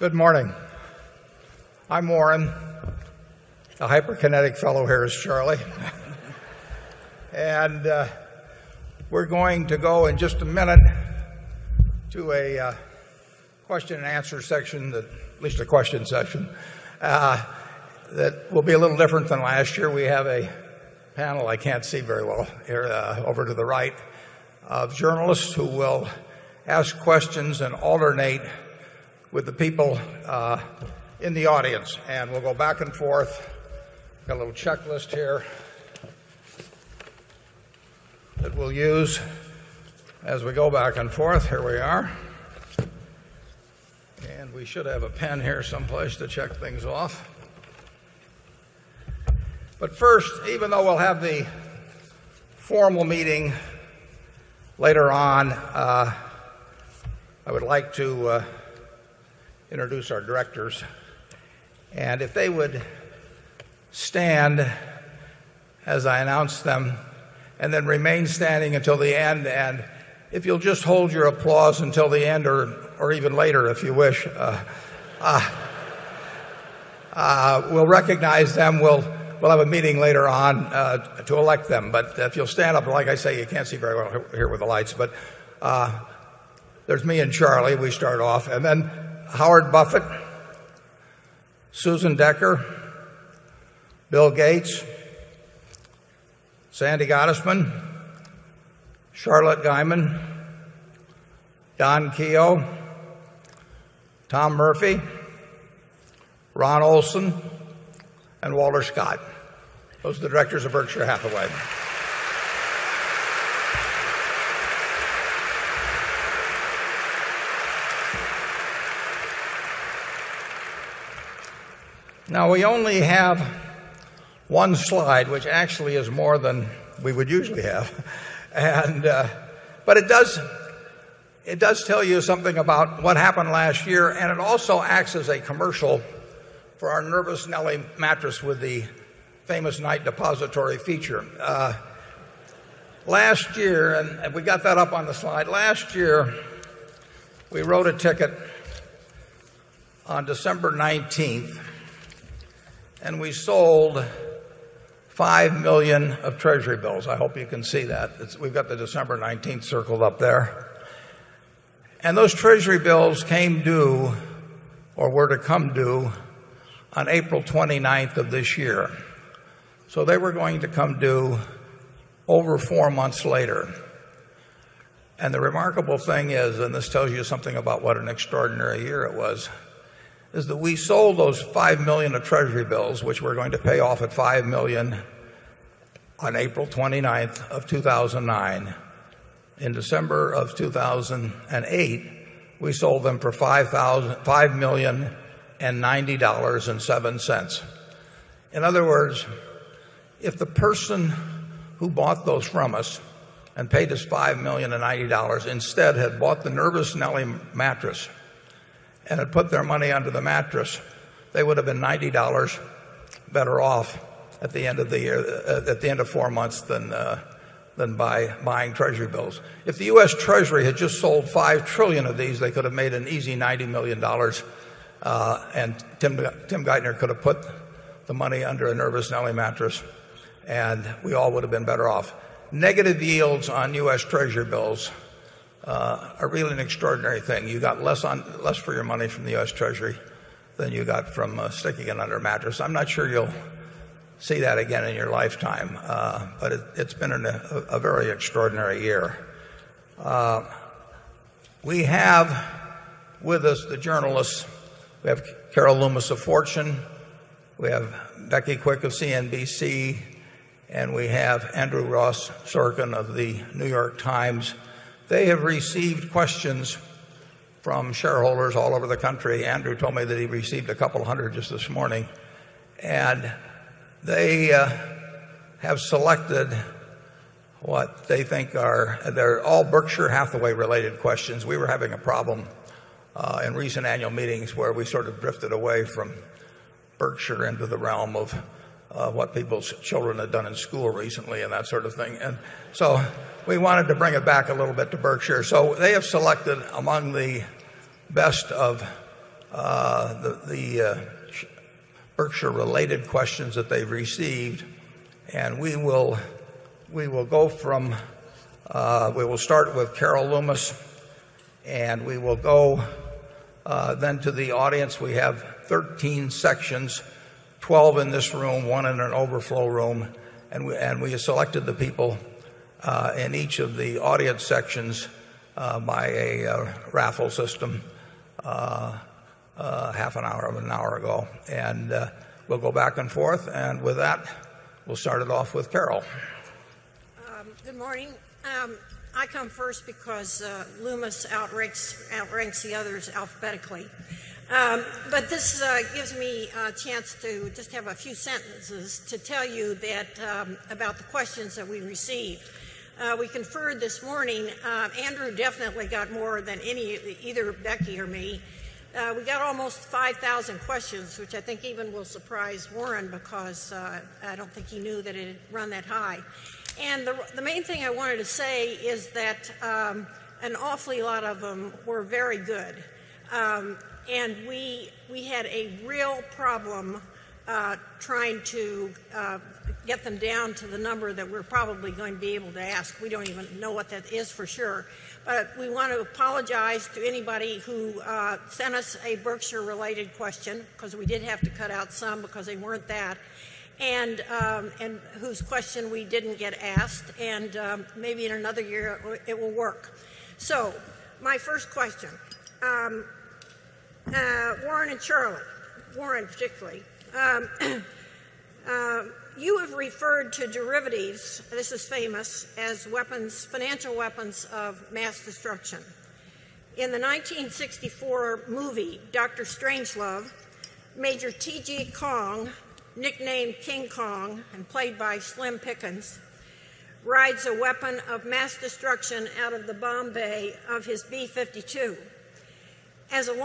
Good morning. I'm Warren. A hyperkinetic fellow here is Charlie and we're going to go in just a minute to a question and answer section, at least a question section, that will be a little different than last year. We have a panel, I can't see very well, here, over to the right of journalists who will ask questions and alternate with the people in the audience and we'll go back and forth. Got a little checklist here that we'll use as we go back and forth. Here we are. And we should have a pen here someplace to check things off. But first, even though we'll have the formal meeting later on, I would like to introduce our directors and if they would stand as I announce them and then remain standing until the end. And if you'll just hold your applause until the end or even later, if you wish, We'll recognize them. We'll have a meeting later on to elect them. But if you'll stand up, like I say, you can't see very well here with the lights, but there's me and Charlie. We start off. And then Howard Buffett, Susan Decker, Bill Gates, Sandy Gottesman, Charlotte Guymon, Don Keogh, Tom Murphy, Ron Olson and Walter Scott. Those are the directors of Berkshire Hathaway. Now we only have one slide, which actually is more than we would usually have. And, but it doesn't it does tell you something about what happened last year and it also acts as a commercial for our nervous Nelly mattress with the famous night depository feature. Last year, we wrote a ticket on December 19, and we sold 5,000,000 of treasury bills. I hope you can see that. We've got the December 19 circled up there. And those treasury bills came due or were to come due on April 29 this year. So they were going to come due over 4 months later. And the remarkable thing is and this tells you something about what an extraordinary year it was, is that we sold those 5,000,000 of Treasury which we're going to pay off at 5,000,000 on April 29, 2009. In December of 2,008, we sold them for $5,090.7 In other words, if the person who bought those from us and paid us $5,090 instead had bought the Nervous Nelly mattress and had put their money under the mattress, they would have been $90 better off at the end of the year at the end of 4 months than by buying treasury bills. If the US Treasury had just sold $5,000,000,000,000 of these, they could have made an easy $90,000,000 and Tim Geithner could have put the money under a nervous Nelly mattress and we all would have been better off. Negative yields on US Treasury bills are really an extraordinary thing. You got less on less for your money from the US Treasury than you got from sticking it under Mattress. I'm not sure you'll see that again in your lifetime, but it's been a very extraordinary year. We have with us the journalists. We have Carol Loomis of Fortune. We have Becky Quick of CNBC and we have Andrew Ross Sorkin of The New York Times. They have received questions from shareholders all over the country. Andrew told me that he received a couple of 100 just this morning. And they have selected what they think are they're all Berkshire Hathaway related questions. We were having a problem in recent annual meetings where we sort of drifted away from Berkshire into the realm of what people's children have done in school recently and that sort of thing. And so we wanted to bring it back a little bit to Berkshire. So they have selected among the best of the Berkshire related questions that they've received and we will go from we will start with Carol Loomis and we will go then to the audience. We have 13 secondtions, 12 in this room, 1 in an overflow room and we selected the people in each of the audience sections by a raffle system half an hour or an hour ago. And we'll go back and forth. And with that, we'll start it off with Carol. Good morning. I come first because Loomis out the others alphabetically. But this gives me a chance to just have a few sentences to tell you that about the questions that we received. We conferred this morning, Andrew definitely got more than any either Becky or me. We got almost 5,000 questions, which I think even will surprise Warren because I don't think he knew that it would run that high. And the main thing I wanted to say is that an awfully lot of them were very good. And we had a real problem trying to get them down to the number that we're probably going to be able to ask. We don't even know what that is for sure. But we want to apologize to anybody who sent us a Berkshire related question because we did have to cut out some because they weren't that and whose question we didn't get asked. And maybe in another year it will work. So my first question, Warren and Charlotte, Warren particularly, you have referred to derivatives, this is famous, as financial weapons of mass destruction. In the 1964 movie Doctor. Strangelove, Major TG Kong, nicknamed King Kong and played by Slim Pickens, rides a weapon of mass destruction out of the bomb bay of his B-fifty 2. The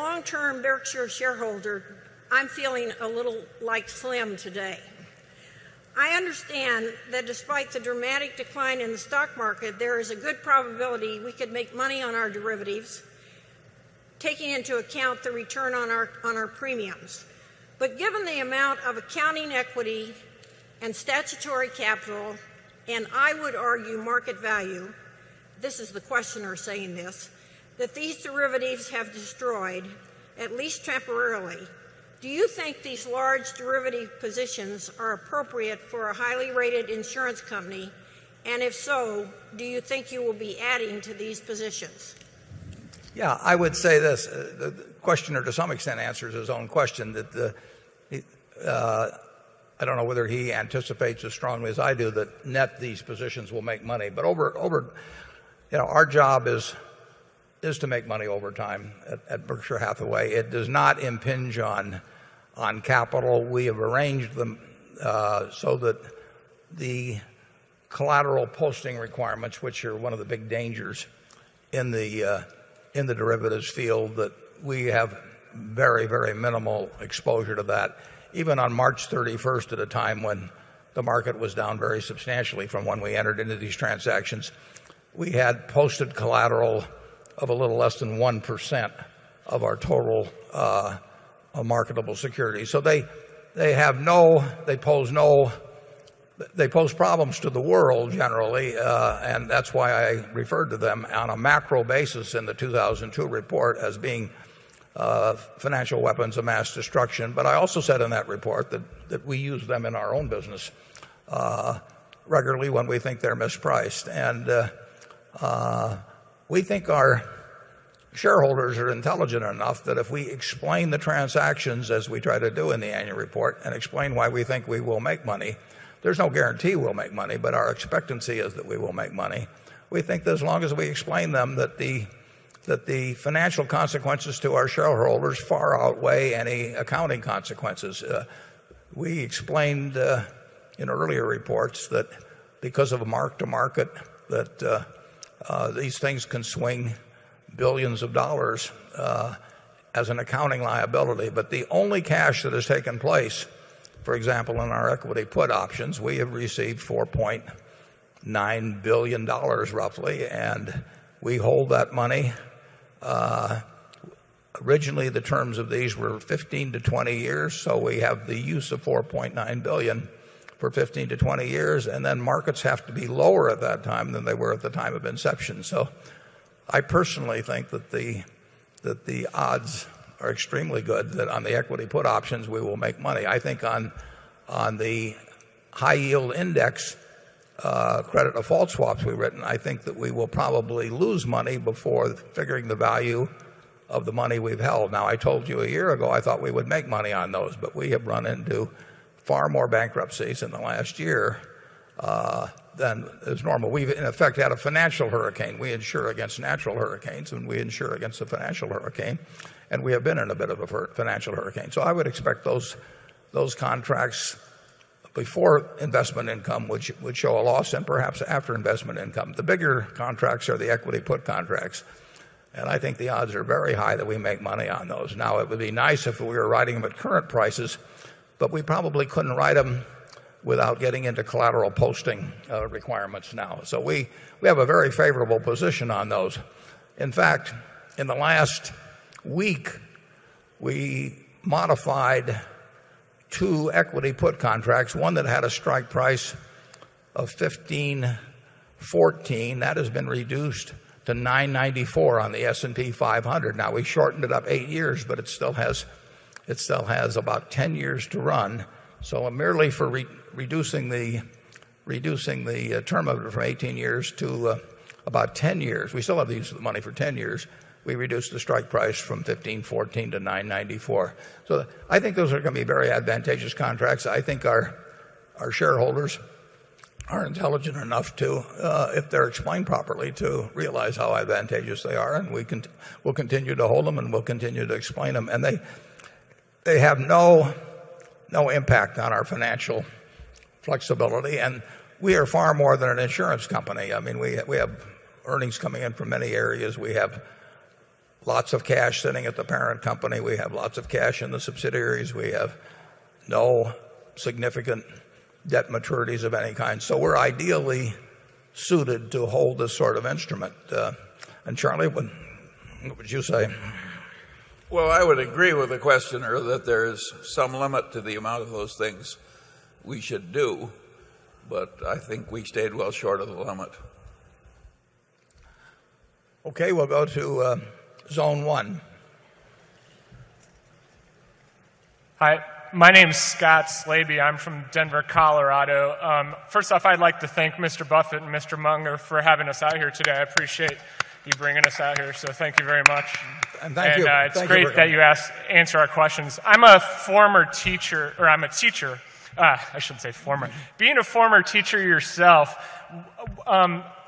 dramatic decline in the stock market, there is a good probability we could make money on our derivatives, taking into account the return on our premiums. But given the amount of accounting equity and statutory capital, and I would argue market value, this is the questioner saying this, that these derivatives have destroyed at least temporarily, do you think these large derivative positions are appropriate for a highly rated insurance company? And if so, do you think you will be adding to these positions? Yeah, I would say this, the questioner to some extent answers his own question that I don't know whether he anticipates as strongly as I do that net these positions will make money but over our job is to make money over time at Berkshire Hathaway. It does not impinge on capital. We have arranged them so that the collateral posting requirements which are one of the big dangers in the derivatives field that we have very, very minimal exposure to that. Even on March 31st at a time when the market down very substantially from when we entered into these transactions, we had posted collateral of a little less than 1% of our total marketable securities. So they have no they pose problems to the world generally and that's why I referred to them on a macro basis in the 2,002 report as being financial weapons of mass destruction. But I also said in that report that we use them in our own business regularly when we think they're mispriced. And we think our shareholders are intelligent enough that if we explain the transactions as we try to do in the annual report and explain why we think we will make money, There's no guarantee we'll make money but our expectancy is that we will make money. We think as long as we explain them that the financial consequences to our shareholders far outweigh any accounting consequences. We explained in earlier reports that because of a mark to market that these things can swing 1,000,000,000 of dollars as an accounting liability. But the only cash that has taken place, for example, in our equity put options, we have received 4 point $9,000,000,000 roughly and we hold that money. Originally, the terms of these were 15 to 20 years, So we have the use of 4,900,000,000 for 15 to 20 years and then markets have to be lower at that time than they were at the time of inception. So I personally think that the odds are extremely good that on the equity put options we will make money. I think on the high yield index credit default swaps we've written, I think that we will probably lose money before figuring the value of the money we've held. Now I told you a year ago, I thought we would make money on those, but we have run into far more bankruptcies in the last year than is normal. We've in effect had a financial hurricane. We insure against natural hurricanes and we insure against the financial hurricane and we have been in a bit of a financial hurricane. So I would expect those contracts before investment income which would show a loss and perhaps after investment income. The bigger contracts are the equity put contracts and I think the odds are very high that we make money on those. Now it would be nice if we were riding them at current prices, but we probably couldn't write them without getting into collateral posting requirements now. So we have a very favorable position on those. In fact, in the last week, we modified 2 equity put contracts, one that had a strike price of 15.14, that has been reduced to 9.94 on the S and P 500. Now we shortened it up 8 years but it still has about 10 years to run. So merely for reducing the term of it for 18 years to about 10 years. We still have the use of the money for 10 years. We reduced the strike price from $15.14 to $9.94 So I think those are going to be very advantageous contracts. I think our shareholders are intelligent enough to, if they're explained properly to realize how advantageous they are and we will continue to hold them and we'll continue to explain them. And they have no impact on our financial flexibility and we are far more than an insurance company. I mean, we have earnings coming in from many areas. We have lots of cash sitting at the parent company. We have lots of cash in the subsidiaries. We have no significant debt maturities of any kind. So we're ideally suited to hold this sort of instrument. And Charlie, what would you say? Well, I would agree with the questioner that there is some limit to the amount of those things we should do but I think we stayed well short of the limit. Okay. We'll go to zone 1. Hi. My name is Scott Slaby. I'm from Denver, Colorado. First off, I'd like to thank Mr. Buffet and Mr. Munger for having us out here today. I appreciate you bringing us out here. So thank you very much. And it's great that you asked answer our questions. I'm a former teacher or I'm a teacher. I shouldn't say former. Being a former teacher yourself,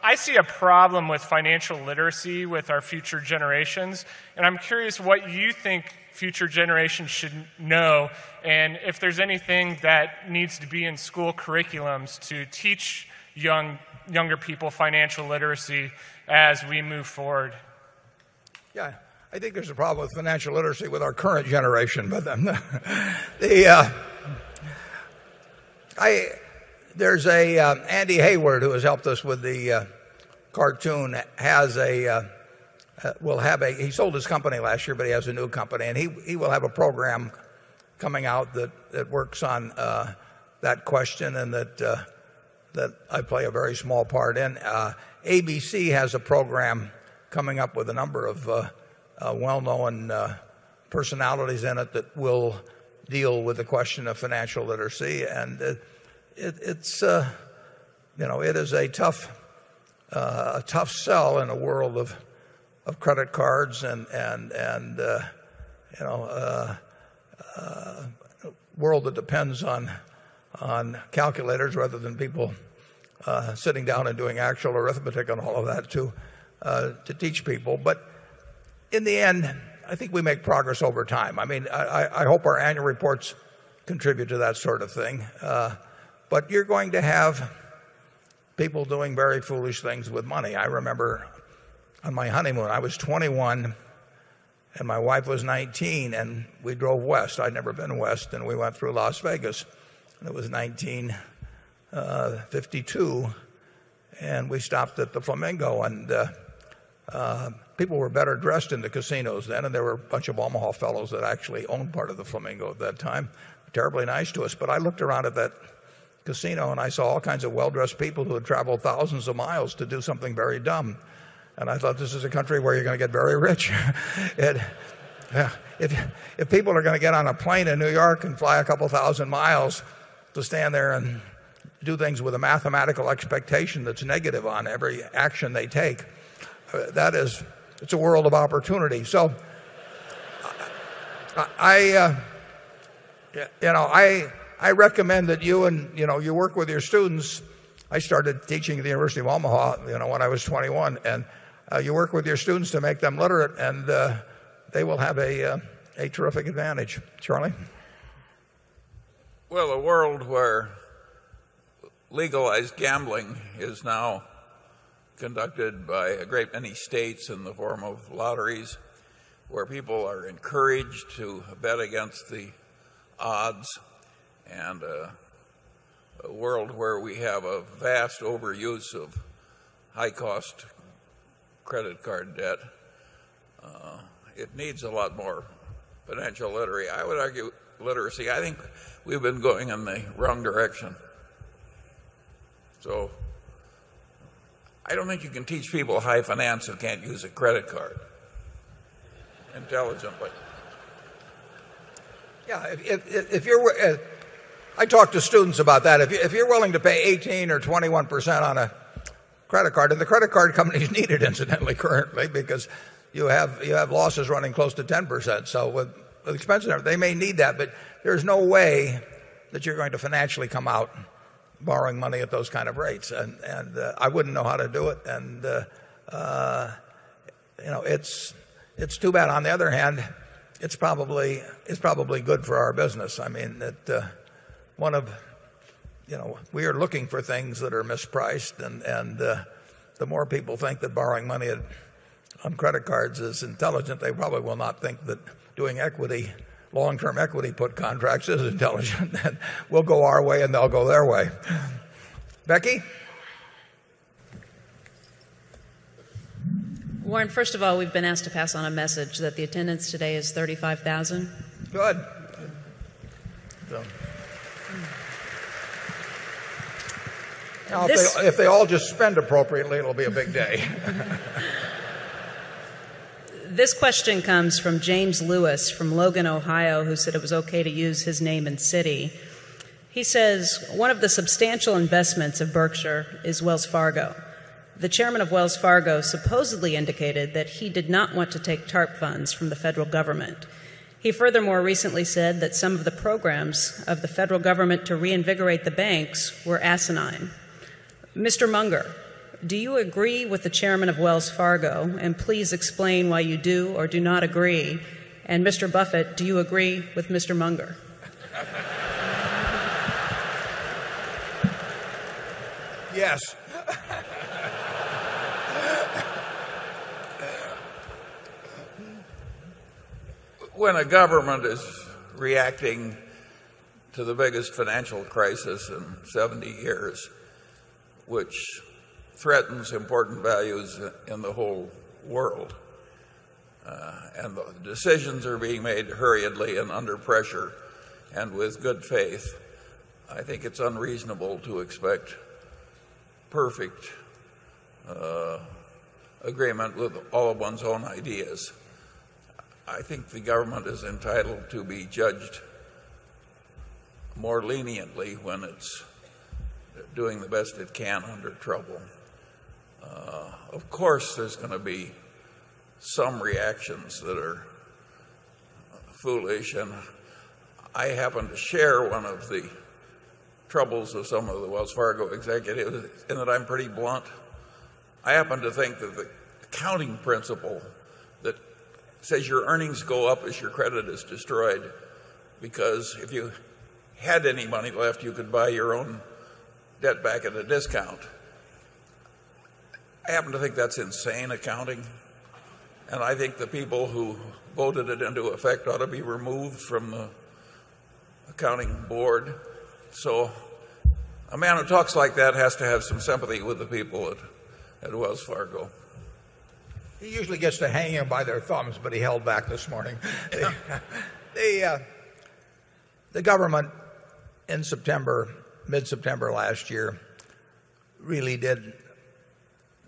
I see a problem with financial literacy with our future generations and I'm curious what you think future generations should know and if there's anything that needs to be in school curriculums to teach younger people financial literacy as we move forward? Yeah. I think there's a problem with financial literacy with our current generation. But the, there's a, Andy Hayward who has helped us with the cartoon, has a, will have a he sold his company last year, but he has a new company and he will have a program coming out that works on that question and that I play a very small part in. ABC has a program coming up with a number of well known personalities in it that will deal with the question of financial literacy. And it's, it is tough sell in a world of credit cards and world that depends on calculators rather than people sitting down and doing actual arithmetic and all of that to teach people. But in the end, I think we make progress over time. I mean, I hope our annual reports contribute to that sort of thing but you're going to have people doing very foolish things with money. I remember on my honeymoon, I was 21 and my wife was 19 and we drove west. I'd never been west and we went through Las Vegas. And it was 1952 and we stopped at the Flamingo and people were better dressed in the casinos then and there were a bunch of Omaha fellows that actually owned part of the Flamingo at that time, terribly nice to us. But I looked around at that casino and I saw all kinds of well dressed people who had traveled thousands of miles to do something very dumb and I thought this is a country where you're going to get very rich. If people are gonna get on a plane in New York and fly a couple 1,000 miles to stand there and do things with a mathematical expectation that's negative on every action they take. It's a world of opportunity. I recommend that you work with your students. I started teaching at the University of Omaha when I was 21 and you work with your students to make them literate and they will have a terrific advantage. Charlie? Well, a world where legalized gambling is now conducted by a great many states in the form of lotteries where people are encouraged to bet against the odds and a world where we have a vast overuse of high cost credit card debt. It needs a lot more financial literacy. I would argue literacy. I think we've been going in the wrong direction. So I don't think you can teach people high finance and can't use a credit card intelligently. Yeah. I talk to students about that. If you're willing to pay 18% or 21% on a a credit card and the credit card company is needed incidentally currently because you have losses running close to 10%. So with the expenses, they may need that, but there's no way that you're going to financially come out borrowing money at those kind of rates and I wouldn't know how to do it and it's too bad. On the other hand, it's probably good for our business. I mean, that one of we are looking for things that are mispriced and the more people think that borrowing money on credit cards is intelligent, they probably will not think that doing equity long term equity put contracts is intelligent. We'll go our way and they'll go their way. Becky? Warren, first of all, we've been asked to pass on a message that the attendance today is 35,000. Good. If they all just spend appropriately, it will be a big day. This question comes from James Lewis from Logan, Ohio who said it was okay to use his name and city. He says, one of the substantial investments of Berkshire is Wells Fargo. The chairman of Wells Fargo supposedly indicated that he did not want to take TARP funds from the federal government. He furthermore recently said that some of the programs of the federal government to reinvigorate the banks were asinine. Mr. Munger, do you agree with the chairman of Wells Fargo and please explain why you do or do not agree? And Mr. Buffet, do you agree with Mr. Munger? Yes. When a government is reacting to the biggest financial crisis in 70 years which threatens important values in the whole world. And decisions are being made hurriedly and under pressure and with good faith. I think it's unreasonable to expect perfect agreement with all of one's own ideas. I think the government is entitled to be judged more leniently when it's doing the best it can under trouble. Of course, there's going to be some reactions that are foolish and I happen to share one of the troubles of some of the Wells Fargo executives and that I'm pretty blunt. I happen to think that the accounting principle that says your earnings go up as your credit is destroyed because if you had any money left, you could buy your own debt back at a discount. I happen to think that's insane accounting and I think the people who voted it into effect ought to be removed from the Accounting Board. So a man who talks like that has to have some sympathy with the people at Wells Fargo. He usually gets to hang him by their thumbs but he held back this morning. The government in September mid September last year really did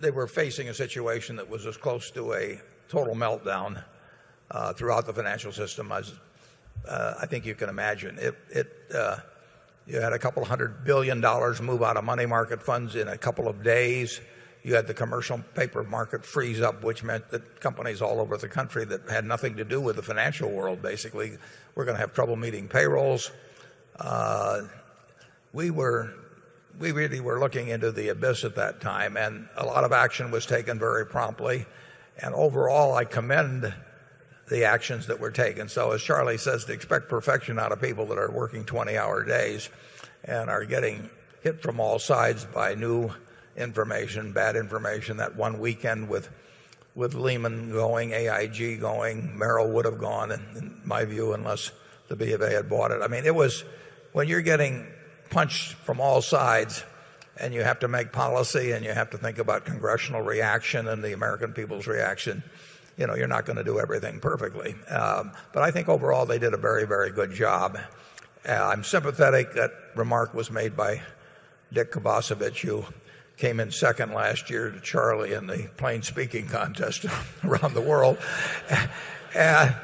they were facing a situation that was as close to a total meltdown throughout the financial system as I think you can imagine. You had a couple of $100,000,000,000 move out of money market funds in a couple of days. You had the commercial paper market freeze up which meant that companies all over the country that had nothing to do with the financial world basically were going to have trouble meeting payrolls. We really were looking into the abyss at that time and a lot of action was taken very promptly. And overall, I commend the actions that were taken. So as Charlie says, to expect perfection out of people that are working 20 hour days and are getting hit from all sides by new information, bad information that one weekend with Lehman going, AIG going, Merrill would have gone in my view unless the BFA had bought it. I mean, it was when you're getting punched from all sides and you have to make policy and you have to think about congressional reaction and the American people's reaction, you're not going to do everything perfectly. But I think overall they did a very, very good job. I'm sympathetic that remark was made by Dick Kvosiewicz who came in 2nd last year to Charlie in the plain speaking contest around the world. And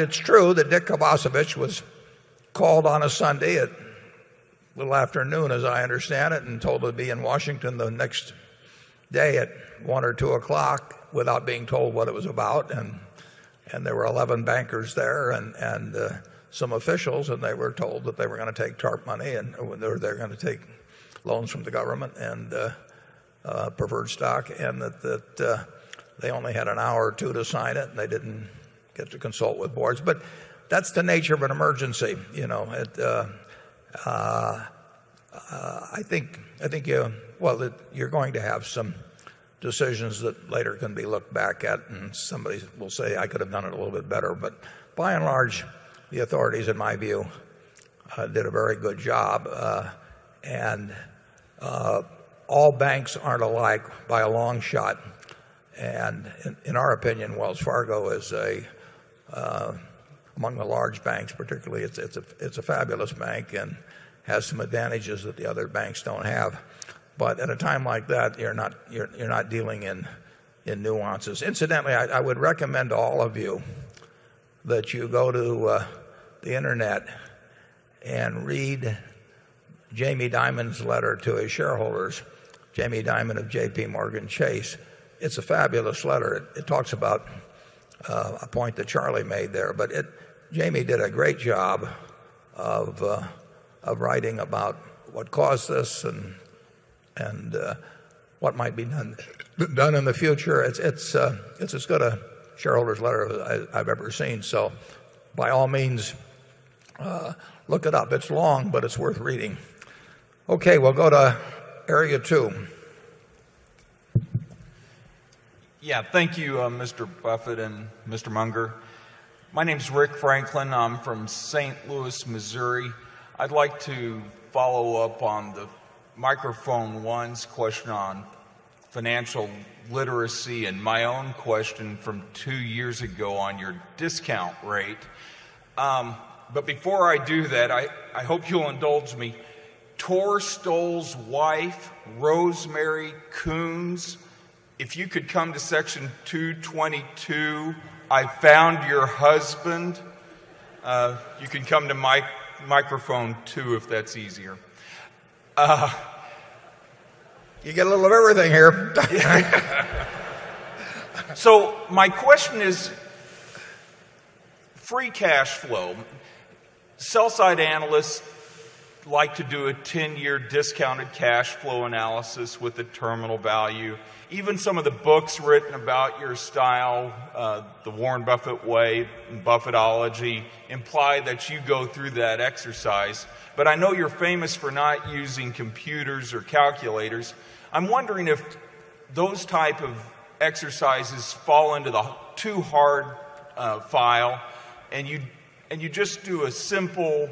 it's true that Dick Kvosovich was called on a Sunday at little afternoon as I understand it and told to be in Washington the next day at 1 or 2 o'clock without being told what it was about and there were 11 bankers there and some officials and they were told that they were going to take TARP money and they're going to take loans from the government and preferred stock and that they only had an hour or 2 to sign it and they didn't get to consult with boards. But that's the nature of an emergency. I think, well, you're going to have some decisions that later can be looked back at and somebody will say I could have done it a little bit better but by and large, the authorities, in my view, did a very good job and all banks aren't alike by a long shot. And in our opinion, Wells Fargo is among the large banks, particularly it's a fabulous bank and has some advantages that the other banks don't have. But at a time like that, you're not dealing in nuances. Incidentally, I would recommend all of you that you go to the internet and read Jamie Dimon's letter to his shareholders, Jamie Dimon of JPMorgan Chase, it's a fabulous letter. It talks about a point that Charlie made there but Jamie did a great job of writing about what caused this and what might be done in the future. It's as good a shareholder's letter I've ever seen. So, by all means, look it up. It's long but it's worth reading. Okay, we'll go to area 2. Yeah. Thank you, Mr. Buffet and Mr. Munger. My name is Rick Franklin. I'm from St. Louis, Missouri. I'd like to follow-up on the microphone one's question on financial literacy and my own question from 2 years ago on your discount rate. But before I do that, I hope you'll indulge me. Tor Stohl's wife, Rosemary Coons. If you could come to Section 222, I found your husband. You can come to microphone 2 if that's easier. You get a little of everything here. So my question is free cash flow, sell side analysts like to do a 10 year discounted cash flow analysis with the terminal value. Even some of the books written about your style, the Warren Buffett way, Buffetology imply that you go through that exercise. But I know you're famous for not using computers or calculators. I'm wondering if those type of exercises fall into the too hard file and you just do a simple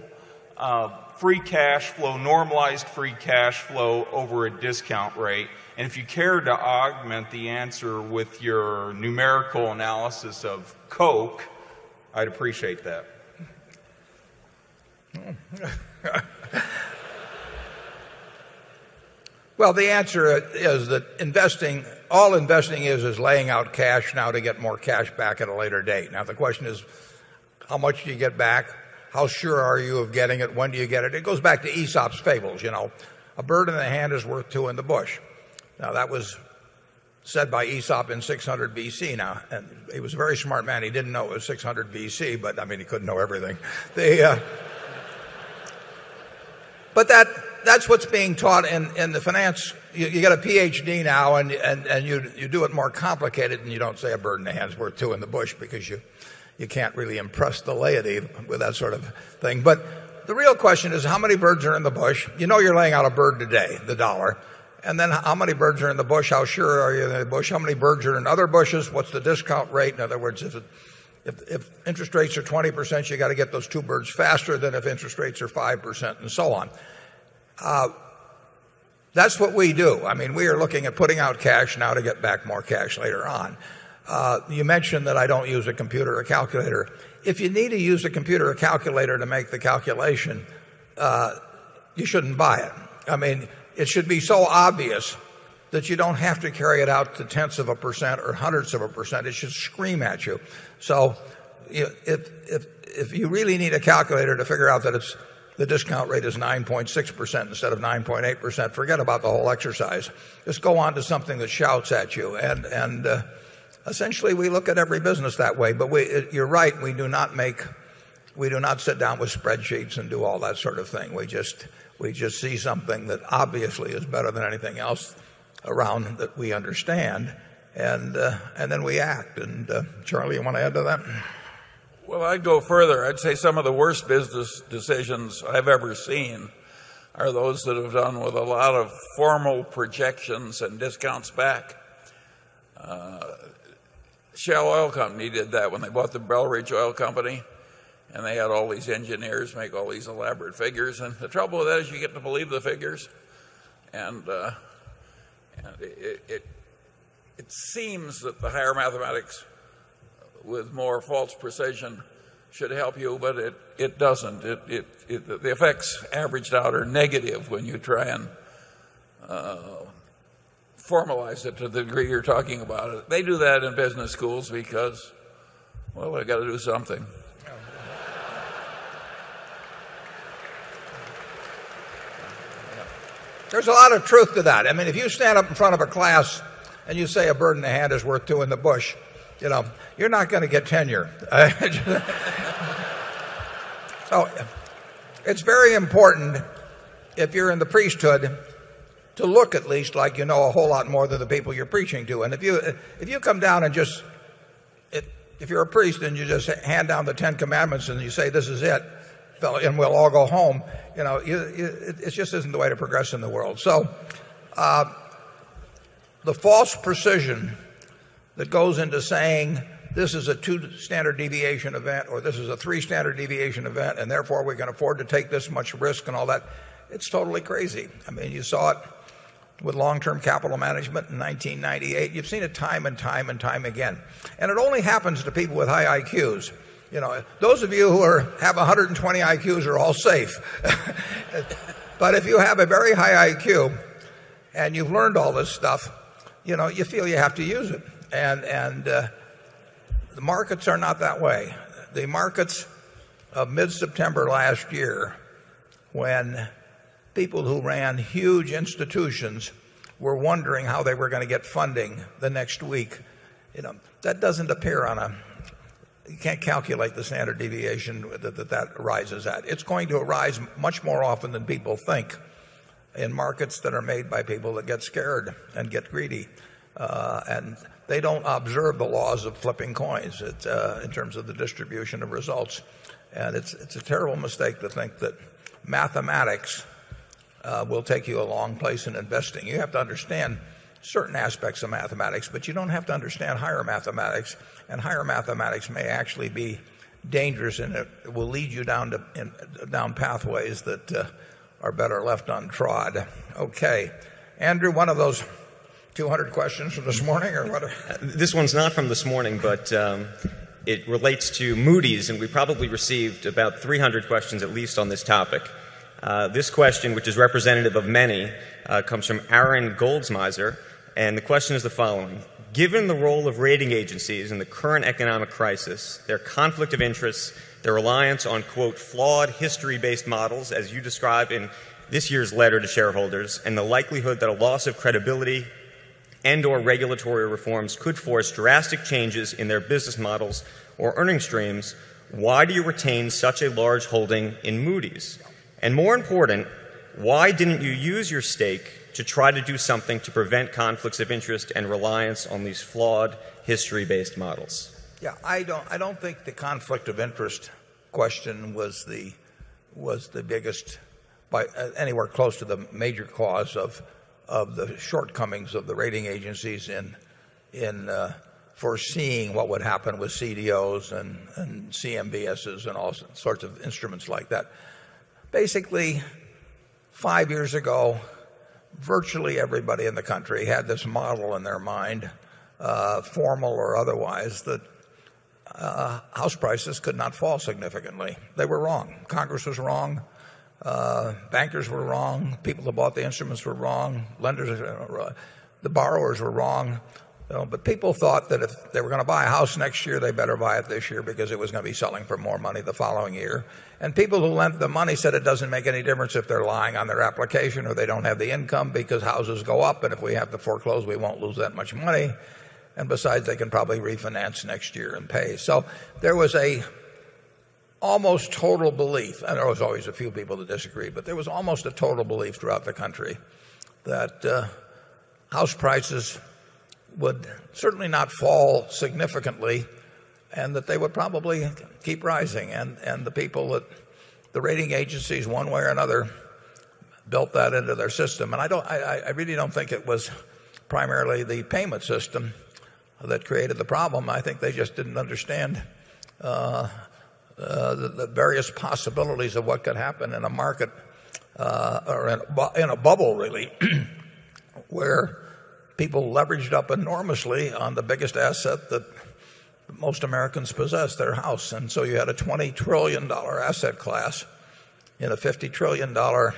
free cash flow normalized free cash flow over a discount rate? And if you care to augment the answer with your numerical analysis of Coke, I'd appreciate that. Well, the answer is that investing all investing is laying out cash now to get more cash back at a later date. Now the question is, how much do you get back? How sure are you of getting it? When do you get it? It goes back to Aesop's fables. A bird in the hand is worth 2 in the bush. Now that was said by Aesop in 600 BC. He was a very smart man. He didn't know it was 600 BC but he couldn't know everything. But that's what's being taught in the finance. You got a PhD now and you do it more complicated and you don't say a burden to hands worth 2 in the bush because you can't really impress the laity with that sort of thing. But the real question is how many birds are in the bush? You know you're laying out a bird today, the dollar. And then how many birds are in the bush? How sure are you in the bush? How many birds are in other bushes? What's the discount rate? In other words, if interest rates are 20%, you got to get those 2 birds faster than if interest rates are 5% and so on. That's what we do. I mean, we are looking at putting out cash now to get back more cash later on. You mentioned that I don't use a computer or calculator. If you need to use a computer or calculator to make the calculation, you shouldn't buy it. I mean, it should be so obvious that you don't have to carry it out to 10ths of a percent or 100ths of a percent. It should scream at you. So if you really need a calculator to figure out that the discount rate is 9.6% instead of 9.8%, forget about the whole exercise. Let's go on to something that shouts at you. And essentially, we look at every business that way. But you're right, we do not make we do not sit down with spreadsheets and do all that sort of thing. We just see something that obviously is better than anything else around that we understand and then we act. And Charlie, you want to add to that? Well, I'd go further. I'd say some of the worst business decisions I've ever seen are those that have done with a lot of formal projections and discounts back. Shell Oil Company did that when they bought the Bell Ridge Oil Company. And they had all these engineers make all these elaborate figures. And the trouble with that is you get to believe the figures. And it seems that the higher mathematics with more false precision should help you but it doesn't. The effects averaged out are negative when you try and formalize it to the degree you're talking about it. They do that in business schools because, There's a lot of truth to that. I mean, if you stand up in front of a class and you say a burden a hand is worth 2 in the bush, you're not going to get tenure. So it's very important if you're in the priesthood to look at least like you know a whole lot more than the people you're preaching to. And if you if you come down and just if you're a priest and you just hand down the 10 Commandments and you say this is it and we'll all go home, it just isn't the way to progress in the world. So the false precision that goes into saying this is a 2 standard deviation event or this is a 3 standard deviation event and therefore we can afford to take this much risk and all that, it's totally crazy. I mean, you saw it with long term capital management in 1998. You've seen it time and time and time again and it only happens to people with high IQs. Those of you who have 120 IQs are all safe but if you have a very high IQ and you've learned all this stuff, you feel you have to use it. And the markets are not that way. The markets of mid September last year when people who ran huge institutions were wondering how they were going to get funding the next week. That doesn't appear on a you can't calculate the standard deviation that that arises at. It's going to arise much more often than people think in markets that are made by people that get scared and get greedy. And they don't observe the laws of flipping coins in terms of the distribution of results. And it's a terrible mistake to think that mathematics, will take you a long place in investing. You have to understand certain aspects of mathematics but you don't have to understand higher mathematics and higher mathematics may actually be dangerous and it will lead you down pathways that are better left untrod. Okay. Andrew, one of those 200 questions from this morning or what? This one's not from this morning, but it relates to Moody's and we probably received about 300 questions at least on this topic. This question which is representative of many comes from Aaron Goldsmeisser And the question is the following. Given the role of rating agencies in the current economic crisis, their conflict of interests, their reliance on, quote, flawed history based models as you described in this year's letter to shareholders and the likelihood that a loss of credibility and or regulatory reforms could force drastic changes in their business models or earning streams, why do you retain such a large holding in Moody's? And more important, why didn't you use your stake to try to do something to prevent conflicts of interest and reliance on these flawed history based models? Yeah, I don't think the conflict of interest question was the biggest by anywhere close to the major cause of the shortcomings of the rating agencies in foreseeing what would happen with CDOs and CMBSs and all sorts of instruments like that. Basically, 5 years ago, virtually everybody in the country had this model in their mind, formal or otherwise, that house prices could not fall significantly. They were wrong. Congress was wrong. Bankers were wrong. People who bought the instruments were wrong. Lenders, the borrowers were wrong. But people thought that if were going to buy a house next year they better buy it this year because it was going to be selling for more money the following year. And people who lent the money said it doesn't make any difference if they're lying on their application or they don't have the income because houses go up and if we have to foreclose, we won't lose that much money. And besides, they can probably refinance next year and pay. So there was an almost total belief and there was always a few people that disagreed, but there was almost a total belief throughout the country that, house prices would certainly not fall significantly and that they would probably keep rising. And the people at the rating agencies, one way or another, built that into their system. And I really don't think it was primarily the payment system that created the problem. I think they just didn't understand the various possibilities of what could in a market, or in a bubble really where people leveraged up enormously on the biggest asset that most Americans possess, their house. And so you had a $20,000,000,000,000 asset class and a $50,000,000,000,000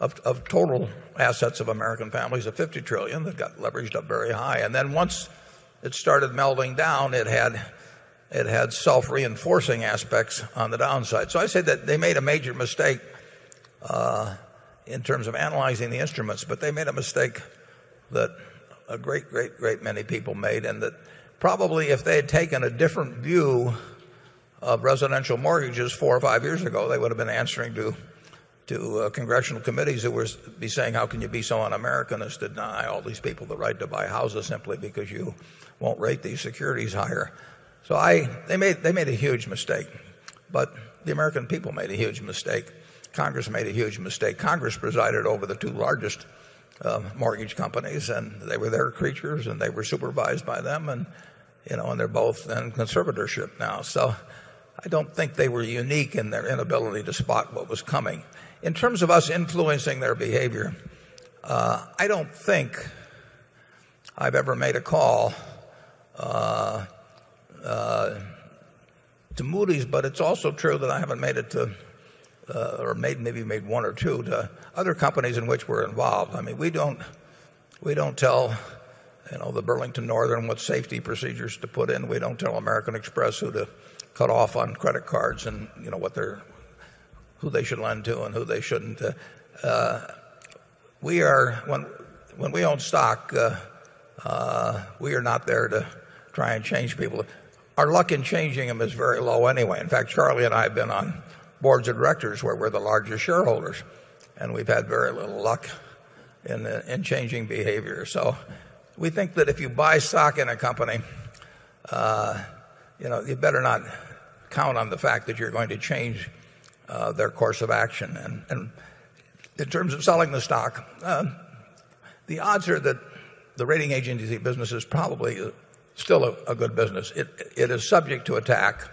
of total assets of American families of $50,000,000,000,000 that got leveraged up very high. And then once it started melding down, it had self reinforcing aspects on the downside. So I'd say that they made a major mistake in terms of analyzing the instruments, but they made a mistake that a great, great, great many people made and that probably if they had taken a different view of residential mortgages 4 or 5 years ago, they would've been answering to congressional committees that would be saying how can you be so un American as to deny all these people the right to buy houses simply because you won't rate these securities higher. So I they made a huge mistake but the American people made a huge mistake. Congress made a huge mistake. Congress presided over the 2 largest mortgage companies and they were their creatures and they were supervised by them and they're both in conservatorship now. So I don't think they were unique in their inability to spot what was coming. In terms of us influencing their behavior, I don't think I've ever made a call to Moody's but it's also true that I haven't made it to or maybe made 1 or 2 to other companies in which we're involved. I mean, we don't tell the Burlington Northern what safety procedures to put in. We don't tell American Express who to cut off on credit cards and who they should lend to and who they shouldn't. When we own stock, we are not there to try and change people. Our luck in changing them is very low anyway. In fact, Charlie and I have been on boards of directors where we're the largest shareholders and we've had very little luck in changing behavior. So we think that if you buy stock in a company, you better not count on the fact that you're going to change their course of action. And in terms of selling the stock, the odds are that the rating agencies business is probably still a good business. It is subject to attack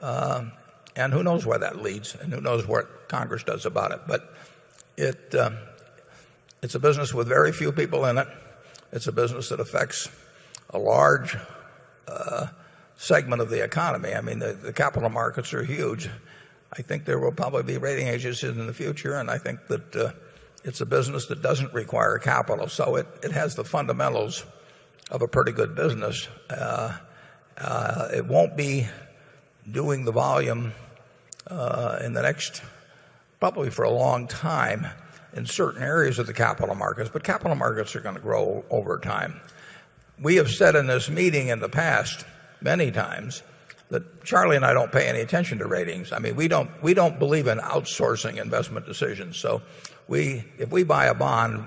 and who knows where that leads and who knows what Congress does about it. But it's a business with very few people in it. It's a business that affects a large segment of the economy. I mean, the capital markets are huge. I think there will probably be rating agencies in the future and I think that it's a business that doesn't require capital. So it has the fundamentals of a pretty good business. It won't be doing the volume in the next probably for a long time in certain areas of the capital markets, but capital markets are going to grow over time. We have said in this meeting in the past many times that Charlie and I don't pay any attention to ratings. I mean, we don't believe in outsourcing investment decisions. So if we buy a bond,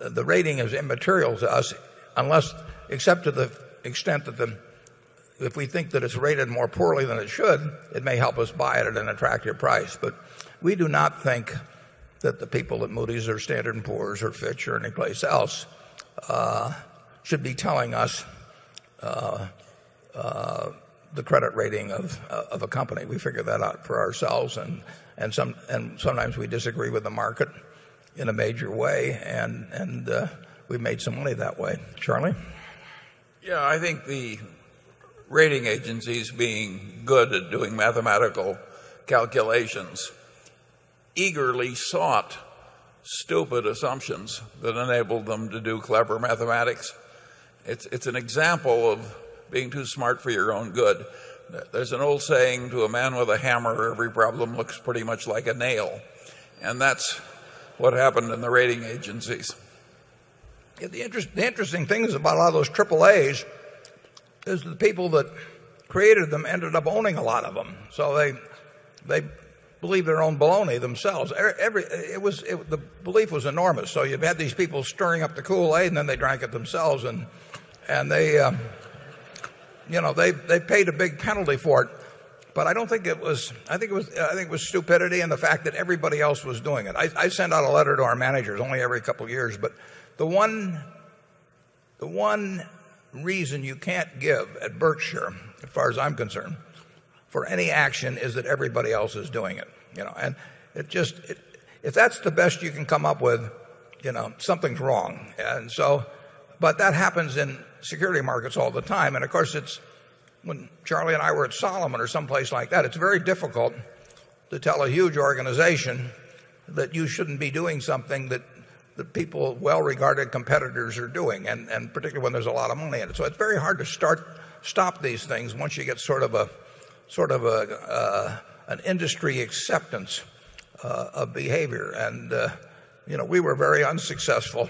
the rating is immaterial to us unless except to the extent that if we think that it's rated more poorly than it should, it may help us buy it at an attractive price. But we do not think that the people at Moody's or Standard and Poor's or Fitch or any place else should be telling us the credit rating of a company. We figured that out for ourselves and sometimes we disagree with the market in a major way and we made some money that way. Charlie? Yeah. I think the rating agencies being good at doing mathematical calculations eagerly sought stupid assumptions that enabled them to do clever mathematics. It's an example of being too smart for your own good. There's an old saying, to a man with a hammer, every problem looks pretty much like a nail. And that's what happened in the rating agencies. The interesting things about a lot of those AAA's is the people that created them ended up owning a lot of them. So they believe their own baloney themselves. The belief was enormous. So you've had these people stirring up the Kool Aid and then they drank it themselves and they paid a big penalty for it. But I don't think it was I think it was stupidity and the fact that everybody else was doing it. I sent out a letter to our managers only every couple of years. But the one reason you can't give at Berkshire as far as I'm concerned for any action is that everybody else is doing it. And it just if that's the best you can come up with, something's wrong. And so but that happens in security markets all the time. And of course, it's when Charlie and I were at Solomon or someplace like that, it's very difficult to tell a huge organization that you shouldn't be doing something that the people well regarded competitors are doing and particularly when there's a lot of money in it. So it's very hard to start stop these things once you get sort of a sort of an industry acceptance of behavior. And we were very unsuccessful,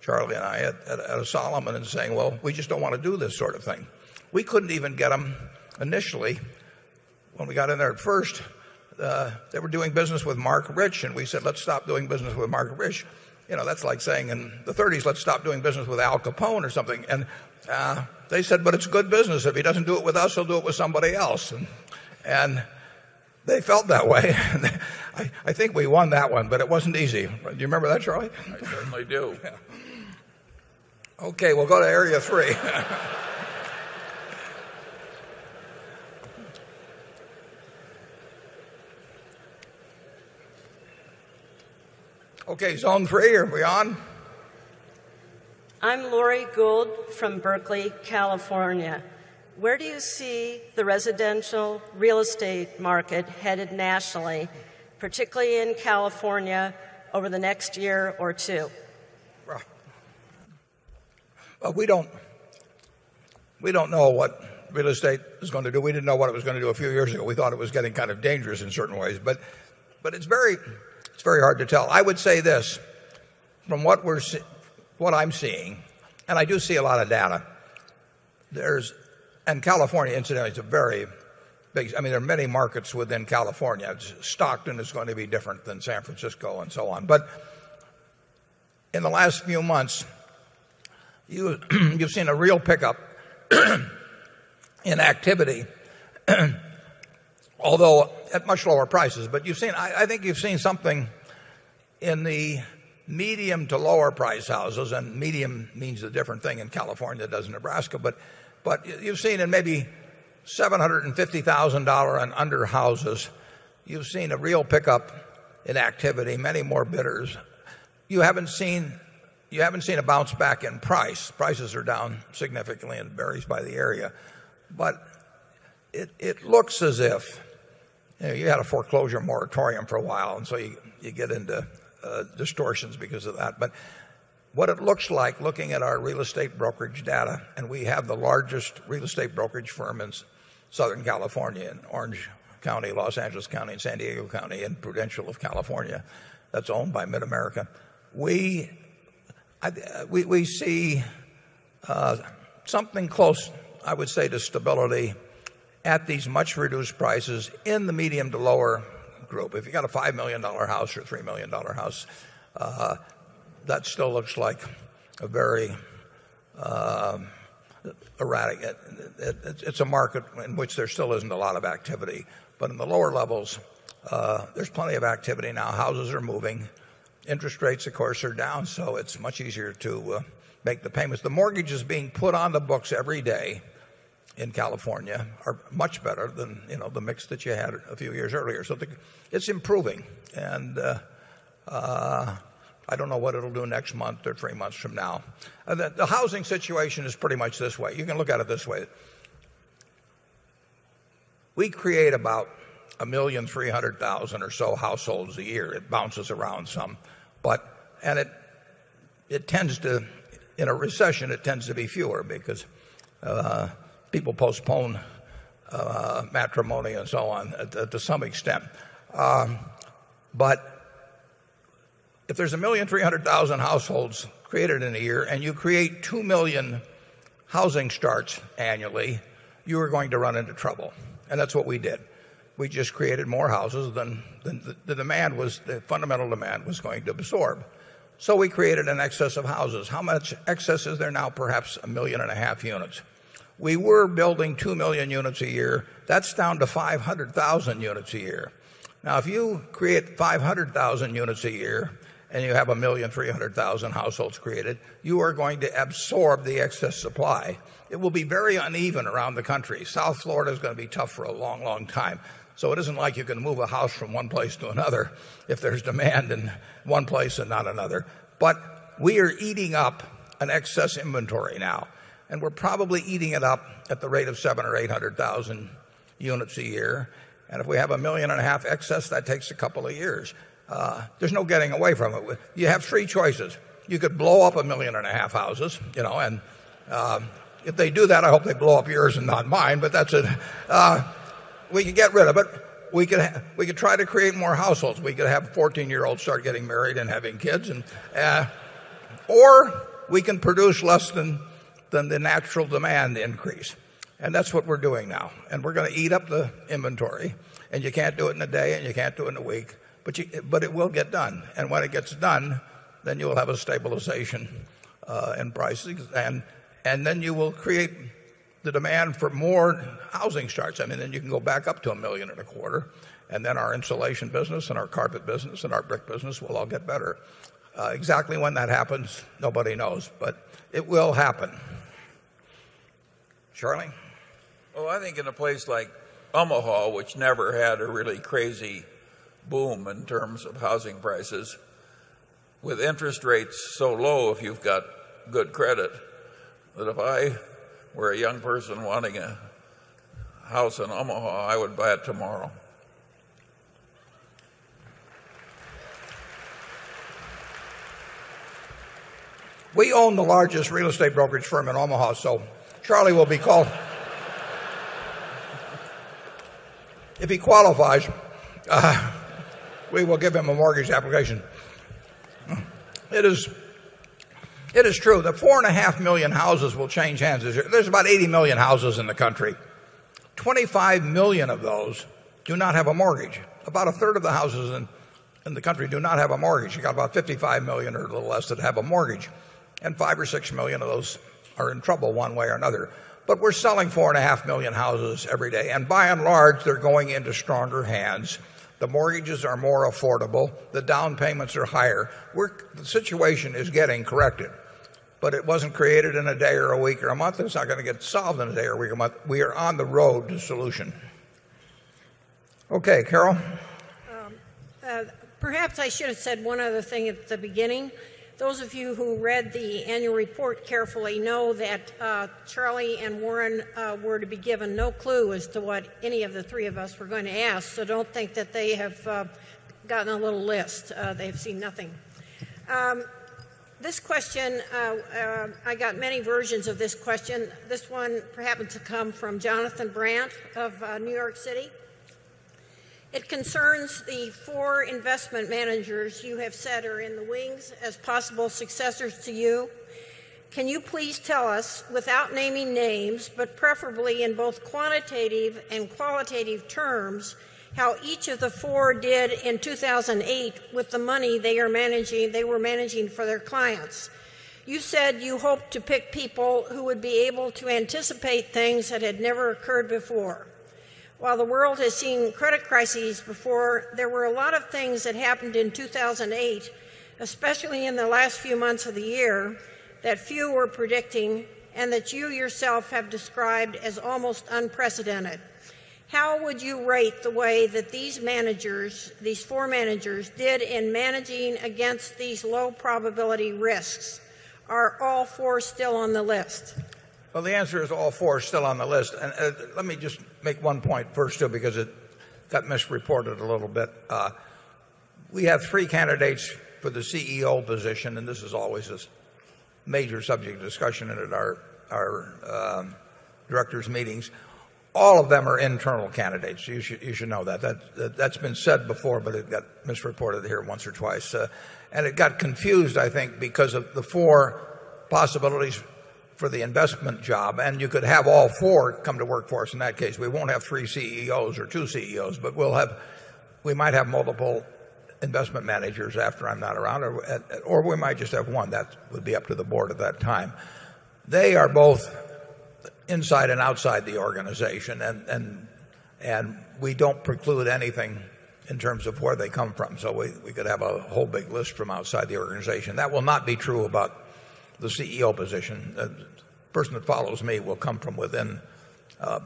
Charlie and I, at a Solomon in saying, well, we just don't want to do this sort of thing. We couldn't even get them initially when we got in there at first. They were doing business with Mark Rich and we said, let's stop doing business with Mark Rich. That's like saying in the '30s, let's stop doing business with Al Capone or something. And they said, but it's good business. If he doesn't do it with us, he'll do it with somebody else. And they felt that way. I think we won that one but it wasn't easy. Do you remember that, Charlie? I certainly do. Okay. We'll go to Area 3. Where do you see the residential real estate market headed nationally, particularly in California over the next year or 2? We don't know what real estate is going to do. We didn't know what it was going to do a few years ago. We thought it was getting kind of dangerous in certain ways. But it's very hard to tell. I would say this, from what I'm seeing and I do see a lot of data, there's and California incidentally is a very big I mean, there are many markets within California. Stockton is going to be different than San Francisco and so on. But in the last few months, you've seen a real pickup in activity, although at much lower prices. But you've seen I think you've seen something in the medium to lower price houses and medium means a different thing in California than it does in Nebraska, but you've seen in maybe $750,000 and under houses, you've seen a real pickup in activity, many more bidders. You haven't seen a bounce back in price. Prices are down significantly and it varies by the area. It looks as if you had a foreclosure moratorium for a while and so you get into distortions because of that. But what it looks like looking at our real estate brokerage data and we have the largest real estate brokerage firm in Southern California, in Orange County, Los Angeles County and San Diego County and Prudential of California that's owned by Mid America. We see something close, I would say to stability at these much reduced prices in the medium to lower group. If you've got a $5,000,000 house or $3,000,000 house, that still looks like a very erratic it's a market in which there still isn't a lot of activity. But in the lower levels, there's plenty of activity now. Houses are moving. Interest rates, of course, are down. So it's much easier to make the payments. The mortgage is being put on the books every day in California are much better than the mix that you had a few years earlier. So it's improving. And I don't know what it'll do next month or 3 months from now. The housing situation is pretty much this way. You can look at it this way. We create about 1,300,000 or so households a year. It bounces around some. But and it tends to in a recession, it tends to be fewer because people postpone matrimony and so on to some extent. But if there's 1,300,000 households created in a year and you create 2,000,000 housing starts annually, you are going to run into trouble. And that's what we did. We just created more houses than the demand was the fundamental demand was going to absorb. So we created an excess of houses. How much excess is there now? Perhaps 1,500,000 units. We were building 2,000,000 units a year. That's down to 500,000 units a year. Now if you create 500,000 units a year and you have 1,300,000 households created, you are going to absorb the excess supply. It will be very uneven around the country. South Florida is going to be tough for a long, long time. So it isn't like you can move a house from one place to another if there's demand in one place and not another. But we are eating up an excess inventory now and we're probably eating it up at the rate of 700000 or 800000 units a year. And if we have a 1,500,000 excess, that takes a couple of years. There's no getting away from it. You have 3 choices. You could blow up a 1,500,000 houses and if they do that, I hope they blow up yours and not mine, but that's it. We can get rid of it. We can try to create more households. We could have 14 year old start getting married and having kids or we can produce less than the natural demand increase. And that's what we're doing now. And we're going to eat up the inventory and you can't do it in a day and you can't do it in a week, but it will get done. And when it gets done, then you will have a stabilization in pricing and then you will create the demand for more housing starts. I mean, then you can go back up to $1,000,000 in a quarter and then our insulation business and our carpet business and our brick business will all get better. Exactly when that happens, nobody knows, but it will happen. Charlie? Oh, I think in a place like Omaha, which never had a really crazy boom in terms of housing prices, with interest rates so low if you've got good credit. But if I were a young person wanting a house in Omaha, I would buy it tomorrow. We own the largest real estate brokerage firm in Omaha. So Charlie will be called if he qualifies, we will give him a mortgage application. It is true that 4,500,000 houses will change hands. There's about 80,000,000 houses in the country. 25,000,000 of those do not have a mortgage. About a third of the houses in the country do not have a mortgage. You got about 55,000,000 or a little less that have a mortgage and 5,000,000 or 6,000,000 of those are in trouble one way or another. But we're selling 4,500,000 houses every day and by and large they're going into stronger hands. The mortgages are more affordable. The down payments are higher. The situation is getting corrected, but it wasn't created in a day or a week or a month. It's not going to get solved in a day or a week or a month. We are on the road to solution. Okay, Carol? Perhaps I should have said one other thing at the beginning. Those of you who read the annual report carefully know that Charlie and Warren were to be given no clue as to what any of the 3 of us were going to ask. So don't think that they have gotten a little list. They've seen nothing. This question, I got many versions of this question. This one happened to come from Jonathan Brandt of New York City. It concerns the 4 investment managers you have said are in the wings as possible successors to you. Can you please tell us, without naming names, but preferably in both quantitative and qualitative terms, how each of the 4 did in 2,008 with the money they are managing they were managing for their clients. You said you hoped to pick people who would be able to anticipate things that had never occurred before. While the world has seen credit crises before, there were a lot of things that happened in 2008, especially in the last few months of the year, that few were predicting and that you yourself have described as almost unprecedented. How would you rate the way that these managers, these 4 managers did in managing against these low probability risks? Are all 4 still on the list? Well, the answer is all 4 are still on the list. And let me just make one point first too because it got misreported a little bit. We have 3 candidates for the CEO position and this is always a major subject discussion at our directors' meetings. All of them are internal candidates. You should know that. That's been said before but it got misreported here once or twice. And it got confused I think because of the 4 possibilities for the investment job and you could have all 4 come to work for us in that case. We won't have 3 CEOs or 2 CEOs but we'll have we might have multiple investment managers after I'm not around or we might just have one. That would be up to the Board at that time. They are both inside and outside the organization and we don't preclude anything in terms of where they come from. So we could have a whole big list from outside the organization. That will not be true about the CEO position. A person that follows me will come from within,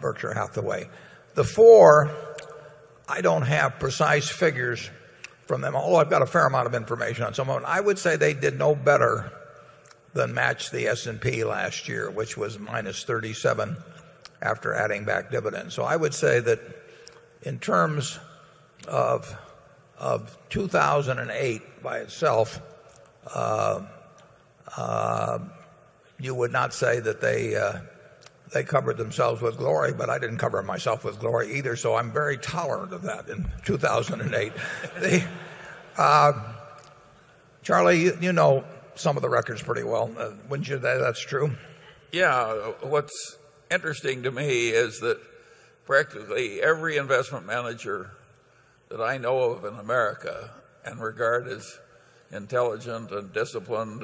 Berkshire Hathaway. The 4, I don't have precise figures from them. Although I've got a fair amount of information on some of them. I would say they did no better than match the S and P last year, which was minus 37 after adding back dividends. So I would say that in terms of 2,008 by itself, you would not say that they covered themselves with glory, but I didn't cover myself with glory either. So I'm very tolerant of that in 2,008. Charlie, you know the records pretty well. Wouldn't you say that's true? Yeah. What's interesting to me is that practically every investment manager that I know of in America and regarded as intelligent and disciplined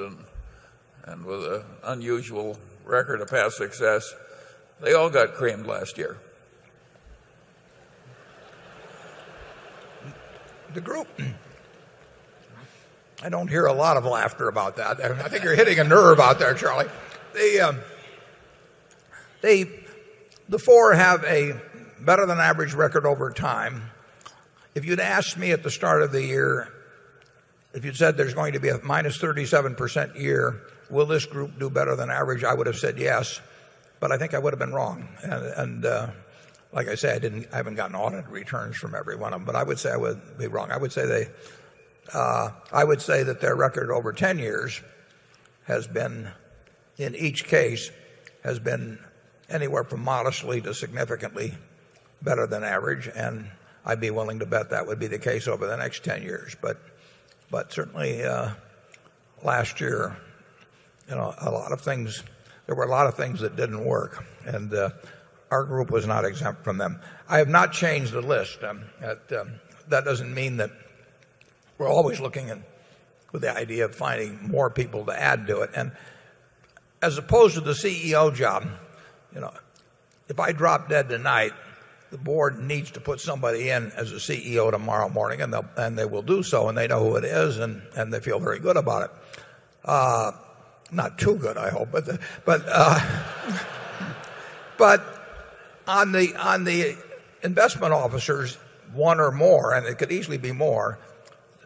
and with an unusual record of past success, they all got creamed last year. The group, I don't hear a lot of laughter about that. I think you're hitting a nerve out there, Charlie. They, they The 4 have a better than average record over time. If you'd asked me at the start of the year, if you'd said there's going to be a minus 37% year, will this group do better than average, I would have said yes but I think I would have been wrong. And like I said, I haven't gotten audit returns from every one of them but I would say I wouldn't be wrong. I would say that their record over 10 years has been in each case has been anywhere from modestly to significantly better than average and I'd be willing to bet that would be the case over the next 10 years. But certainly last year a lot of things there were a lot of things that didn't work and our group was not exempt from them. I have not changed the list. That doesn't mean that we're always looking with the idea of finding more people to add to it. And as opposed to the CEO job, if I drop dead tonight, the board needs to put somebody in as a CEO tomorrow morning and they will do so and they know who it is and they feel very good about it. Not too good, I hope. But on the investment officers, 1 or more, and it could easily be more,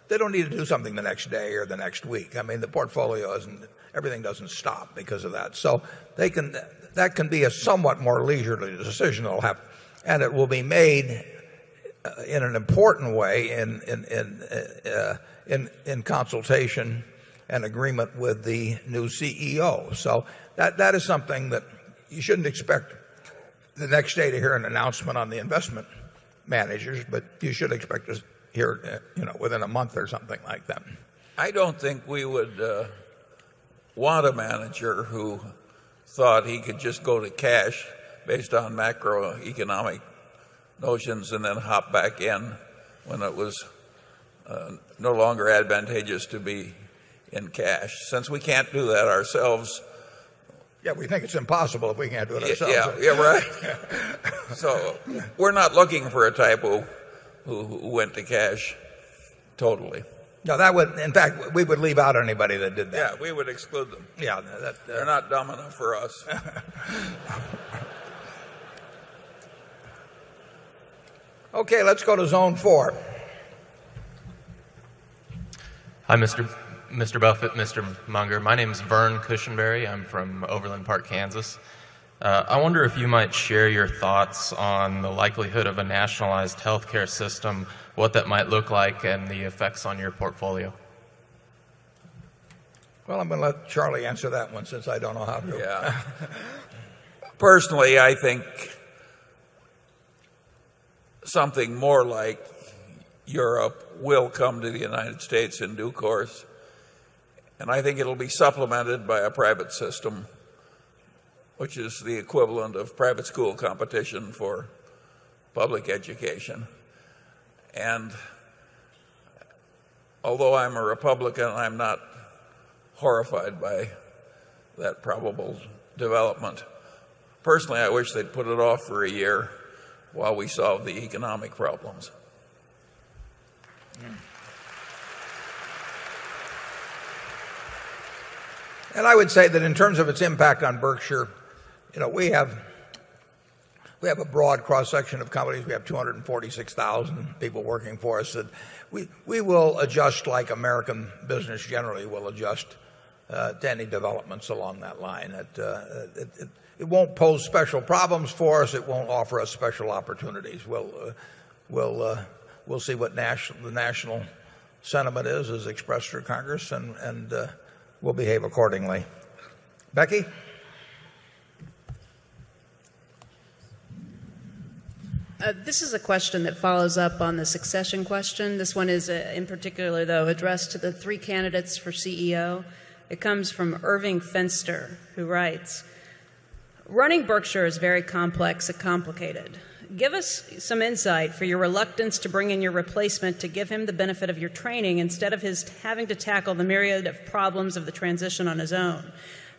they don't need to do something the next day or the next week. I mean, the portfolio isn't everything doesn't stop because of that. So they can that can be a somewhat more leisurely decision they'll have and it will be made in an important way in consultation and agreement with the new CEO. So that is something that you shouldn't expect the next day to hear an announcement on the investment managers, but you should expect us to hear it within a month or something like that. I don't think we would want a manager who thought he could just go to cash based on macroeconomic notions and then hop back in when it was no longer advantageous to be in cash. Since we can't do that ourselves Yes, we think it's impossible if we can't do it ourselves. Yes, right. So we're not looking for a type who went to cash totally. No, that would in fact, we would leave out anybody that did that. Yes, we would exclude them. They're not domino for us. Okay, let's go to Zone 4. Hi, Mr. Mr. Buffet, Mr. Munger. My name is Vern Cushionberry. I'm from Overland Park, Kansas. I wonder if you might share your thoughts on the likelihood of a nationalized health care system, what that might look like and the effects on your portfolio? Well, I'm going to let Charlie answer that one since I don't know how to do it. Personally, I think something more like Europe will come to the United States in due course. And I think it'll be supplemented by a private system, which is the equivalent of private school competition for public education. And although I'm a Republican, I'm not horrified by that probable development. Personally, I wish they'd put it off for a year while we solve the economic problems. And I would say that in terms of its impact on Berkshire, we have a broad cross section of companies. We have 246,000 people working for us that We will adjust like American business generally. We'll adjust to any developments along that line. It won't pose special problems for us. It won't offer us special opportunities. We'll see what the national sentiment is as expressed through Congress and we'll behave accordingly. Becky? This is a question that follows up on the succession question. This one is in particular though addressed to the 3 candidates for CEO. It comes from Irving Fenster who writes, running Berkshire is very complex and complicated. Give us some insight for your reluctance to bring in your replacement to give him the benefit of your training instead of his having to tackle the myriad of problems of the transition on his own.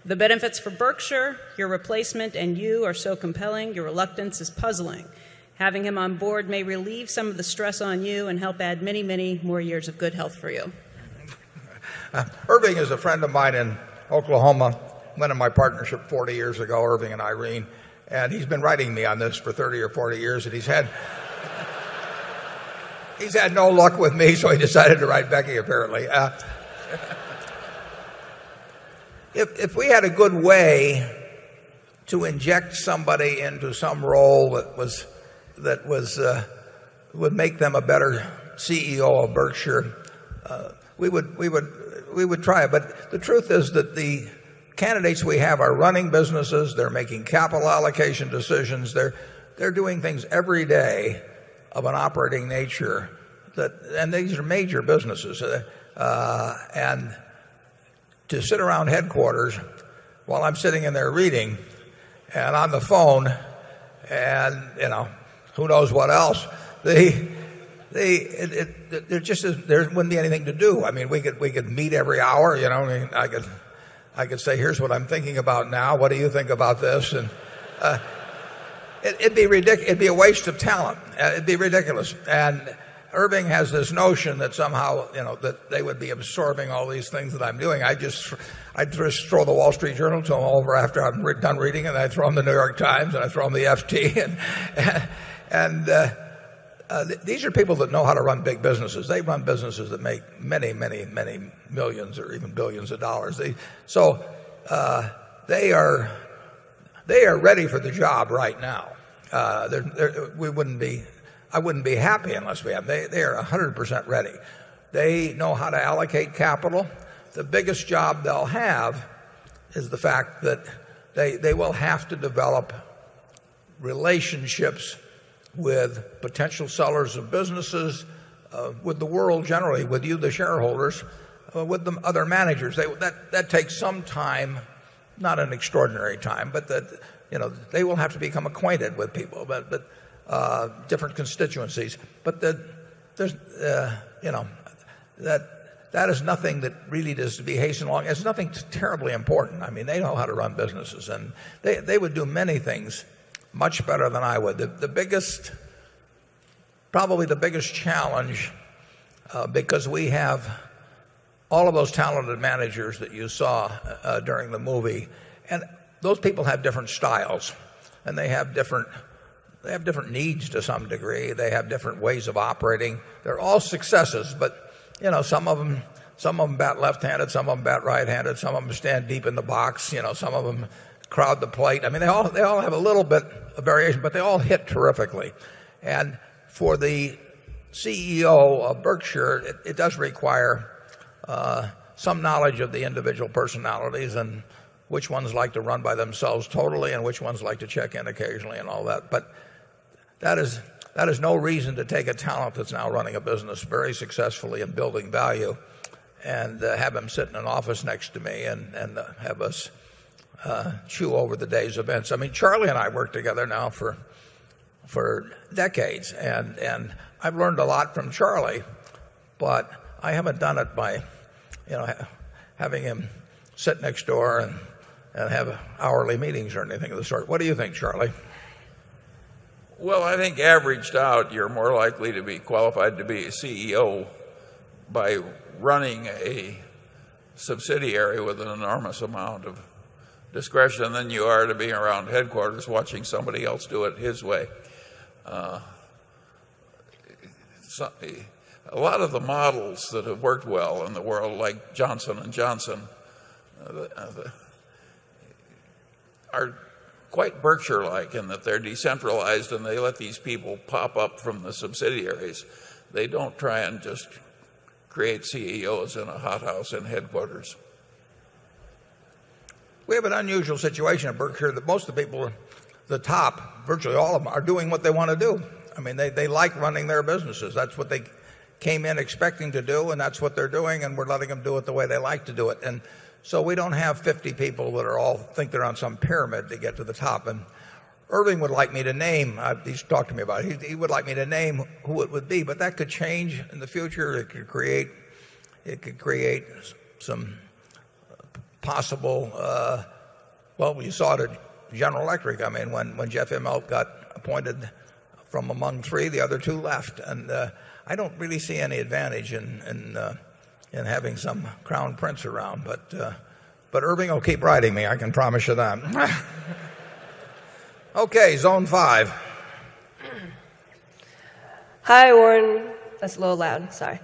The benefits for Berkshire, your replacement and you are so compelling, your reluctance is puzzling. Having him on board may relieve some of the stress on you and help add many, many more years of good health for you. Irving is a friend of mine in Oklahoma, went in my partnership 40 years ago, Irving and Irene and he's been writing me on this for 30 or 40 years and he's had no luck with me so he decided to write Becky apparently. If we had a good way to inject somebody into some role that would make them a better CEO of Berkshire, we would try. But the truth is that the candidates we have are running businesses, they're making capital allocation decisions, they're doing things every day of an operating nature and these are major businesses. And to sit around headquarters while I'm sitting in there reading and on the phone and who knows what else, there wouldn't be anything to do. We could meet every hour. I could say here's what I'm thinking about now. What do you think about this? And it'd be a waste of talent. It'd be ridiculous. And Irving has this notion that somehow that they would be absorbing all these things that I'm doing. I just throw the Wall Street Journal over after I'm done reading and I throw them the New York Times and I throw them the Feet. And these are people that know how to run big businesses. They run businesses that make many, many, many 1,000,000 or even 1,000,000,000 of dollars. So, they are ready for the job right now. I wouldn't be happy unless we have. They are 100% ready. They know how to allocate capital. The biggest job they'll have is the fact that they will have to develop relationships with potential sellers of businesses, with the world generally, with you the shareholders, with the other managers. That takes some time, not an extraordinary time, but they will have to become acquainted with people, different constituencies. But there's that is nothing that really needs to be hastened along. It's nothing terribly important. I mean, they know how to run businesses and they would do many things much better than I would. The biggest probably the biggest challenge because we have all of those talented managers that you saw during the movie and those people have different styles and they have different needs to some degree. They have different ways of operating. They're all successes but some of them bat left handed, some of them bat right handed, some of them stand deep in the box, some of them crowd the plate. I mean, they all have a little bit of variation, but they all hit terrifically. And for the CEO of Berkshire, it does require some knowledge of the individual personalities and which ones like to run by themselves totally and which ones like to check-in occasionally and all that. But that is no reason to take a talent that's now running a business very successfully and building value and have them sit in an office next to me and have us chew over the day's events. I mean, Charlie and I worked together now for decades and I've learned a lot from Charlie but I haven't done it by having him sit next door and have hourly meetings or anything of the sort. What do you think, Charlie? Well, I think averaged out, you're more likely to be qualified to be a CEO by running a subsidiary with an enormous amount of discretion than you are to be around headquarters watching somebody else do it his way. A lot of the models that have worked well in the world like Johnson and Johnson are quite Berkshire like in that they're decentralized and they let these people pop up from the subsidiaries. They don't try and just create CEOs in a hothouse and headquarters. We have an unusual situation at Berkshire that most of the people are the top, virtually all of them, are doing what they want to do. I mean, they like running their businesses. That's what they came in expecting to do and that's what they're doing and we're letting them do it the way they like to do it. And so we don't have 50 people that are all think they're on some pyramid to get to the top. And Irving would like me to name, he's talked to me about it, he would like me to name who it would be, but that could change in the future. It could create some possible well, we saw the General Electric. I mean, when Jeff Immelt got appointed from among 3, the other 2 left and I don't really see any advantage in having some crown prince around. But Irving will keep riding me, I can promise you that. Okay. Zone 5. Hi, Warren. That's a little loud. Sorry.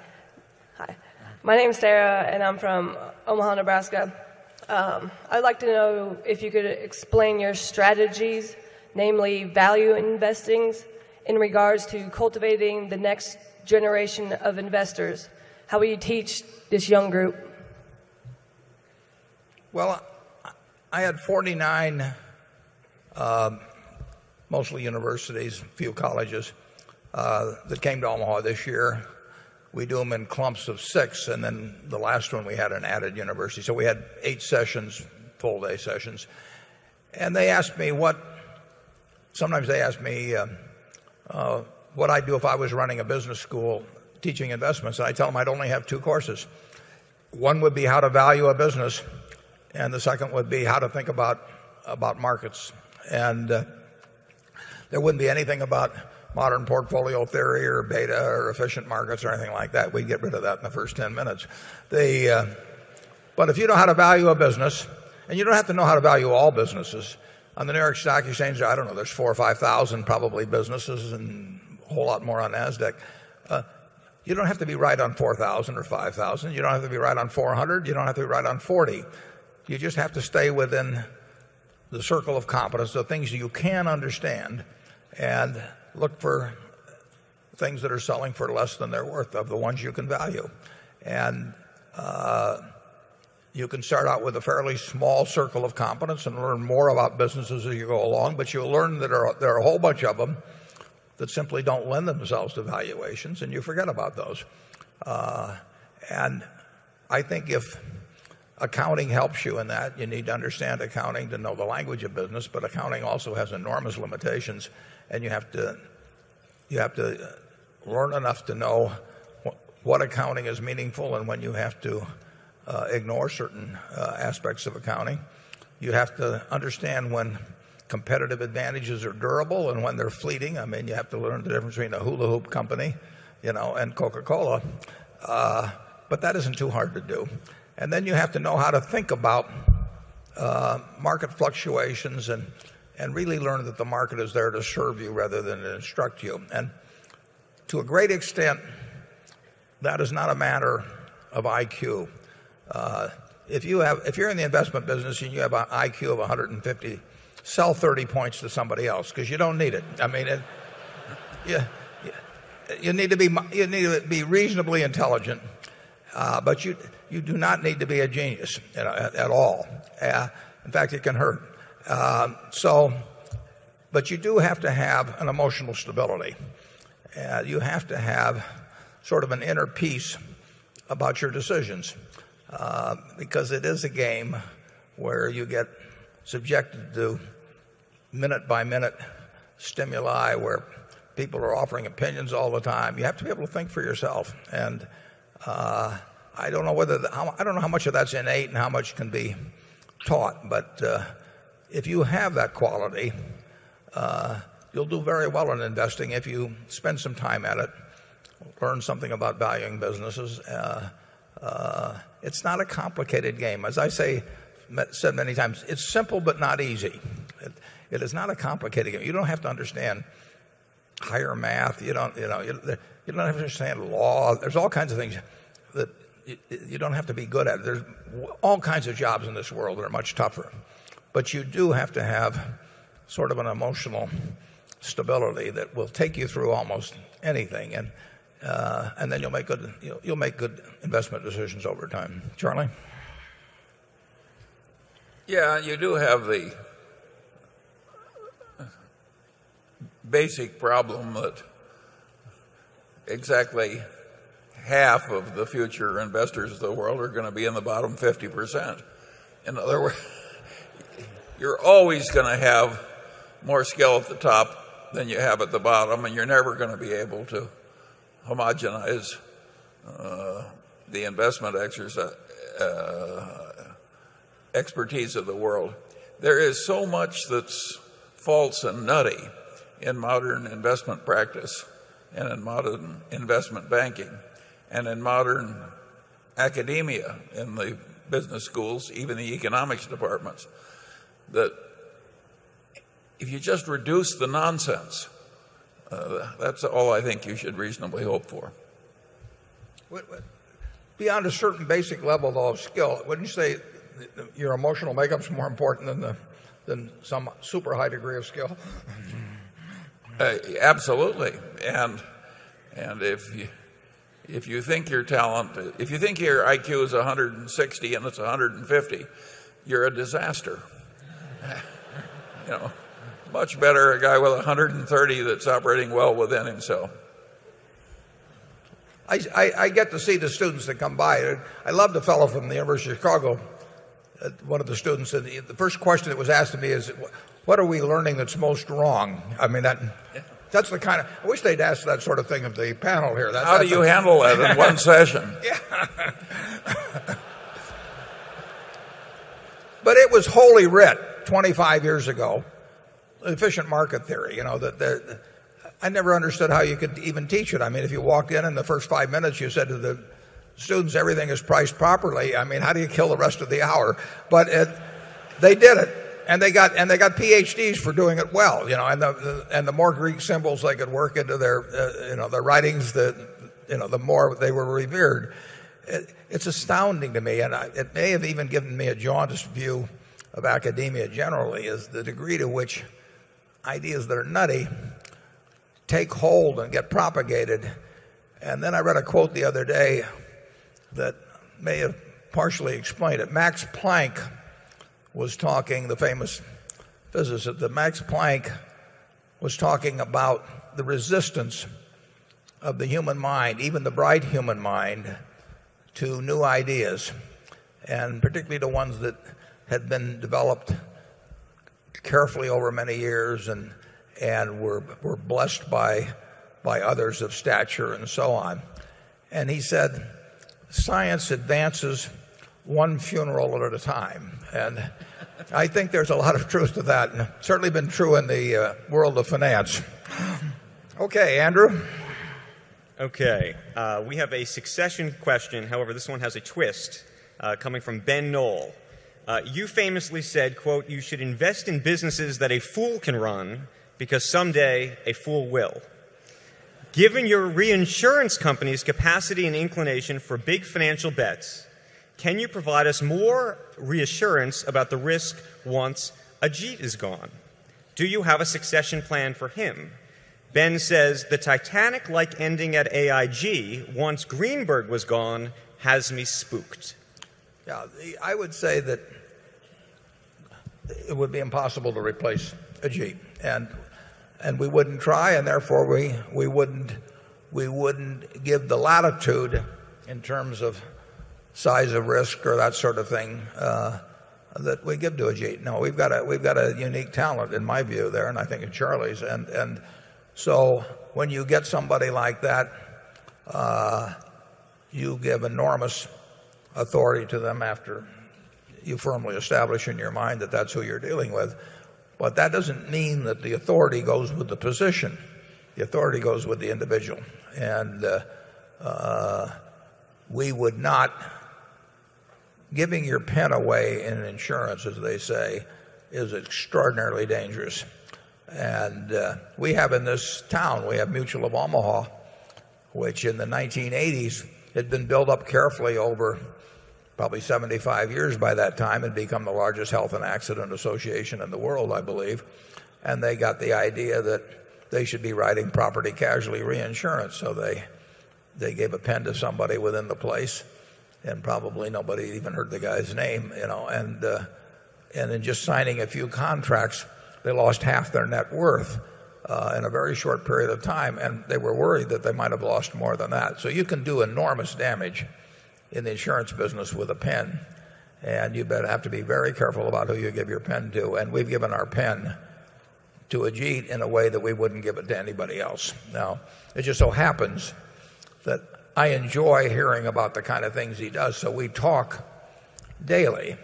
Hi. My name is Sarah and I'm from Omaha, Nebraska. I'd like to know if you could explain your strategies, namely value investing in regards to cultivating the next generation of investors? How will you teach this young group? Well, I had 49, mostly universities, few colleges, that came to Omaha this year. We do them in clumps of 6 and then the last one we had an added university. So we had 8 sessions, full day sessions and they asked me what sometimes they ask me, what I'd do if I was running a business school teaching investments, I tell them I'd only have 2 courses. 1 would be how to value a business and the second would be how to think about markets and there wouldn't be anything about modern portfolio theory or beta or efficient markets or anything like that. We get rid of that in the first 10 minutes. But if you know how to value a business and you don't have to know how to value all businesses, on the nearest stock exchange, I don't know, there's 4,000 or 5,000 probably businesses and a whole lot more on NASDAQ. You don't have to be right on 4,000 or 5,000. You don't have to be right on 400, you don't have to be right on 40. You just have to stay within the circle of competence of things that you can understand and look for things that are selling for less than they're worth of the ones you can value. And you can start out with a fairly small circle of competence and learn more about businesses as you go along, but you'll learn that there are a whole bunch of them that simply don't lend themselves to valuations and you forget about those. And I think if accounting helps you in that, you need to understand accounting to know the language of business. But accounting also has enormous limitations and you have to learn enough to know what accounting is meaningful and when you have to ignore certain aspects of accounting. You have to understand when competitive advantages are durable and when they're fleeting. I mean, you have to learn the difference between a hula hoop company and Coca Cola, but that isn't too hard to do. And then you have to know how to think about market fluctuations and really learn that the market is there to serve you rather than to instruct you. And to a great extent, that is not a matter of IQ. If you're in the investment business and you have an IQ of 150, sell 30 points to somebody else because you don't need it. I mean, you need to be reasonably intelligent, but you do not need to be a genius at all. In fact, it can hurt. But you do have to have an emotional stability. You have to have sort of an inner peace about your decisions because it is a game where you get subjected to minute by minute stimuli where people are offering opinions all the time. You have to be able to think for yourself and I don't know whether I don't know how much of that's innate and how much can be taught but if you have that quality, you'll do very well in investing if you spend some time at it, learn something about valuing businesses. It's not a complicated game. As I say said many times, it's simple but not easy. It is not a complicated game. You don't have to understand higher math. You don't have to understand law. There's all kinds of things that you don't have to be good at. There's all kinds of jobs in this world that are much tougher. But you do have to have sort of an emotional stability that will take you through almost anything and then you'll make good investment decisions over time. Charlie? Yes, you do have the basic problem that exactly half of the future investors of the world are going to be in the bottom 50%. In other words, you're always going to have more scale at the top than you have at the bottom and you're never going to be able to homogenize the investment expertise of the world. There is so much that's false and nutty in modern investment practice and in modern investment banking and in modern academia in the business schools, even the economics departments, that if you just reduce the nonsense, that's all I think you should reasonably hope for. Beyond a certain basic level of skill, wouldn't you say your emotional makeup is more important than some super high degree of skill? Absolutely. And if you think your talent if you think your IQ is 160 and it's 150, you're a disaster. Much better a guy with 130 that's operating well within himself. I get to see the students that come by. I love the fellow from the University of Chicago, one of the students. The first question that was asked to me is, what are we learning that's most wrong? I wish they'd asked that sort of thing of the panel here. How do you handle that in one session? But it was holy writ 25 years ago, efficient market theory. I never understood how you could even teach it. I mean, if you walked in in the first five minutes, you said to the students, everything is priced properly. I mean, how do you kill the rest of the hour? But they did it and they got PhDs for doing it well. And the more Greek symbols they could work into their writings, the more they were revered. It's astounding to me and it may have even given me a jaundice view of academia generally is the degree to which ideas that are nutty take hold and get propagated. And then I read a quote the other day that may have partially explained it. Max Planck was talking, the famous physicist, that Max Planck was talking about the resistance of the human mind, even the bright human mind to new ideas and particularly the ones that had been developed carefully over many years and were blessed by others of stature and so on. And he said, science advances 1 funeral at a time. And I think there's a lot of truth to that and certainly been true in the world of finance. Okay, Andrew? Okay. We have a succession question. However, this one has a twist, coming from Ben Noll. You famously said, quote, you should invest in businesses that a fool can run because someday a fool will. Given your reinsurance company's capacity and inclination for big financial bets, can you provide us more reassurance about the risk once Ajit is gone? Do you have a succession plan for him? Ben says the Titanic like ending at AIG once Greenberg was gone has me spooked. I would say that it would be impossible to replace a jeep and we wouldn't try and therefore we wouldn't give the latitude in terms of size of risk or that sort of thing that we give to Ajit. No, we've got a unique talent in my view there and I think of Charlie's. And so when you get somebody like that, you give enormous authority to them after you firmly establish in your mind that that's who you're dealing with. But that doesn't mean that the authority goes with the position. The authority goes with the individual. And we would not giving your pen away in insurance as they say is extraordinarily dangerous. And we have in this town, we have Mutual of Omaha which in the 1980s had been built up carefully over probably 75 years by that time and become the largest health and accident association in the world, I believe, and they got the idea that they should be writing property casualty reinsurance so they gave a pen to somebody within the place and probably nobody even heard the guy's name. And in just signing a few contracts, they lost half their net worth in a very short period of time and they were worried that they might have lost more than that. So you can do enormous damage in the insurance business with a pen and you better have to be very careful about who you give your pen to. And we've given our pen to Ajit in a way that we wouldn't give it to anybody else. Now it just so happens that I enjoy hearing about the kind of things he does so we talk daily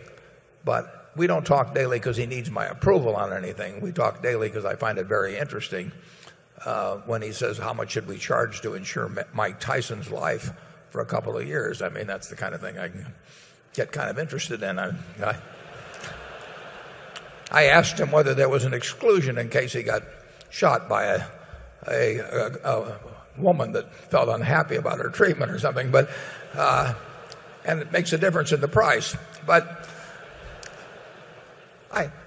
but we don't talk daily because he needs my approval on anything. We talk daily because I find it very interesting when he says how much should we charge to ensure Mike Tyson's life for a couple of years. I mean, that's the kind of thing I get kind of interested in. I asked him whether there was an exclusion in case he got shot by a woman that felt unhappy about her treatment or something and it makes a difference in the price. But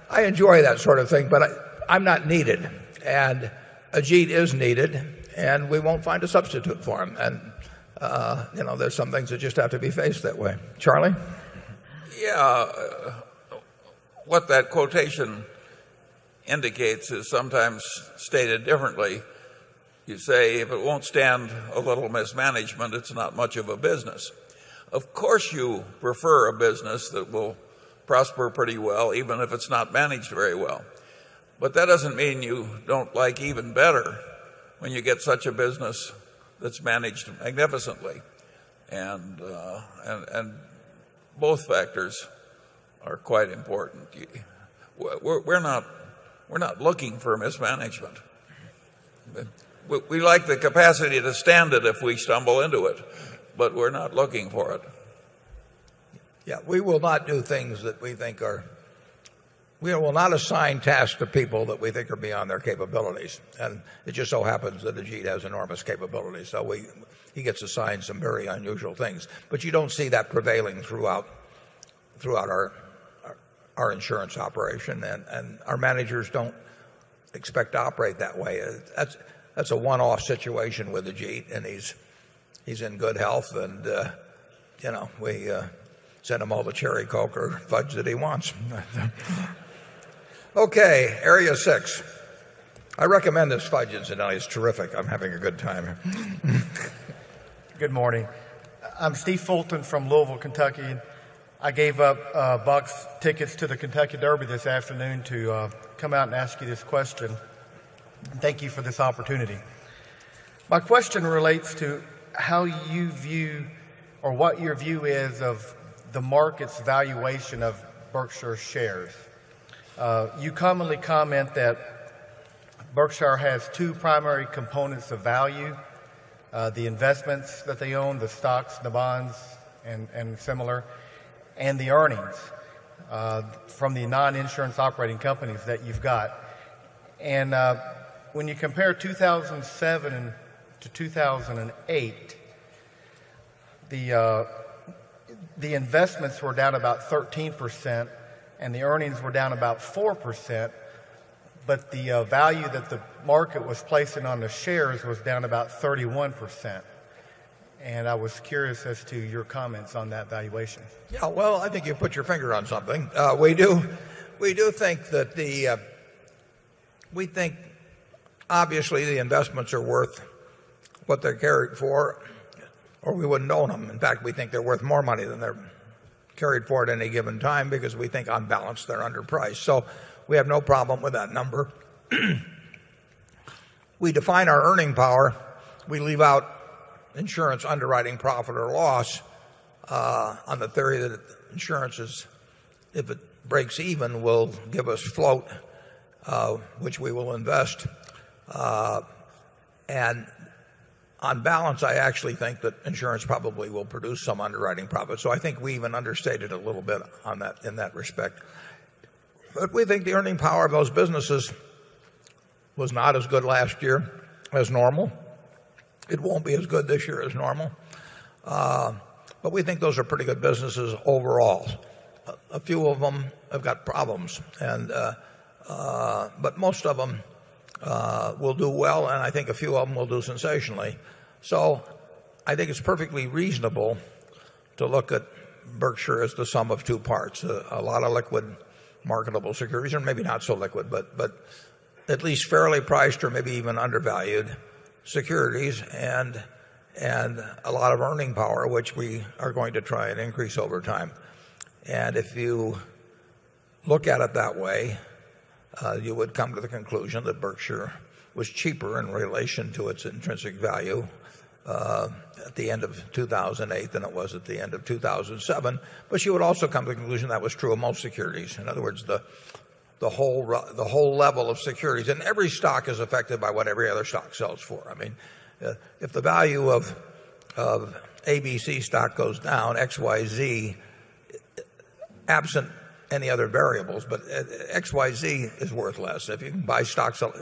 I enjoy that sort of thing, but I'm not needed. And Ajit is needed and we won't find a substitute for them. And there's some things that just have to be faced that way. Charlie? Yeah. What that quotation indicates is sometimes stated differently. You say, if it won't stand a little mismanagement, it's not much of a business. Of course, you prefer a business that will prosper pretty well even if it's not managed very well. But that doesn't mean you don't like even better when you get such a business that's managed magnificently. And both factors are quite important. We're not looking for mismanagement. We like the capacity to stand it if we stumble into it, but we're not looking for it. Yeah. We will not do things that we think are we will not assign tasks to people that we think are beyond their capabilities. And it just so happens that the Jean has enormous capabilities. So we he gets assigned some very unusual things. But you don't see that prevailing throughout our insurance operation. And our managers don't expect to operate that way. That's a one off situation with Ajit and he's in good health and we send him all the Cherry Coke or fudge that he wants. Okay. Area 6. I recommend this fudge in Sanofi. It's terrific. I'm having a good time here. Good morning. I'm Steve Fulton from Louisville, Kentucky. I gave up, bucks tickets to the Kentucky Derby this afternoon to come out and ask you this question. Thank you for this opportunity. My question relates to how you view or what your view is of the market's valuation of Berkshire shares. You commonly comment that Berkshire has 2 primary components of value, the investments that they own, the stocks, the bonds and similar and the earnings from the non insurance operating companies that you've got. And when you compare 2,007 to 2,008, the investments were down about 13% and the earnings were down about 4%. But the value that the market was placing on the shares was down about 31%. And I was curious as to your comments on that valuation. Yes. Well, I think you put your finger on something. We do think that the We think obviously the investments are worth what they're carried for or we wouldn't own them. In fact, we think they're worth more money than they're carried for at any given time because we think on balance they're underpriced. So we have no problem with that number. We define our earning power. We leave out insurance underwriting profit or loss on the theory that insurances, if it breaks even, will give us float, which we will invest. And on balance, I actually think that insurance probably will produce some underwriting profit. So I think we even understated a little bit on that in that respect. But we think the earning power of those businesses was not as good last year as normal. It won't be as good this year as normal. But we think those are pretty good businesses overall. A few of them have got problems. But most of them will do well and I think a few of them will do sensationally. So I think it's perfectly reasonable to look at Berkshire as the sum of 2 parts, a lot of liquid marketable securities or maybe not so liquid but at least fairly priced or maybe even undervalued securities and a lot of earning power which we are going to try and increase over time. And if you look at it that way, you would come to the conclusion that Berkshire was cheaper in relation to its intrinsic value at the end of 2,008 than it was at the end of 2,007. But she would also come to the conclusion that was true of most securities. In other words, the whole level of securities. And every stock is affected by what every other stock sells for. I mean, if the value of of ABC stock goes down, XYZ, absent any other variables, but x, y, z is worth less. If you can buy stocks at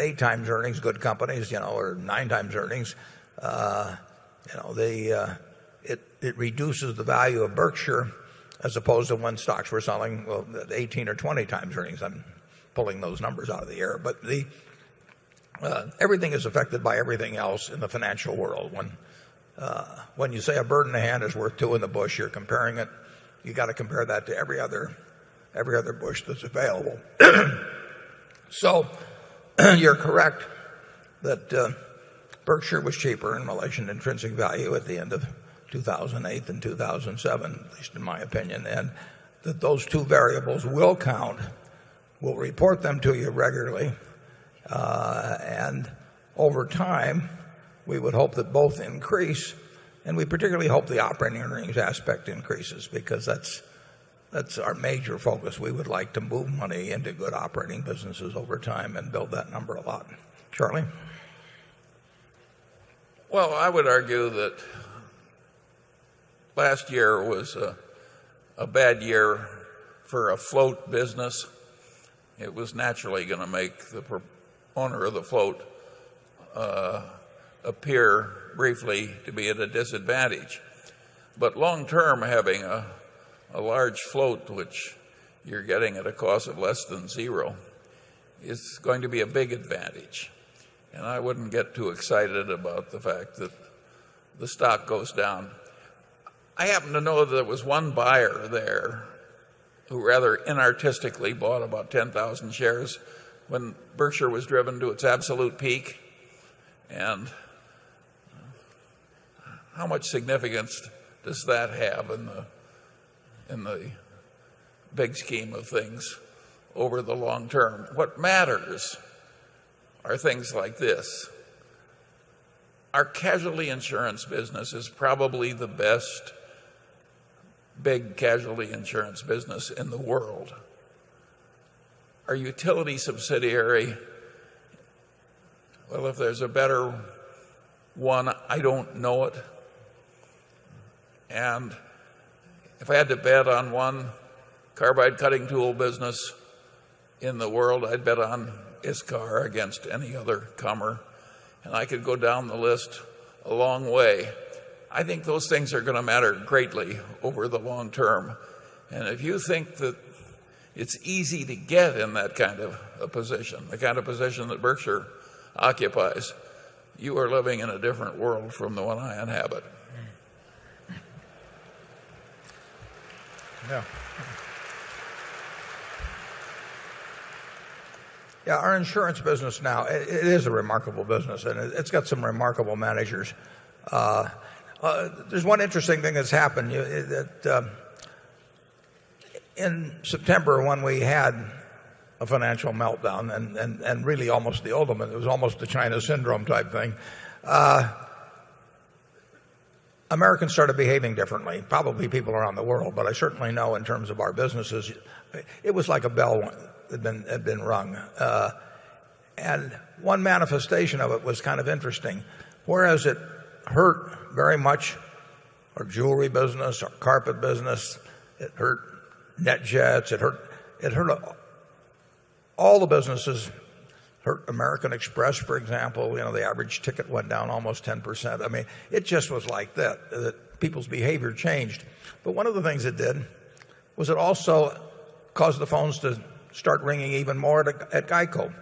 8 times earnings, good companies or 9 times earnings, It reduces the value of Berkshire as opposed to when stocks were selling 18 or 20 times earnings. I'm pulling those numbers out of the air. But everything is affected by everything else in the financial world. When you say a burden hand is worth 2 in the bush, you're comparing it, you got to compare that to every other bush that's available. So you're correct that Berkshire was cheaper in relation to intrinsic value at the end of 2,008 and 2,007 at least in my opinion and that those two variables will count, we'll report them to you regularly and over time, we would hope that both increase and we particularly hope the operating earnings aspect increases because that's our major focus. We would like to move money into good operating businesses over time and build that number a lot. Charlie? Well, I would argue that last year was a bad year for a float business. It was naturally going to make the owner of the float appear briefly to be at a disadvantage. But long term, having a large float, which you're getting at a cost of less than 0 is going to be a big advantage. And I wouldn't get too excited about the fact that the stock goes down. I happen to know that there was one buyer there who rather inartistically bought about 10,000 shares when Berkshire was driven to its absolute peak. And how much significance does that have in the big scheme of things over the long term? What matters are things like this. Our casualty insurance business is probably the best big casualty insurance business in the world. Our utility subsidiary, well, if there's a better one, I don't know it. And if I had to bet on 1 carbide cutting tool business in the world. I'd bet on ISCAR against any other comer and I could go down the list a long way. I think those things are going to matter greatly over the long term. And if you think that it's easy to get in that kind of a position, the kind of position that Berkshire occupies, you are living in a different world from the one I inhabit. Yes. Our insurance business now, it is a remarkable business and it's some remarkable managers. There's one interesting thing that's happened. In September when we had a financial meltdown and really almost the ultimate, it was almost a China Syndrome type thing, Americans started behaving differently, probably people around the world but I certainly know in terms of our businesses, it was like a bell had been rung. And one manifestation of it was kind of interesting. Whereas it hurt very much our jewelry business, our carpet business, it hurt net jets, it hurt all the businesses. American Express for example, the average ticket went down almost 10%. I mean, it just was like that. People's behavior changed. But one of the things it did was it also caused the phones to start ringing even more at GEICO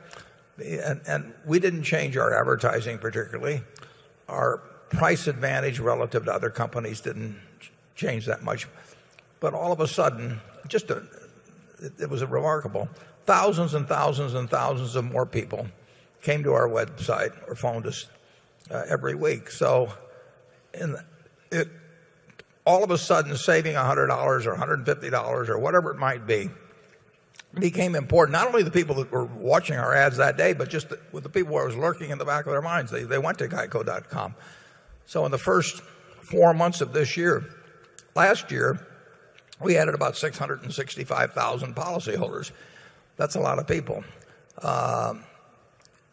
And we didn't change our advertising particularly. Our price advantage relative to other companies didn't change that much. But all of a sudden, just it was remarkable, thousands and thousands and thousands of more people came to our website or phoned us every week. So all of a sudden, saving $100 or $150 or whatever it might be became important, not only the people that were watching our ads that day, but just with the people that was lurking in the back of their minds, they went to geico.com. So in the 1st 4 months of this year, last year, we added about 665,000 policyholders. That's a lot of people.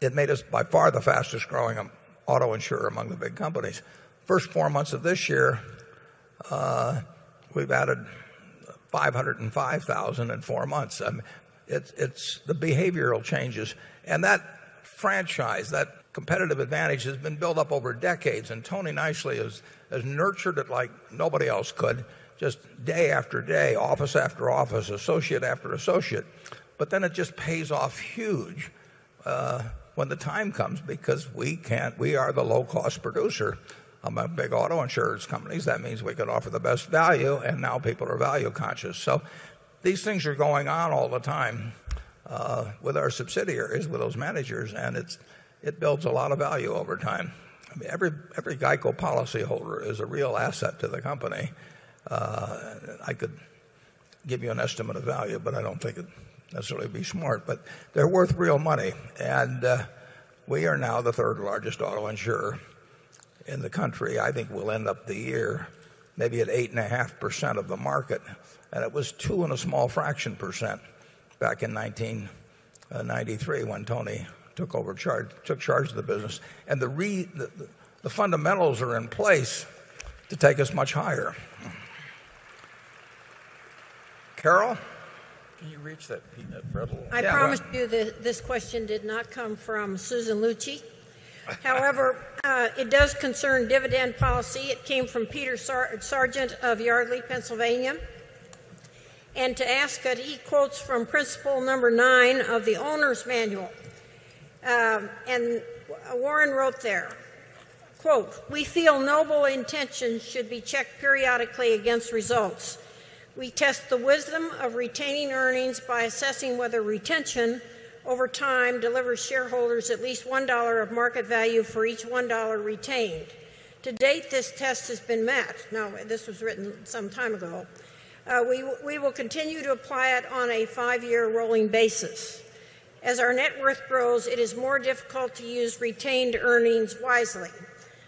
It made us by far the fastest growing auto insurer among the big companies. 1st 4 months of this year, we've added 505,000 in 4 months. It's the behavioral changes. And that franchise, that competitive advantage has been built up over decades and Tony nicely has nurtured it like nobody else could just day after day, office after office, associate after associate. But then it just pays off huge when the time comes because we can't we are the low cost producer. I'm a big auto insurance company, so that means we could offer the best value and now people are value conscious. So these things are going on all the time with our subsidiaries, with those managers and it builds a lot of value over time. Every GEICO policy holder is a real asset to the company. I could give you an estimate of value, but I don't think it necessarily be smart. But they're worth real money and we are now the 3rd largest auto insurer in the country. I think we'll end up the year maybe at 8.5% of the market and it was 2 in a small fraction percent back in 1993 when Tony took over charge took charge of the business. And the fundamentals are in place to take us much higher. Carol? Can you reach that peanut brittle? I promised you this question did not come from Susan Lucci. However, it does concern dividend policy. It came from Peter Sargent of Yardley, Pennsylvania. And to ask that he quotes from principle number 9 of the owner's manual. And Warren wrote there, quote, we feel noble intentions should be checked periodically against results. We test the wisdom of retaining earnings by assessing whether retention over time delivers shareholders at least $1 of market value for each $1 retained. To date, this test has been met. Now this was written some time ago. We will continue to apply it on a 5 year rolling basis. As our net worth grows, it is more difficult to use retained earnings wisely.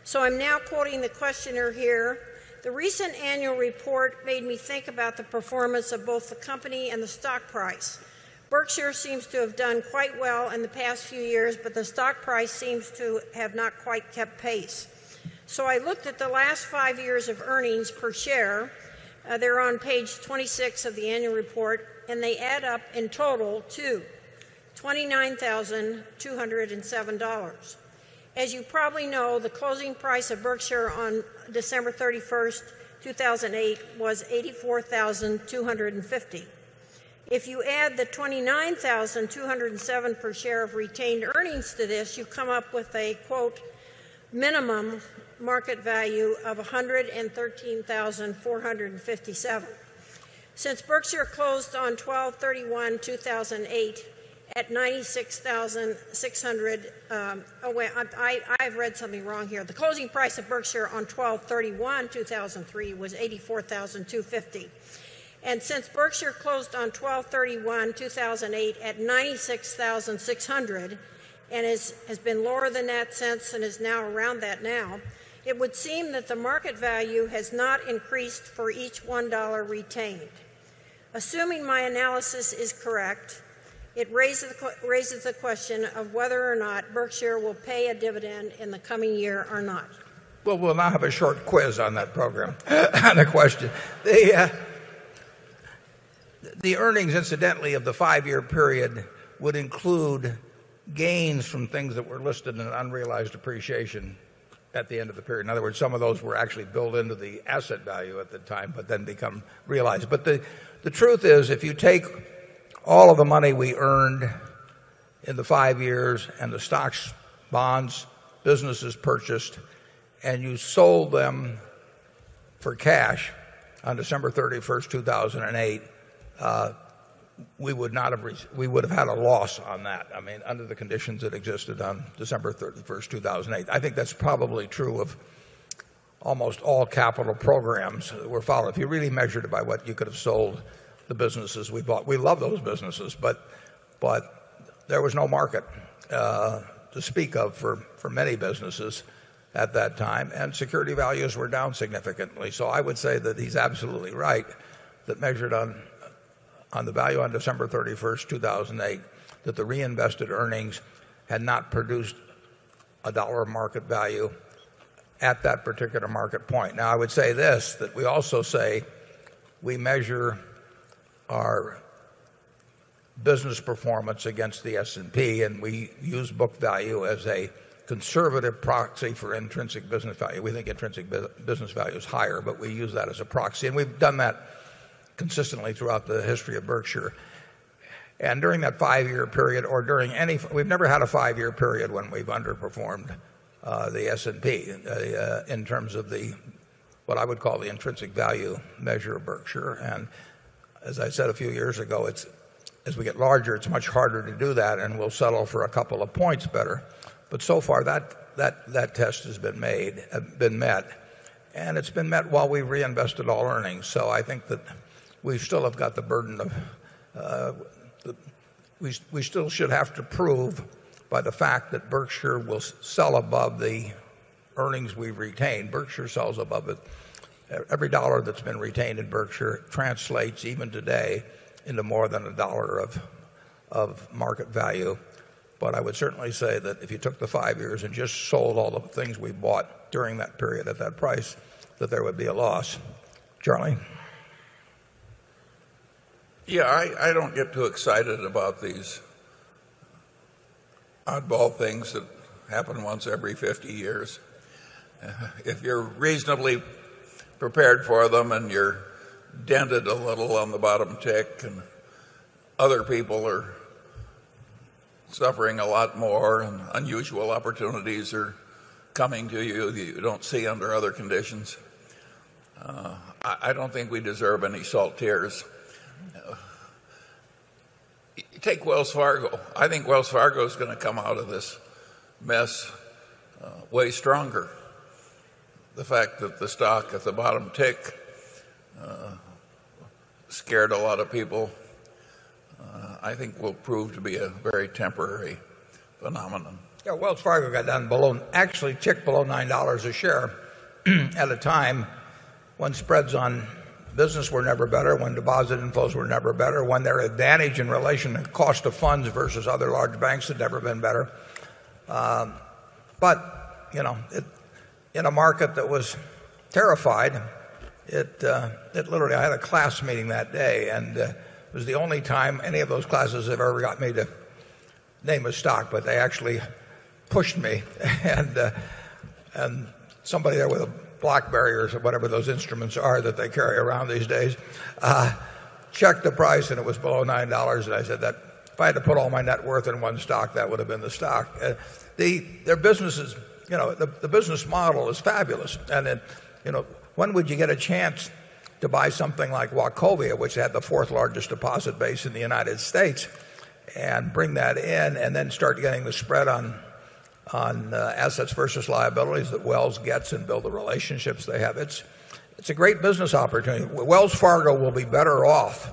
So I'm now quoting the questioner here. The recent annual report made me think about the performance of both the company and the stock price. Berkshire seems to have done quite well in the past few years, but the stock price seems to have not quite kept pace. So I looked at the last 5 years of earnings per share, they are on Page 26 of the annual report, and they add up in total to $29,207 As you probably know, the closing price of Berkshire on December 31, 2008 was 80 $4,250 If you add the $29,207 per share of retained earnings to this, you come up with a minimum market value of $113,457 Since Berkshire closed on twelvethirty onetwo thousand and eight at 96,600 I've read something wrong here. The closing price of Berkshire on twelvethirty onetwo and three was $84,250 And since Berkshire closed on Twelvethirty Onetwo 1008 at 96,600 dollars and has been lower than that since and is now around that now, it would seem that the market value has not increased for each $1 retained. Assuming my analysis is correct, it raises the question of whether or not Berkshire will pay a dividend in the coming year or not. Well, we'll now have a short quiz on that program and a question. The earnings incidentally of the 5 year period would include gains from things that were listed in an unrealized appreciation at the end of the period. In other words, some of those were actually built into the asset value at the time but then become realized. But the truth is if you take all of the money we earned in the 5 years and the stocks, bonds, businesses purchased and you sold them for cash on December 31, 2008, we would not have we would have had a loss on that. I mean, under the conditions that existed on December 31, 2008. I think that's probably true of almost all capital programs that were followed. If you really measured it by what you could have sold the businesses we bought, we love those businesses, but there was no market to speak of for many businesses at that time and security values were down significantly. So I would say that he's absolutely right that measured on the value on December 31, 2008, that the reinvested earnings had not produced $1 market value at that particular market point. Now I would say this, that we also say we measure our business performance against the S and P and we use book value as a conservative proxy for intrinsic business value. We think intrinsic business value is higher, but we use that as a proxy and we've done that consistently throughout the history of Berkshire. And during that 5 year period or during any we've never had a 5 year period when we've underperformed the S and P in terms of the what I would call the intrinsic value measure of Berkshire. And as I said a few years ago, as we get larger, it's much harder to do that and we'll settle for a couple of points better. But so far that test has been made, been met and it's been met while we reinvested all earnings. So I think that we still have got the burden of we still should have to prove by the fact that Berkshire will sell above the earnings we retain. Berkshire sells above it. Every dollar that's been retained in Berkshire translates even today into more than $1 of market value. But I would certainly say that if you took the 5 years and just sold all the things we bought during that period at that price, that there would be a loss. Charlie? Yes. I don't get too excited about these oddball things that happen once every 50 years. If you're reasonably prepared for them and you're dented a little on the bottom tick and other people are suffering a lot more and unusual opportunities are coming to you that you don't see under other conditions. I don't think we deserve any saltiers. Take Wells Fargo. I think Wells Fargo is going to come out of this mess way stronger. The fact that the stock at the bottom tick scared a lot of people, I think will prove to be a very temporary phenomenon. Well, actually tick below $9 a share at a time when spreads on business were never better, when deposit inflows were never better, when their advantage in relation to cost of funds versus other large banks had never been better. But in a market that was terrified, it literally I had a class meeting that day and it was the only time any of those classes have ever got me to name a stock but they actually pushed me and somebody there with a block barriers or whatever those instruments are that they carry around these days checked the price and it was below $9 and I said that if I had to put all my net worth in one stock, that would have been the stock. The business model is fabulous. And then when would you get a chance to buy something like Wachovia which had the 4th largest deposit base in the United States and bring that in and then start getting the spread on assets versus liabilities that Wells gets and build the relationships they have. It's a great business opportunity. Wells Fargo will be better off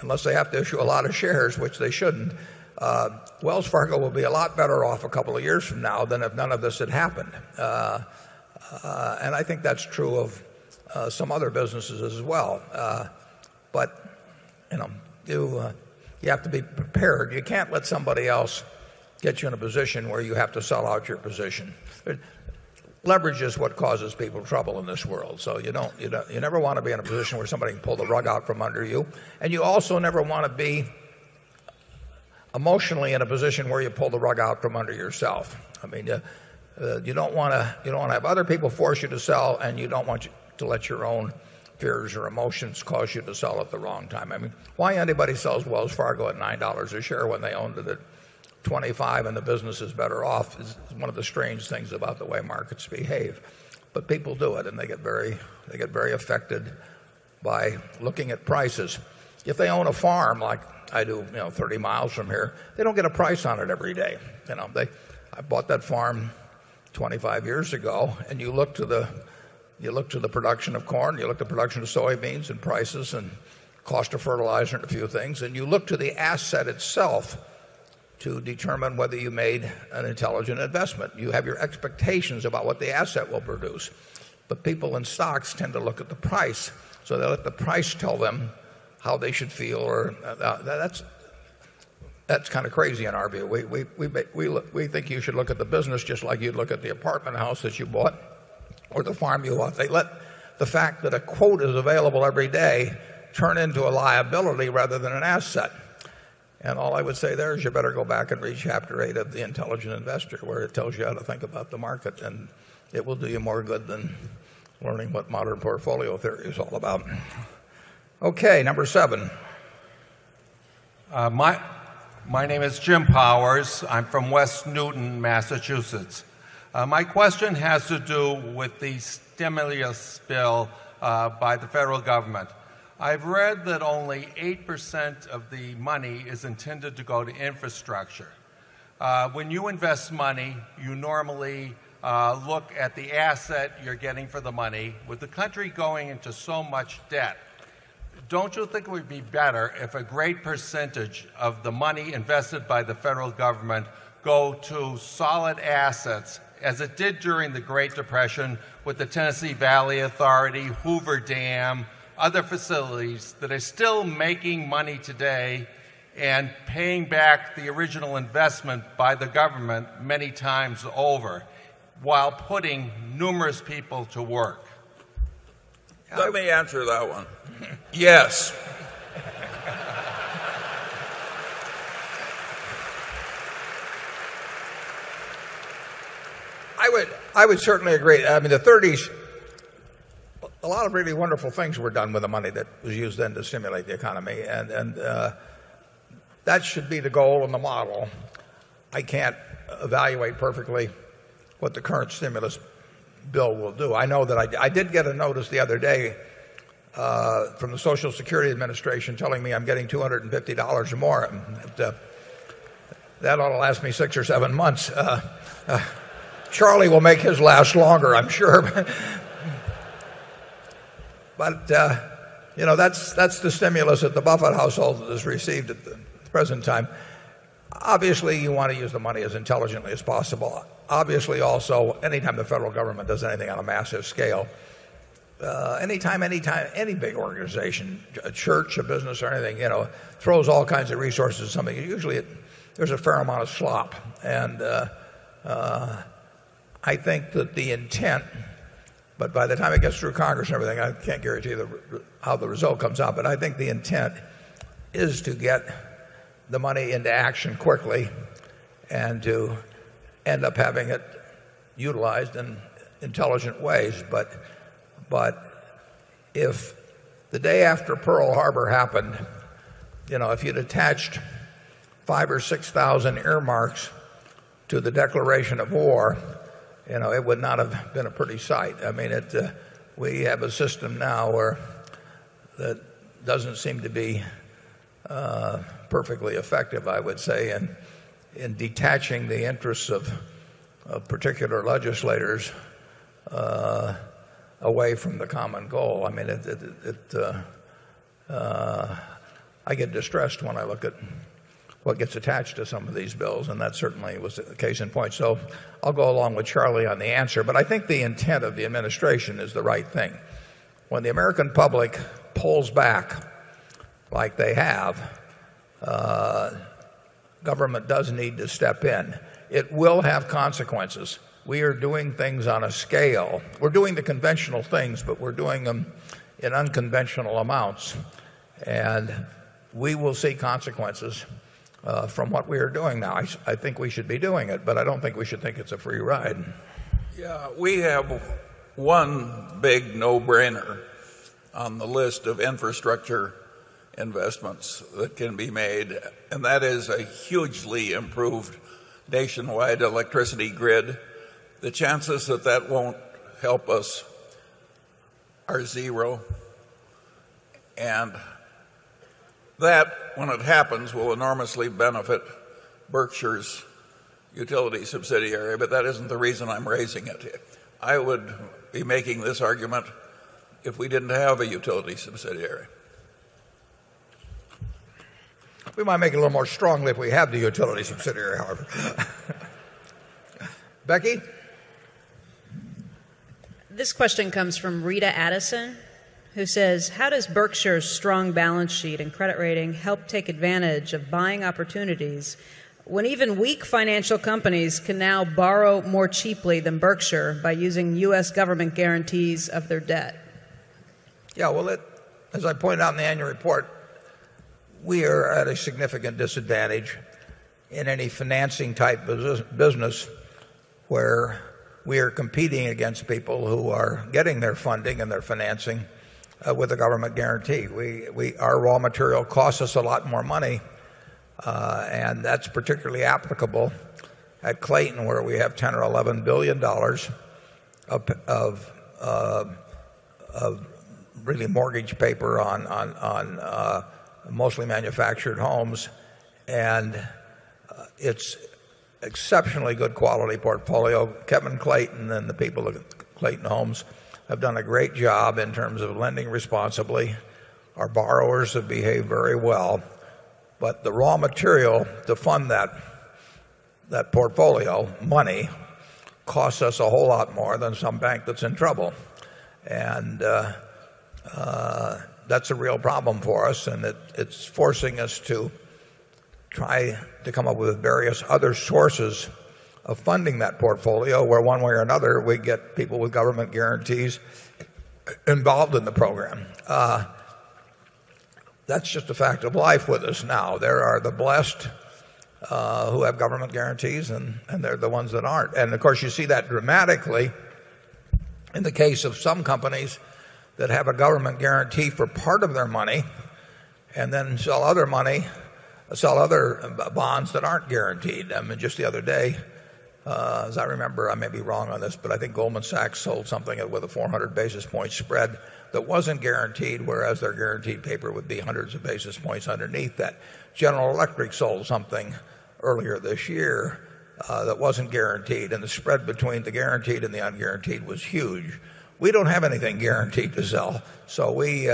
unless they have to issue a lot of shares, which they shouldn't. Wells Fargo will be a lot better off a couple of years from now than if none of this had happened. And I think that's true of some other businesses as well. But you have to be prepared. You can't let somebody else get you in a position where you have to sell out your position. Leverage is what causes people trouble in this world. So you never want to be in a position where somebody can pull the rug out from under you and you also never want to be emotionally in a position where you pull the rug out from under yourself. I mean you don't want to have other people force you to sell and you don't want to let your own fears or emotions cause you to sell at the wrong time. I mean, why anybody sells Wells Fargo at $9 a share when they own the $25 and the business is better off is one of the strange things about the way markets behave. But people do it and they get very affected by looking at prices. If they own a farm like I do 30 miles from here, they don't get a price on it every day. I bought that farm 25 years ago and you look to the production of corn, you look to production of soybeans and prices and cost of fertilizer and a few things and you look to the asset itself to determine whether you made an intelligent investment. You have your expectations about what the asset will produce but people in stocks tend to look at the price so they let the price tell them how they should feel or that's kind of crazy in our view. We think you should look at the business just like you'd look at the apartment house that you bought or the farm you want. They let the fact that a quote is available every day turn into a liability rather than an asset. And all I would say there is you better go back and read chapter 8 of the Intelligent Investor where it tells you how to think about the market and it will do you more good than learning what modern portfolio theory is all about. Okay. Number 7. My name is Jim Powers. I'm from West Newton, Massachusetts. My question has to do with the stimulus spill by the federal government. I've read that only 8% of the money is intended to go to infrastructure. When you invest money, you normally look at the asset you're getting for the money. With the country going into so much debt, don't you think it would be better if a great percentage of the money invested by the federal government go to solid assets, as it did during the Great Depression with the Tennessee Valley Authority, Hoover Dam, other facilities that are still making money today and paying back the original investment by the government many times over, while putting numerous people to work? -Let me answer that one. -Yes. I would certainly agree. I mean, the '30s, a lot of really wonderful things were done with the money that was used then to simulate the economy. And that should be the goal in the model. I can't evaluate perfectly what the current stimulus bill will do. I know that I did get a notice the other day from the Social Security Administration telling me I'm getting $2.50 or more. That ought to last me 6 or 7 months. Charlie will make his last longer, I'm sure. But that's the stimulus that the Buffett household has received at the present time. Obviously you want to use the money as intelligently as possible. Obviously, also anytime the federal government does anything on a massive scale, anytime, anytime, any big organization, a church, a business or anything, throws all kinds of resources. Usually there's a fair amount of slop. And I think that the intent but by the time it gets through Congress and everything, I can't guarantee how the result comes out but I think the intent is to get the money into action quickly and to end up having it utilized in intelligent ways. But if the day after Pearl Harbor happened, you know, if you'd attached 5 or 6000 earmarks to the declaration of war, it would not have been a pretty sight. I mean, we have a system now where that doesn't seem to be perfectly effective, I would say, in detaching the interests of particular legislators away from the common goal. I mean, I get distressed when I look at what gets attached to some of these bills and that certainly was a case in point. So I'll go along with Charlie on the answer, but I think the intent of the administration is the right thing. When the American public pulls back like they have, government does need to step in. It will have consequences. We are doing things on a scale. We're doing the conventional things but we're doing them in unconventional amounts and we will see consequences from what we are doing now. I think we should be doing it but I don't think we should think it's a free ride. Yeah. We have one big no brainer on the list of infrastructure investments that can be made and that is a hugely improved nationwide electricity grid. The chances that that won't help us are 0 and that when it happens will enormously benefit Berkshire's utility subsidiary, but that isn't the reason I'm raising it. I would be making this argument if we didn't have a utility subsidiary. We might make it a little more strongly if we have the utility subsidiary, Harvey. Becky? This question comes from Rita Addison who says, how does Berkshire's strong balance sheet and credit rating help take advantage of buying opportunities when even weak financial companies can now borrow more cheaply than Berkshire by using US government guarantees of their debt? Yes. Well, as I pointed out in the annual report, we are at a significant disadvantage in any financing type business where we are competing against people who are getting their funding and their financing with a government guarantee. Our raw material costs us a lot more money and that's particularly applicable at Clayton where we have $10 or $11,000,000,000 of really mortgage paper on mostly manufactured homes and it's exceptionally good quality portfolio. Kevin Clayton and the people at Clayton Homes have done a great job in terms of lending responsibly. Our borrowers have behaved very well, but the raw material to fund that portfolio money costs us a whole lot more than some bank that's in trouble. And that's a real problem for us and it's forcing us to try to come up with various other sources of funding that portfolio where one way or another we get people with government guarantees involved in the program. That's just a fact of life with us now. There are the blessed who have government guarantees and they're the ones that aren't. And of course, you see that dramatically in the case of some companies that have a government guarantee for part of their money and then sell other money, sell other bonds that aren't guaranteed. Just the other day, as I remember, I may be wrong on this, but I think Goldman Sachs sold something with a 400 basis point spread that wasn't guaranteed whereas their guaranteed paper would be 100 of basis points underneath that. General Electric sold something earlier this year that wasn't guaranteed and the spread between the guaranteed and the unguaranteed was huge. We don't have anything guaranteed to sell. So we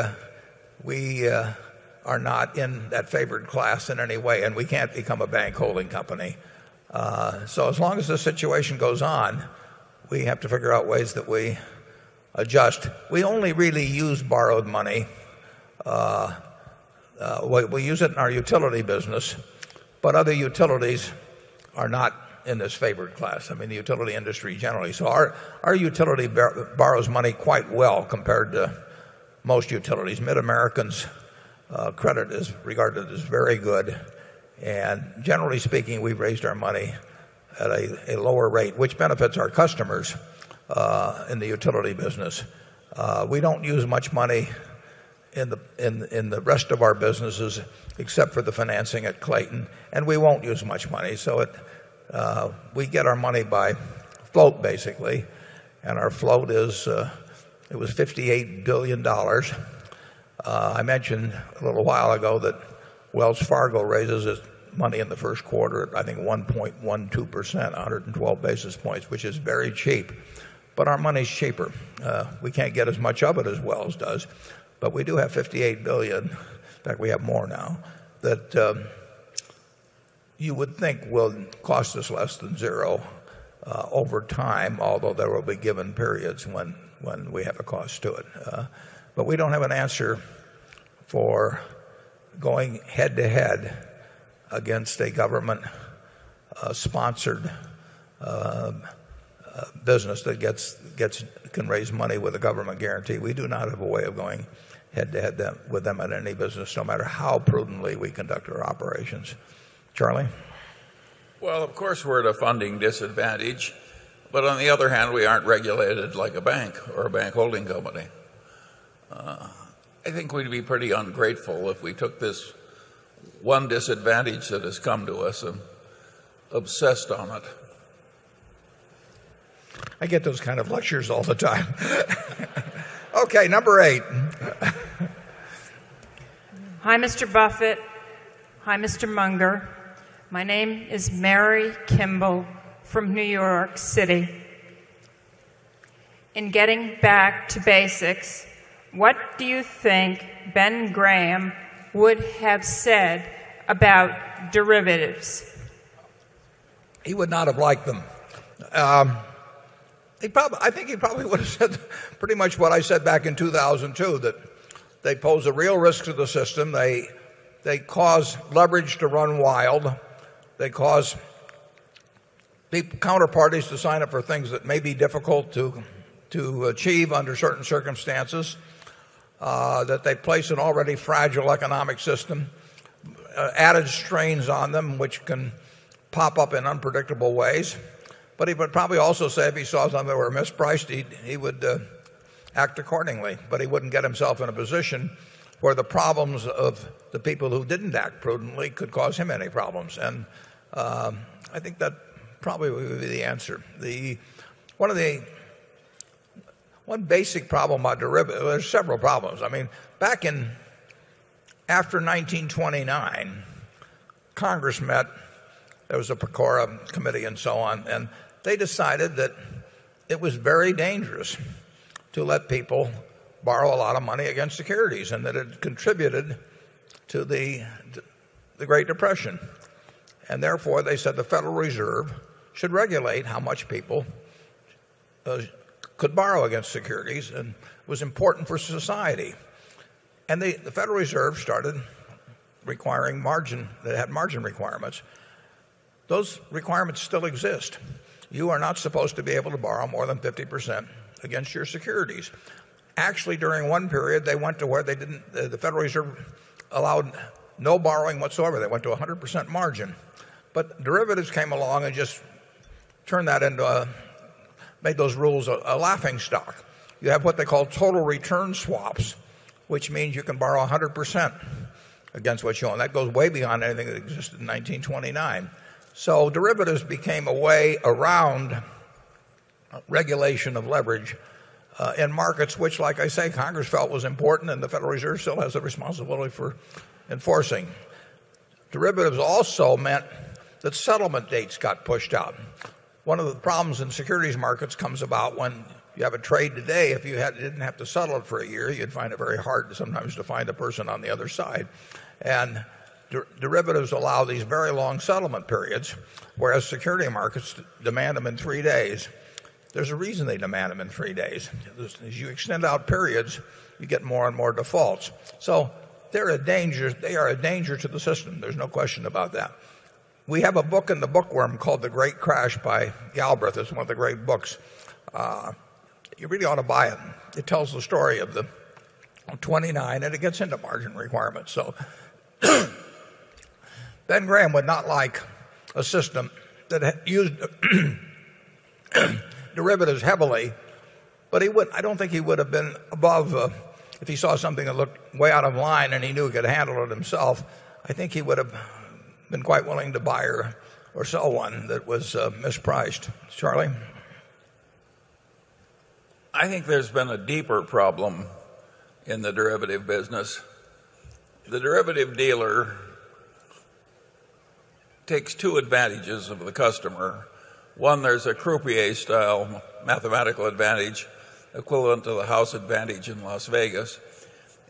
are not in that favored class in any way and we can't become a bank holding company. So as long as the situation goes on, we have to figure out ways that we adjust. We only really use borrowed money. We use it in our utility business but other utilities are not in this favored class. I mean the utility industry generally. So our utility borrows money quite well compared to most utilities. Mid Americans' credit is regarded as very good. And generally speaking, we've raised our money at a lower rate, which benefits our customers in the utility business. We don't use much money in the rest of our businesses except for the financing at Clayton and we won't use much money. So we get our money by float basically and our float is, it was $58,000,000,000 I mentioned a little while ago that Wells Fargo raises its money in the Q1 I think 1.12 percent, 112 basis points which is very cheap. But our money is cheaper. We can't get as much of it as Wells does. But we do have 58,000,000,000, in fact we have more now that you would think will cost us less than 0 over time although there will be given periods when we have a cost to it. But we don't have an answer for going head to head against a government sponsored business that gets can raise money with a government guarantee. We do not have a way of going head to head with them at any business no matter how prudently we conduct our operations. Charlie? Well, of course, we're at a funding disadvantage. But on the other hand, we aren't regulated like a bank or a bank holding company. I think we'd be pretty ungrateful if we took this one disadvantage that has come to us and obsessed on it. I get those kind of lectures all the time. Okay, number 8. Hi, mister Buffet. Hi, mister Munger. My name is Mary Kimball from New York City. In getting back to basics, what do you think Ben Graham would have said about derivatives? He would not have liked them. I think he probably would have said pretty much what I said back in 2002 that they pose a real risk to the system. They cause leverage to run wild. They cause counter parties to sign up for things that may be difficult to achieve under certain circumstances that they place an already fragile economic system, added strains on them, which can pop up in unpredictable ways. He would probably also say if he saw some that were mispriced, he would act accordingly, but he wouldn't get himself in a position where the problems of the people who didn't act prudently could cause him any problems. And, I think that probably would be the answer. One of the one basic problem there's several problems. I mean, back in after 1929, Congress met there was a POCORA committee and so on and they decided that it was very dangerous to let people borrow a lot of money against securities and that it contributed to the Great Depression. And therefore they said the Federal Reserve should regulate how much people could borrow against securities and was important for society. And the Federal Reserve started requiring margin that had margin requirements. Those requirements still exist. You are not supposed to be able to borrow more than 50% against your securities. Actually, during one period, they went to where they didn't the Federal Reserve allowed no borrowing whatsoever. They went to 100% margin. But derivatives came along and just turned that into made those rules a laughing stock. You have what they call total return swaps which means you can borrow 100% against what's shown. That goes way beyond anything that existed in 1929. So derivatives became a way around regulation of leverage in markets which, like I say, Congress felt was important and the Federal Reserve still has a responsibility for enforcing. Derivatives also meant that settlement dates got pushed out. 1 of the problems in securities markets comes about when you have a trade today, if you didn't have to settle it for a year, you'd find it very hard sometimes to find a person on the other side. And derivatives allow these very long settlement periods whereas security markets demand them in 3 days. There's a reason they demand them in 3 days. As you extend out periods, you get more and more defaults. So they are a danger to the system. There's no question about that. We have a book in the bookworm called The Great Crash by Galbraith. It's one of the great books. You really ought to buy it. It tells the story of the 29 and it gets into margin requirements. So Ben Graham would not like a system that used derivatives heavily, but I don't think he would have been above, if he saw something that looked way out of line and he knew he could handle it himself, I think he would have been quite willing to buy or sell one that was mispriced. Charlie? I think there's been a deeper problem in the derivative business. The derivative dealer takes 2 advantages of the customer. 1, there's a croupier style mathematical advantage equivalent to the house advantage in Las Vegas.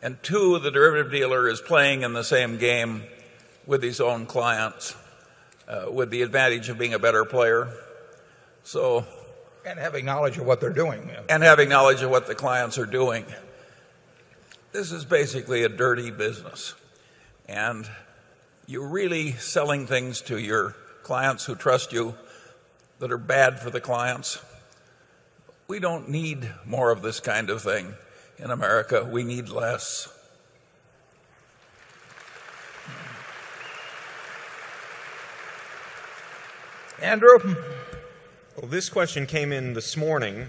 And 2, the derivative dealer is playing in the same game with his own clients with the advantage of being a better player. So And having knowledge of what they're doing. And having knowledge of what the clients are doing. This is basically a dirty business and you're really selling things to your clients who trust you that are bad for the clients. We don't need more of this kind of thing in America. We need less. Andrew? Well, this question came in this morning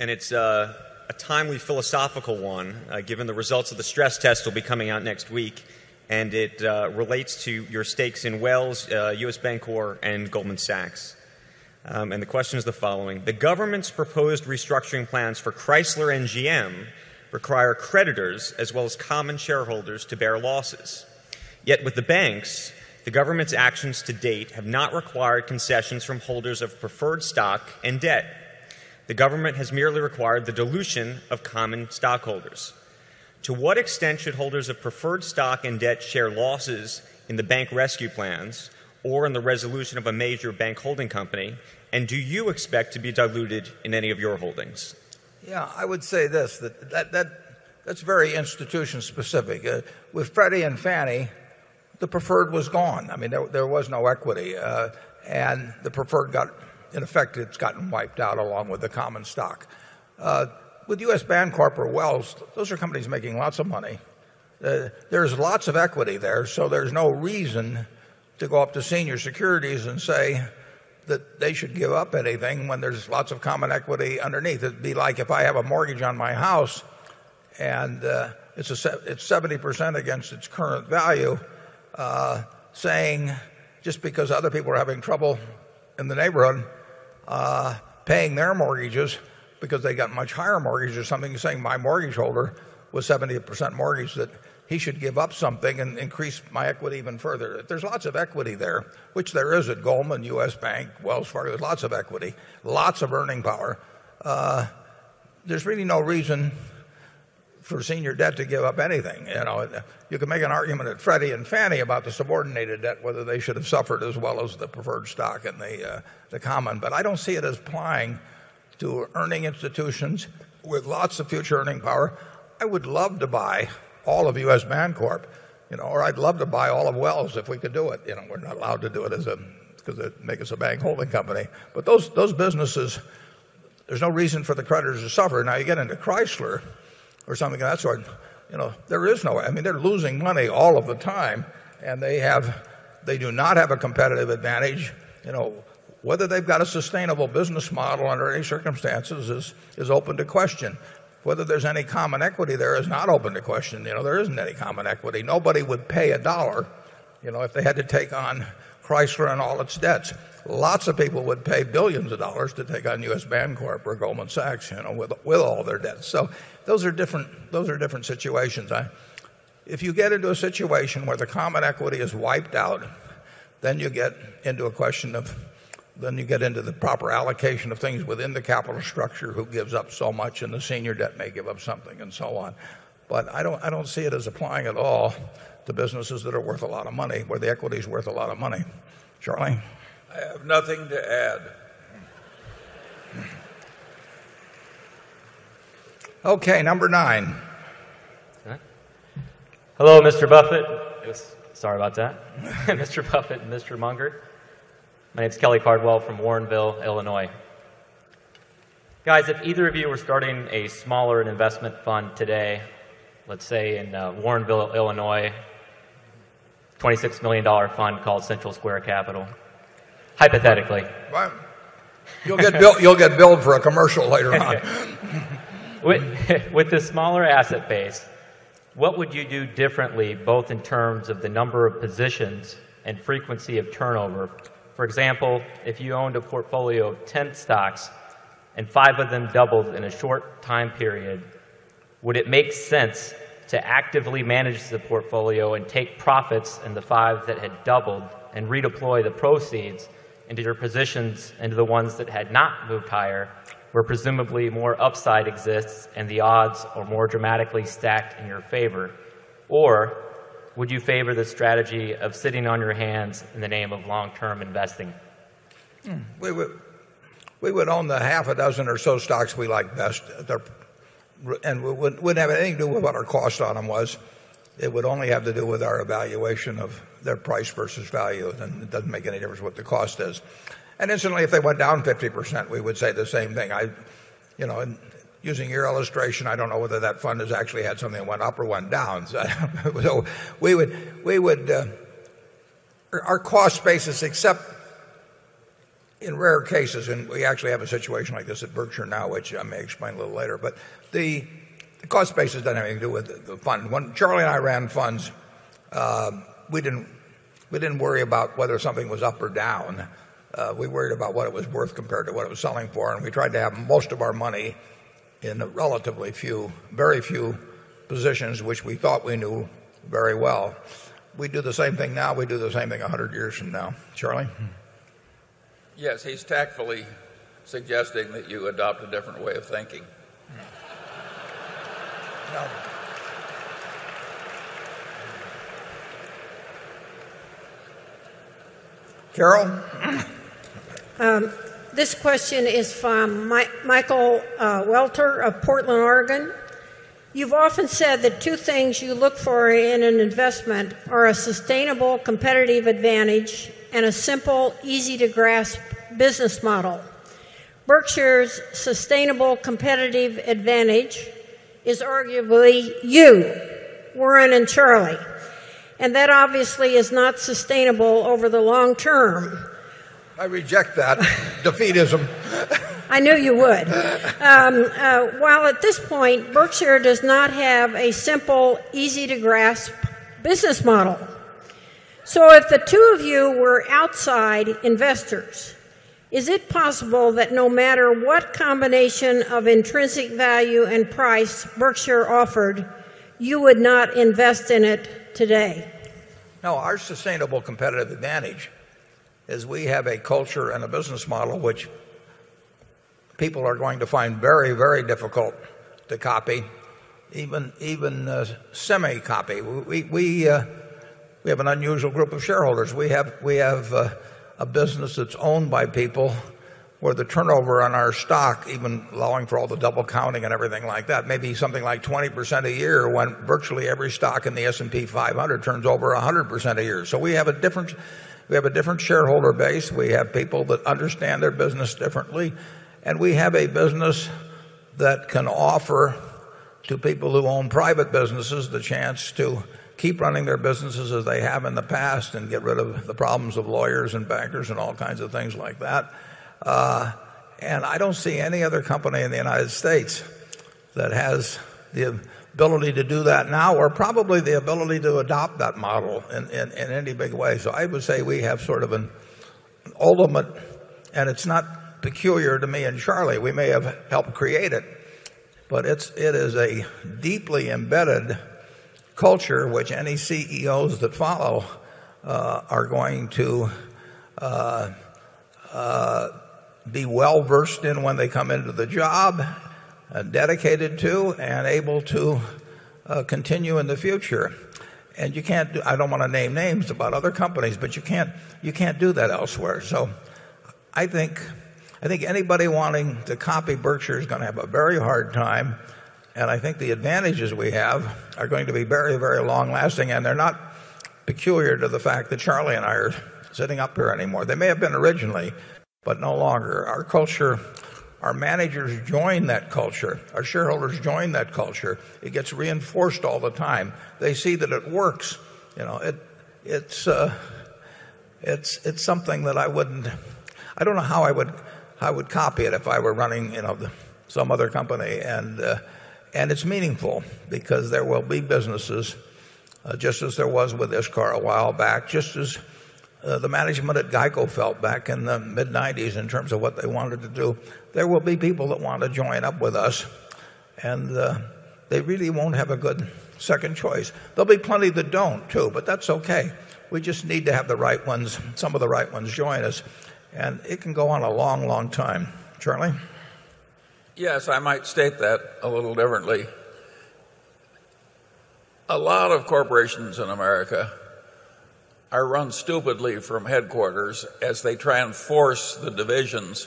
and it's a timely philosophical one, given the results of the stress test will be coming out next week and it relates to your stakes in Wells, U. S. Bancorp and Goldman Sachs. And the question is following: The government's proposed restructuring plans for Chrysler and GM require creditors as well as common shareholders to bear losses. Yet with the banks, the government's actions to date have not required concessions from holders of preferred stock and debt. The government has merely required the dilution of common stockholders. To what extent should holders of preferred stock and debt share losses in the bank rescue plans or in the resolution of a major bank holding company? And do you expect to be diluted in any of your holdings? Yes. I would say this, that's very institution specific. With Freddie and Fannie, the preferred was gone. I mean, there was no equity. And the preferred got in effect, it's gotten wiped out along with the common stock. With U. S. Bancorp or Wells, those are companies making lots of money. There's lots of equity there. So there's no reason to go up to senior securities and say that they should give up anything when there's lots of common equity underneath. It'd be like if I have a mortgage on my house and it's 70% against its current value saying just because other people are having trouble in the neighborhood paying their mortgages because they got much higher mortgages or something saying my mortgage holder was 78% mortgage that he should give up something and increase my equity even further. There's lots of equity there, which there is at Goldman, US Bank, Wells Fargo, lots of equity, lots of earning power. There's really no reason for senior debt to give up anything. You can make an argument at Freddie and Fannie about the subordinated debt, whether they should have suffered as well as the preferred stock and the common. But I don't see it as applying to earning institutions with lots of future earning power. I would love to buy all of U. S. Bancorp or I'd love to buy all of Wells if we could do it. We're not allowed to do it because it makes us a bank holding company. But those businesses, there's no reason for the creditors to suffer. Now you get into Chrysler or something of that sort, there is no, I mean, they're losing money all of the time and they do not have a competitive advantage. Whether they've got a sustainable business model under any circumstances is open to question. Whether there's any common equity there is not open to question. There isn't any common equity. Nobody would pay a dollar if they had to take on Chrysler and all its debts. Lots of people would pay 1,000,000,000 of dollars to take on US Bancorp or Goldman Sachs with all their debts. So those are different situations. If you get into a situation where the common equity is wiped out, then you get into a question of then you get into the proper allocation of things within the capital structure who gives up so much and the senior debt may give up something and so on. But I don't see it as applying at all to businesses that are worth a lot of money where the equity is worth a lot of money. Charlie? I have nothing to add. Okay. Number 9. Hello, Mr. Buffet. Sorry about that. Mr. Buffet and Mr. Munger. My name is Kelly Cardwell from Warrenville, Illinois. Guys, if either of you are starting a smaller investment fund today, let's say in Warrenville, Illinois, dollars 26,000,000 fund called Central Square Capital, hypothetically. You'll get billed for a commercial later on. With the smaller asset base, what would you do differently both in terms of the number of positions and frequency of turnover? For example, if you owned a portfolio of 10 stocks and 5 of them doubled in a short time period, would it make sense to actively manage the portfolio and take profits in the 5 that had doubled and redeploy the proceeds into your positions into the ones that had not moved higher, where presumably more upside exists and the odds are more dramatically stacked in your favor? Or would you favor the strategy of sitting on your hands in the name of long term investing? We would own the half a dozen or so stocks we like best and we wouldn't have anything to do with what our cost on them was. It would only have to do with our evaluation of their price versus value and it doesn't make any difference what the cost is. And instantly if they went down 50%, we would say the same thing. Using your illustration, I don't know whether that fund has actually had something that went up or went down. So we would our cost basis except in rare cases and we actually have a situation like this at Berkshire now which I may explain a little later. But the cost base has nothing to do with the fund. When Charlie and I ran funds, we didn't worry about whether something was up or down. We worried about what it was worth compared to what it was selling for and we tried to have most of our money in relatively few, very few positions which we thought we knew very well. We do the same thing now. We do the same thing 100 years from now. Charlie? Yes. He's tactfully suggesting that you adopt a different way of thinking. This question is from Michael Welter of Portland, Oregon. You've often said that 2 things you look for in an investment are a sustainable competitive advantage and a simple easy to grasp business model. Berkshire's sustainable competitive advantage is arguably you, Warren and Charlie. And that obviously is not sustainable over the long term. I reject that. Defeatism. I know you would. Well, at this point, Berkshire does not have a simple, easy to grasp business model. So if the 2 of you were outside investors, is it possible that no matter what combination of intrinsic value and price Berkshire offered, you would not invest in it today? No. Our sustainable competitive advantage is we have a culture and a business model which people are going to find very, very difficult to copy even semi copy. We have an unusual group of shareholders. We have a business that's owned by people where the turnover on our stock even allowing for all the double counting and everything like that, maybe something like 20% a year when virtually understand their business differently. And we have a business that can offer to and we have a business that can offer to people who own private businesses the chance to keep running their businesses as they have in the past and get rid of the problems of lawyers and bankers and all kinds of things like that. And I don't see any other company in the United States that has the ability to do that now or probably the ability to adopt that model in any big way. So I would say we have sort of an ultimate and it's not peculiar to me and Charlie. We may have helped create it, but it is a deeply embedded culture which any CEOs that follow are going to be well versed in when they come into the job, dedicated to and able to continue in the future. And you can't do, I don't want to name names about other companies, but you can't do that elsewhere. So I think anybody wanting to copy Berkshire is going to have a very hard time and I think the advantages we have are going to be very, very long lasting and they're not peculiar to the fact that Charlie and I are sitting up here anymore. They may have been originally but no longer. Our culture, our managers join that culture. Our shareholders join that culture. It gets reinforced all the time. They see that it works. It's something that I wouldn't I don't know how I would copy it if I were running some other company. And it's meaningful because there will be businesses just as there was with Iscar a while back, just as the management at GEICO felt back in the mid-90s in terms of what they wanted to do, there will be people that want to join up with us and they really won't have a good second choice. There'll be plenty that don't too but that's okay. We just need to have the right ones, some of the right ones join us and it can go on a long, long time. Charlie? Yes. I might state that a little differently. A lot of corporations in America are run stupidly from headquarters as they try and force the divisions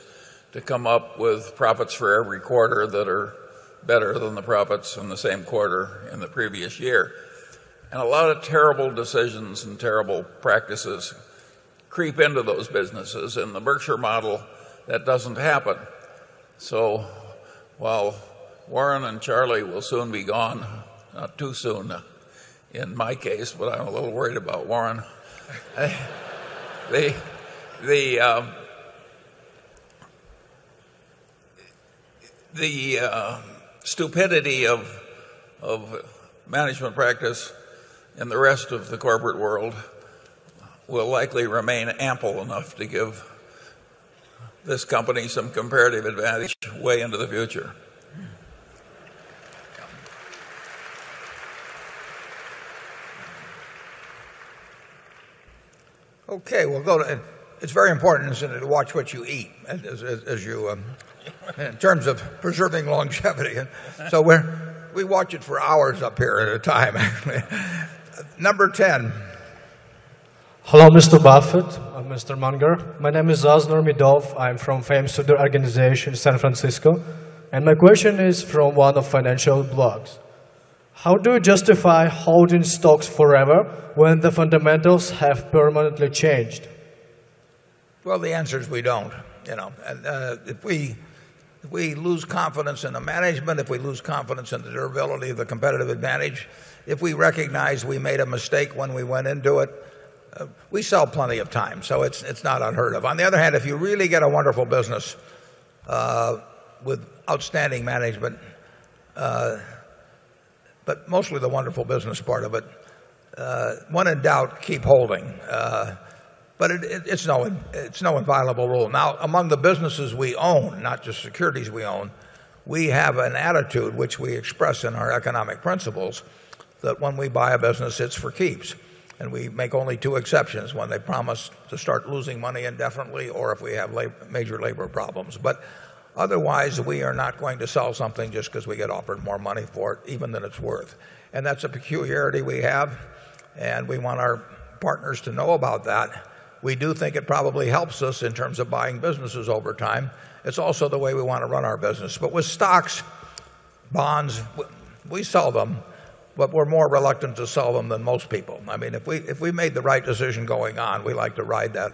to come up with profits for every quarter that are better than the profits in the same quarter in the previous year. And a lot of terrible decisions and terrible practices creep into those businesses. In the Berkshire model, that doesn't happen. So while Warren and Charlie will soon be gone, not too soon in my case but I'm a little worried about Warren, the stupidity of management practice in the rest of the corporate world will likely remain ample enough to give this company some comparative advantage way into the future. Okay. We'll go to it's very important to watch what you eat as you in terms of preserving longevity. So we watch it for hours up here at a time actually. Number 10. Hello, Mr. Buffet and Munger. My name is Aznar Midov. I'm from Fame Sudhak Organization San Francisco. And my question is from 1 of financial blogs. How do you justify holding stocks forever when the fundamentals have permanently changed? Well, the answer is we don't. You know? And, if we if we lose confidence in the management, if we lose confidence in the durability of the competitive advantage, if we recognize we made a mistake when we went into it, we sell plenty of time. So it's not unheard of. On the other hand, if you really get a wonderful business with outstanding management, but mostly the wonderful business part of it, when in doubt, keep holding. But it's no inviolable rule. Now among the businesses we own, not just securities we own, we have an attitude which we express in our economic principles that when we buy a business it's for keeps. And we make only 2 exceptions, when they promise to start losing money indefinitely or if we have major labor problems. But otherwise, we are not going to sell something just because we get offered more money for it even than it's worth. And that's a peculiarity we have and we want our partners to know about that. We do think it probably helps us in terms of buying businesses over time. It's also the way we want to run our business. But with stocks, bonds, we sell them but we're more reluctant to sell them than most people. I mean, if we made the right decision going on, we like to ride that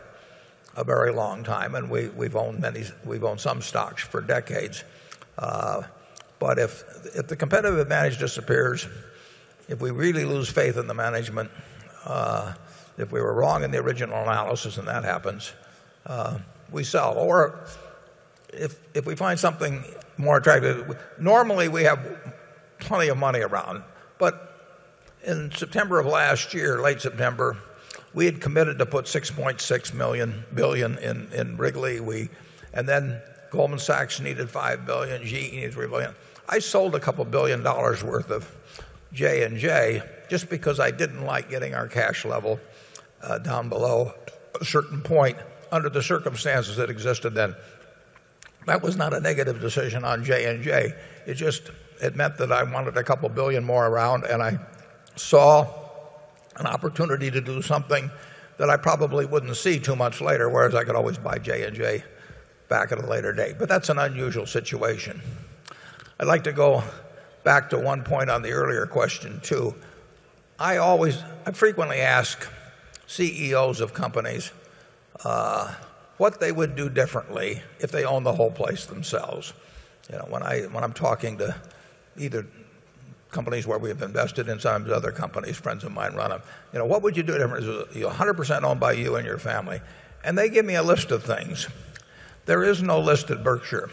a very long time, and we've owned many we've owned some stocks for decades. But if the competitive advantage disappears, if we really lose faith in the management, if we were wrong in the original analysis and that happens, we sell. Or if we find something more attractive, normally we have plenty of money around it. But in September of last year, late September, we had committed to put 6,600,000,000 in Wrigley and then Goldman Sachs needed 5,000,000,000 GE needed 3,000,000,000. I sold a couple of $1,000,000,000 worth of J and J just because I didn't like getting our cash level down below a certain point under the circumstances that existed then. That was not a negative decision on J and J. It just meant that I wanted a couple of 1,000,000,000 more around and I saw an opportunity to do something that I probably wouldn't see too much later whereas I could always buy J and J back at a later date, but that's an unusual situation. I'd like to go back to one point on the earlier question too. I frequently ask CEOs of companies what they would do differently if they own the whole place themselves. When I'm talking to either companies where we have invested in some of the other companies, friends of mine run them, what would you do if you're 100% owned by you and your family? And they give me a list of things. There is no list at Berkshire.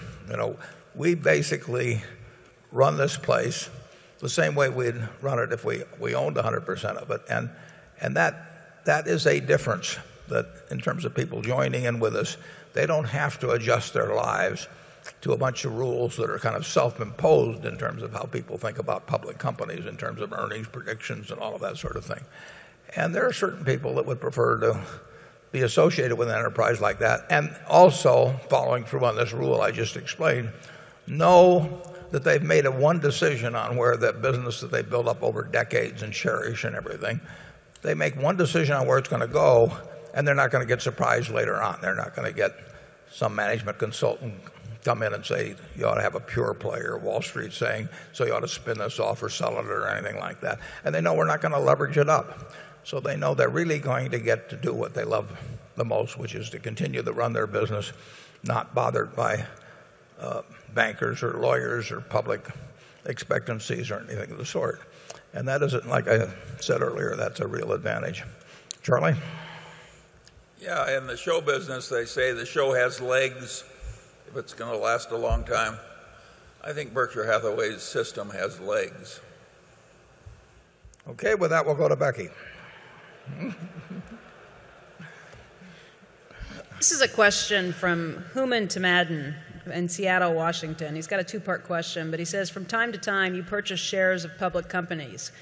We basically run this place the same way we'd run it if we owned 100 percent of it. And that is a difference that in terms of people joining in with us, they don't have to adjust their lives to a bunch of rules that are kind of self imposed in terms of how people think about public companies in terms of earnings predictions and all of that sort of thing. And there are certain people that would prefer to be associated with an enterprise like that. And also following through on this rule I just explained, know that they've made one decision on where that business that they've built up over decades and cherish and everything, they make one decision on where it's going to go and they're not going to get surprised later on. They're not going to get some management consultant come in and say, you ought to have a pure player. Wall Street is saying, so you ought to spin this off or sell it or anything like that. And they know we're not going to leverage it up. So they know they're really going to get to do what they love the most, which is to continue to run their business, not bothered by bankers or lawyers or public expectancies or anything of the sort. And like I said earlier, that's a real advantage. Charlie? Yes. In the show business, they say the show has legs if it's going to last a long time. I think Berkshire Hathaway's system has legs. Okay. With that, we'll go to Becky. This is a question from Hooman Tom Madden in Seattle, Washington. He's got a 2 part question, but he says, from time to time, you purchase shares of public companies.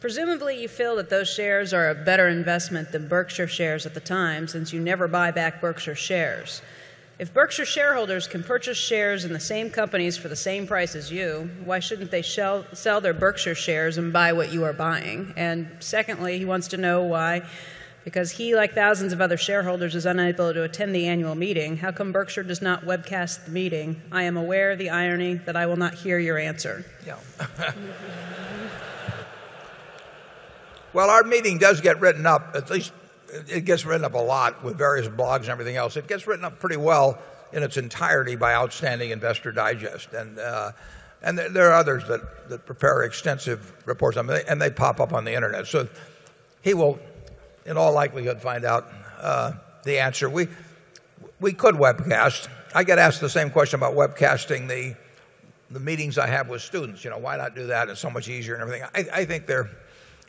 Presumably, you feel that those shares are a better investment than Berkshire shares at the time since you never buy back Berkshire shares. If Berkshire shareholders can purchase shares in the same companies for the same price as you, why shouldn't they sell their Berkshire shares and buy what you are buying? And secondly, he wants to know why because he, like thousands of other shareholders, is unable to attend the annual meeting. How come Berkshire does not webcast the meeting? I am aware of the irony that I will not hear your answer. Well, our meeting does get written up at least it gets written up a lot with various blogs and everything else. It gets written up pretty well in its entirety by Outstanding Investor Digest. And there are others that prepare extensive reports and they pop up on the Internet. So he will, in all likelihood, find out the answer. We could webcast. I get asked the same question about webcasting the meetings I have with students. Why not do that? It's so much easier and everything. I think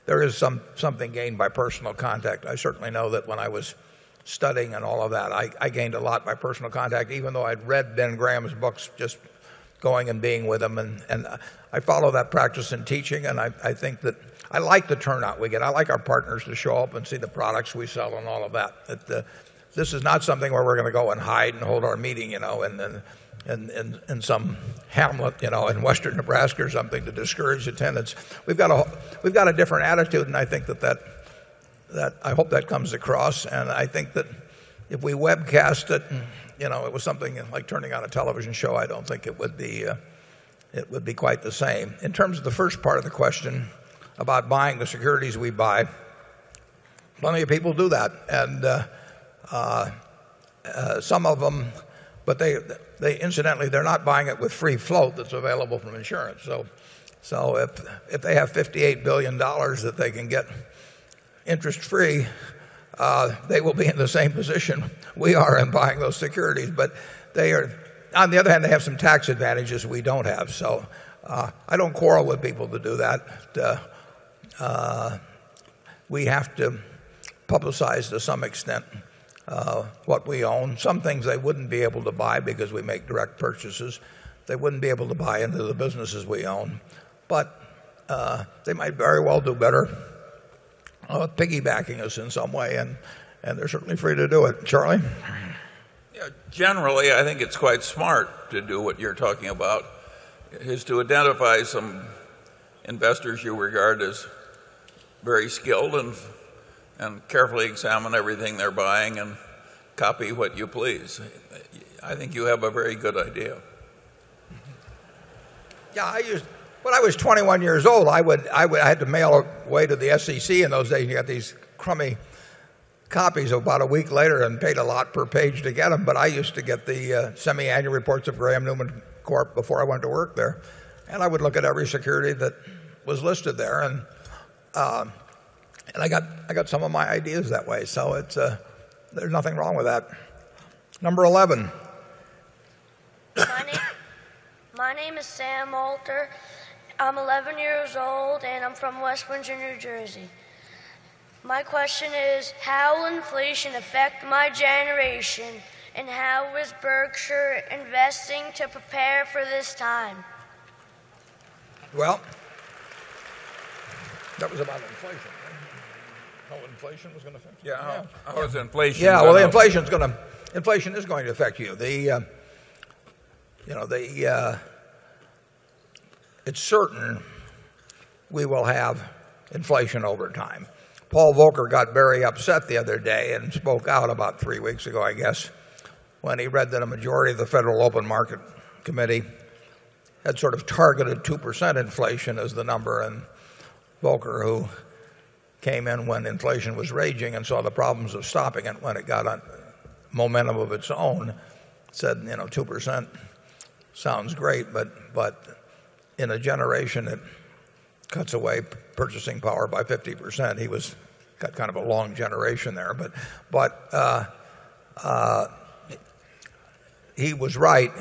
there is something gained by personal contact. I certainly know that when I was studying and all of that, I gained a lot by personal contact even though I'd read Ben Graham's books just going and being with him and I follow that practice in teaching and I think that I like the turnout we get. I like our partners to show up and see the products we sell and all of that. This is not something where we're going to go and hide and hold our meeting in some hamlet in Western Nebraska or something to discourage attendants. We've got a different attitude and I think that I hope that comes across. And I think that if we webcast it, it was something like turning on a television show. I don't think it would be quite the same. In terms of the first part of the question about buying the securities we buy, Plenty of people do that and some of them, but incidentally, they're not buying it with free float that's available from insurance. So if they have $58,000,000,000 that they can get interest free, they will be in the same position we are in buying those securities, but they are on the other hand, they have some tax advantages we don't have. So I don't quarrel with people to do that. We have to publicize to some extent what we own. Some things they wouldn't be able to buy because we make direct purchases. They wouldn't be able to buy into the businesses we own, but they might very well do better piggybacking us in some way and they're certainly free to do it. Charlie? Generally, I think it's quite smart to do what you're talking about is to identify some investors you regard as very skilled and carefully examine everything they're buying and copy what you please. I think you have a very good idea. Yeah. When I was 21 years old, I had to mail away to the SEC in those days. You had these crummy copies about a week later and paid a lot per page to get them, but I used to get the semi annual reports of Graham Newman Corp before I went to work there and I would look at every security that was listed there and I got some of my ideas that way. So there's nothing wrong with that. Number 11. My name is Sam Alter. I'm 11 years old and I'm from West Windsor, New Jersey. My question is how will inflation affect my generation and how is Berkshire investing to prepare for this time? Well, that was about inflation. How inflation was going to affect? Yes. How was inflation? Yes. Well, the inflation is going to to affect you. It's certain we will have inflation over time. Paul Volcker got very upset the other day and spoke out about 3 weeks ago, I guess, when he read that a majority of the Federal Open Market Committee had sort of targeted 2% inflation as the number and Volker who came in when inflation was raging and saw the problems of stopping it when it got momentum of its own, said 2% sounds great, but in a generation, it cuts away purchasing power by 50%. He was got kind of a long generation there. But he was right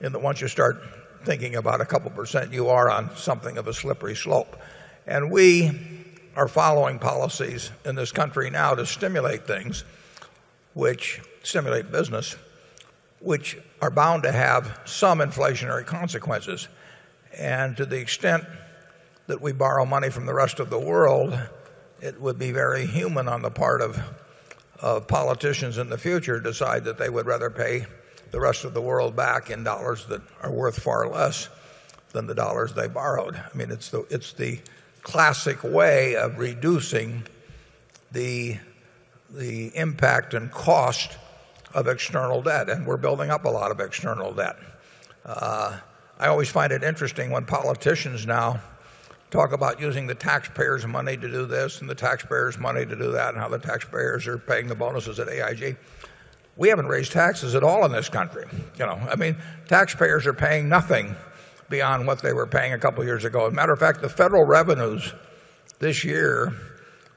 in that once you start thinking about a couple percent, you are on something of a slippery slope. And we are following policies in this country now to stimulate things, which stimulate business, which are bound to have some inflationary consequences. And to the extent that we borrow money from the rest of the world, it would be very human on the part of politicians in the future decide that they would rather pay the rest of the world back in dollars that are worth far less than the dollars they borrowed. I mean, it's the classic way of reducing the impact and cost of external debt and we're building up a lot of external debt. I always find it interesting when politicians now talk about using the taxpayers' money to do this and the taxpayers' money to do that and how the taxpayers are paying the bonuses at AIG. We haven't raised taxes at all in this country. I mean, taxpayers are paying nothing beyond what they were paying a couple of years ago. As a matter of fact, the federal revenues this year,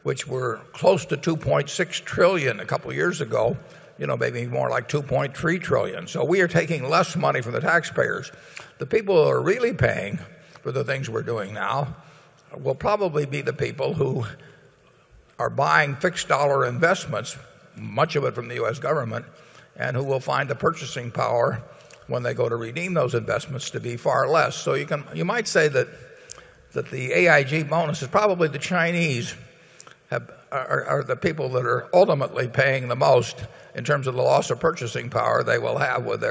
which were close to 2,600,000,000,000 a couple of years ago, maybe more like 2,300,000,000,000. So we are taking less money from the taxpayers. The people who are really paying for the things we're doing now will probably be the people who are buying fixed dollar investments, much of it from the US government, and who will find the purchasing power when they go to redeem those investments to be far less. So you might say that the AIG bonus is probably the Chinese are the people that are ultimately paying the most in terms of the loss of purchasing power they will have with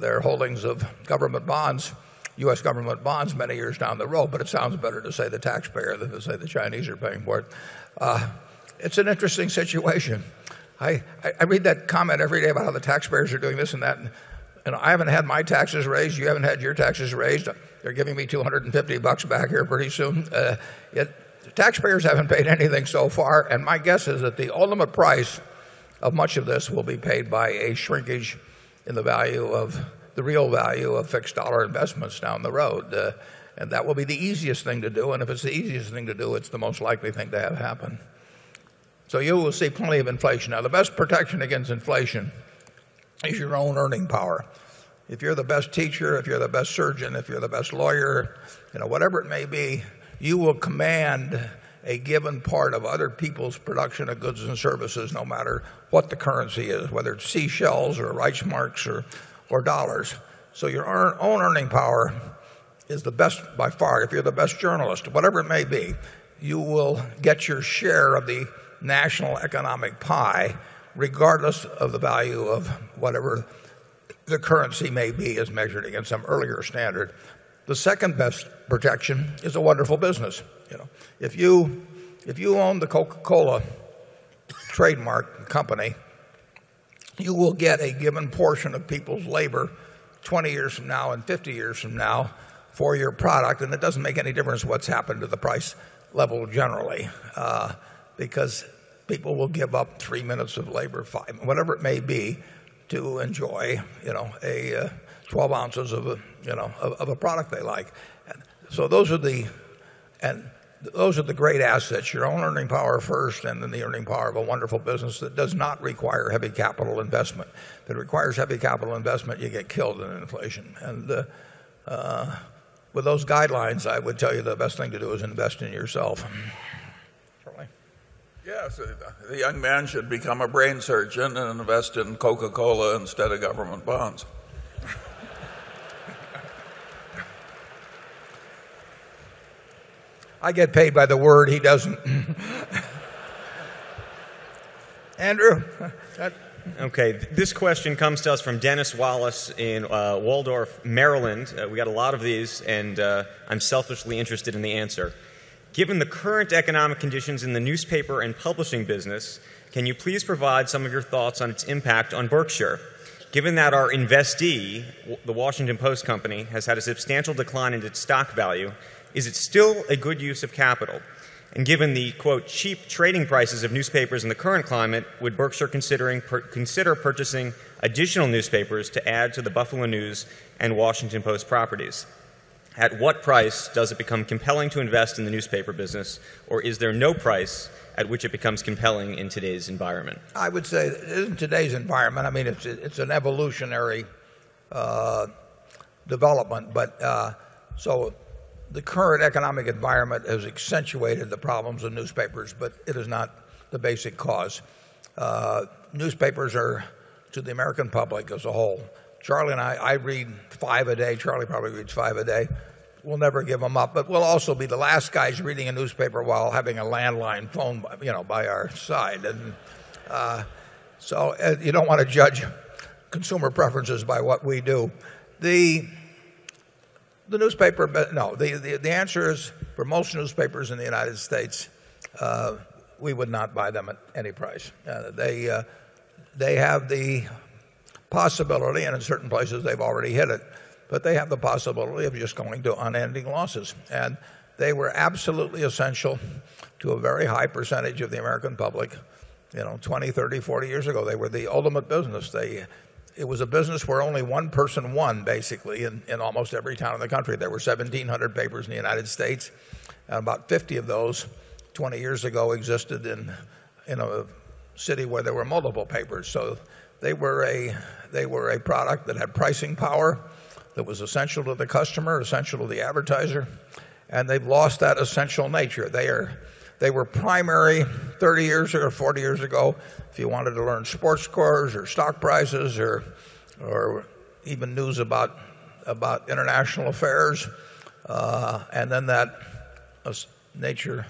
their holdings of government bonds, US government bonds many years down the road, but it sounds better to say the taxpayer than to say the Chinese are paying for it. It's an interesting situation. I read that comment every day about how the taxpayers are doing this and that, and I haven't had my taxes raised. You haven't had your taxes raised. They're giving me $2.50 back here pretty soon. The taxpayers haven't paid anything so far. And my guess is that the ultimate price of much of this will be paid by a shrinkage in the value of the real value of fixed dollar investments down the road. And that will be the easiest thing to do. And if it's the easiest thing to do, it's the most likely thing to have happen. So you will see plenty of inflation. Now the best protection against inflation is your own earning power. If you're the best teacher, if you're the best surgeon, if you're the best lawyer, whatever it may be, you will command a given part of other people's production of goods and services no matter what the currency is, whether it's seashells or Reichsmarks or dollars. So your own earning power is the best by far. If you're the best journalist, whatever it may be, you will get your share of the national economic pie regardless of the value of whatever the currency may be as measured against some earlier standard. The second best projection is a wonderful business. If you own the Coca Cola Trademark Company, you will get a given portion of people's labor 20 years from now 50 years from now for your product and it doesn't make any difference what's happened to the price level generally because people will give up 3 minutes of labor, whatever it may be to enjoy 12 ounces of a product they like. So those are the great assets, your own earning power first and then the earning power of a wonderful business that does not require heavy capital investment. If it requires heavy capital investment, you get killed in inflation. And with those guidelines, I would tell you the best thing to do is invest in yourself. Charlie? Yes. The young man should become a brain surgeon and invest in Coca Cola instead of government bonds. I get paid by the word he doesn't. Andrew? Okay. This question comes to us from Dennis Wallace in, Waldorf, Maryland. We got a lot of these and, I'm selfishly interested in the answer. Given the current economic conditions in the newspaper and publishing business, can you please provide some of your thoughts on its impact on Berkshire? Given that our investee, the Washington Post Company, has had a substantial decline in its stock value, is it still a good use of capital? And given the cheap trading prices of newspapers in the current climate, would Berkshire consider purchasing additional newspapers to add to the Buffalo News and Washington Post properties. At what price does it become compelling to invest in the newspaper business or is there no price at which it becomes compelling in today's environment? I would say it isn't today's environment. I mean, it's an evolutionary development. But so the current economic environment has accentuated the problems of newspapers, but it is not the basic cause. Newspapers are to the American public as a whole. Charlie and I, I read 5 a day. Charlie probably reads 5 a day. We'll never give them up but we'll also be the last guys reading a newspaper while having a landline phone by our side. So you don't want to judge consumer preferences by what we do. The newspaper, no, the answer is promotional newspapers in the United States. We would not buy them at any price. They have the possibility and in certain places they've already hit it, but they have the possibility of just going to unending losses. And they were absolutely essential to a very high percentage of the American public 20, 30, 40 years ago. They were the ultimate business. It was a business where only one person won basically in almost every town in the country. There were 1700 papers in the United States. About 50 of those 20 years ago existed in a city where there were multiple papers. So they were a product that had pricing power that was essential to the customer, essential to the advertiser and they've lost that essential nature. They were primary 30 years ago or 40 years ago. If you wanted to learn sports scores or stock prices or even news about international affairs and then that nature,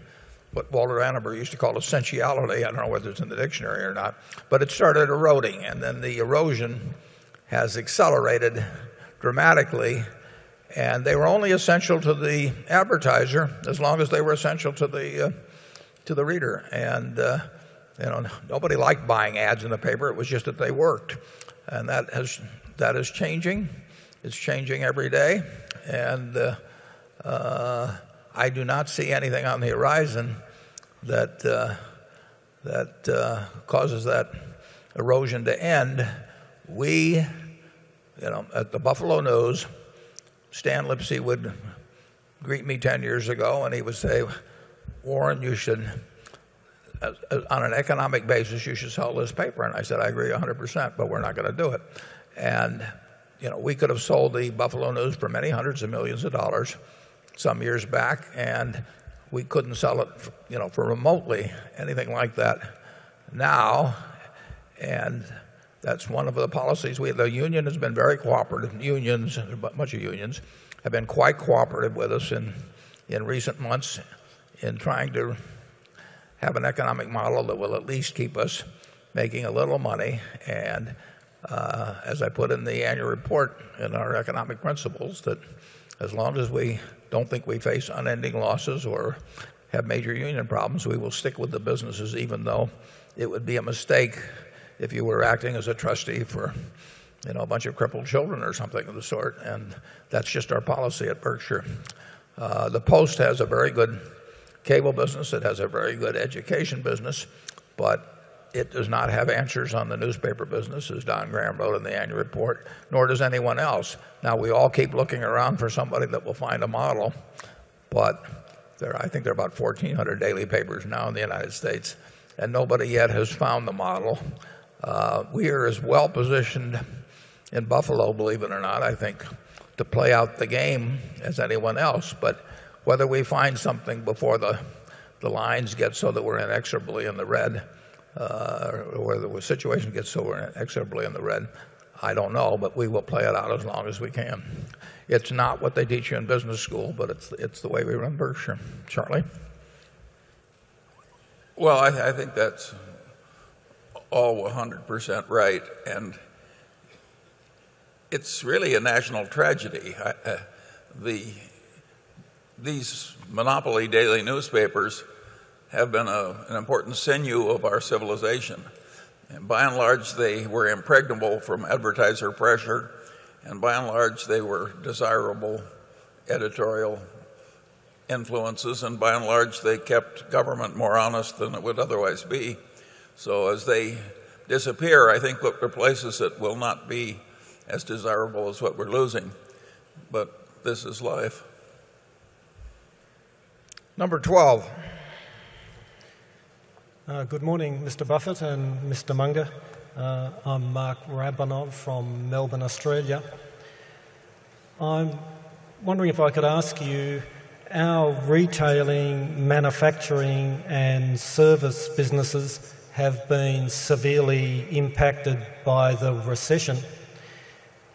what Walter Anaberg used to call essentiality. I don't know whether it's in the dictionary or not, but it started eroding and then the erosion has accelerated dramatically and they were only essential to the advertiser as long as they were essential to the reader. And nobody liked buying ads in the paper. It was just that they worked. And that is changing. It's changing every day. And I do not see anything on the horizon that causes that erosion to end. We at the Buffalo News, Stan Lipsey would greet me 10 years ago, and he would say, Warren, you should on an economic basis you should sell this paper. And I said, I agree 100%, but we're not going to do it. And we could have sold the Buffalo News for many 100 of 1,000,000 of dollars some years back and we couldn't sell it for remotely anything like that now. And that's one of the policies. The union has been very cooperative. Unions, much of unions, have been quite cooperative with us in recent months in trying to have an economic model that will at least keep us making a little money. And as I put in the annual report in our economic principles that as long as we don't think we face unending losses or have major union problems, we will stick with the businesses even though it would be a mistake if you were acting as a trustee for a bunch of crippled children or something of the sort. And that's just our policy at Berkshire. The Post has a very good cable business. It has a very good education business, but it does not have answers on the newspaper business as Don Graham wrote in the annual report nor does anyone else. Now we all keep looking around for somebody that will find a model but I think there are about 1400 daily papers now in the United States and nobody yet has found the model. We are as well positioned in Buffalo, believe it or not, I think to play out the game as anyone else. But whether we find something before the lines get so that we're inexorably in the red or where the situation gets so we're inexorably in the red, I don't know but we will play it out as long as we can. It's not what they teach you in business school, but it's the way we remember. Charlie? Well, I think that's all 100% right and it's really a national tragedy. These monopoly daily newspapers have been an important sinew of our civilization. And by and large, they were impregnable from advertiser pressure. And by and large, they were desirable editorial influences and by and large, they kept government more honest than it would otherwise be. So as they disappear, I think what replaces it will not be as desirable as what we're losing. But this is life. Number 12. I'm wondering if I could ask you, our retailing, manufacturing and service businesses have been severely impacted by the recession.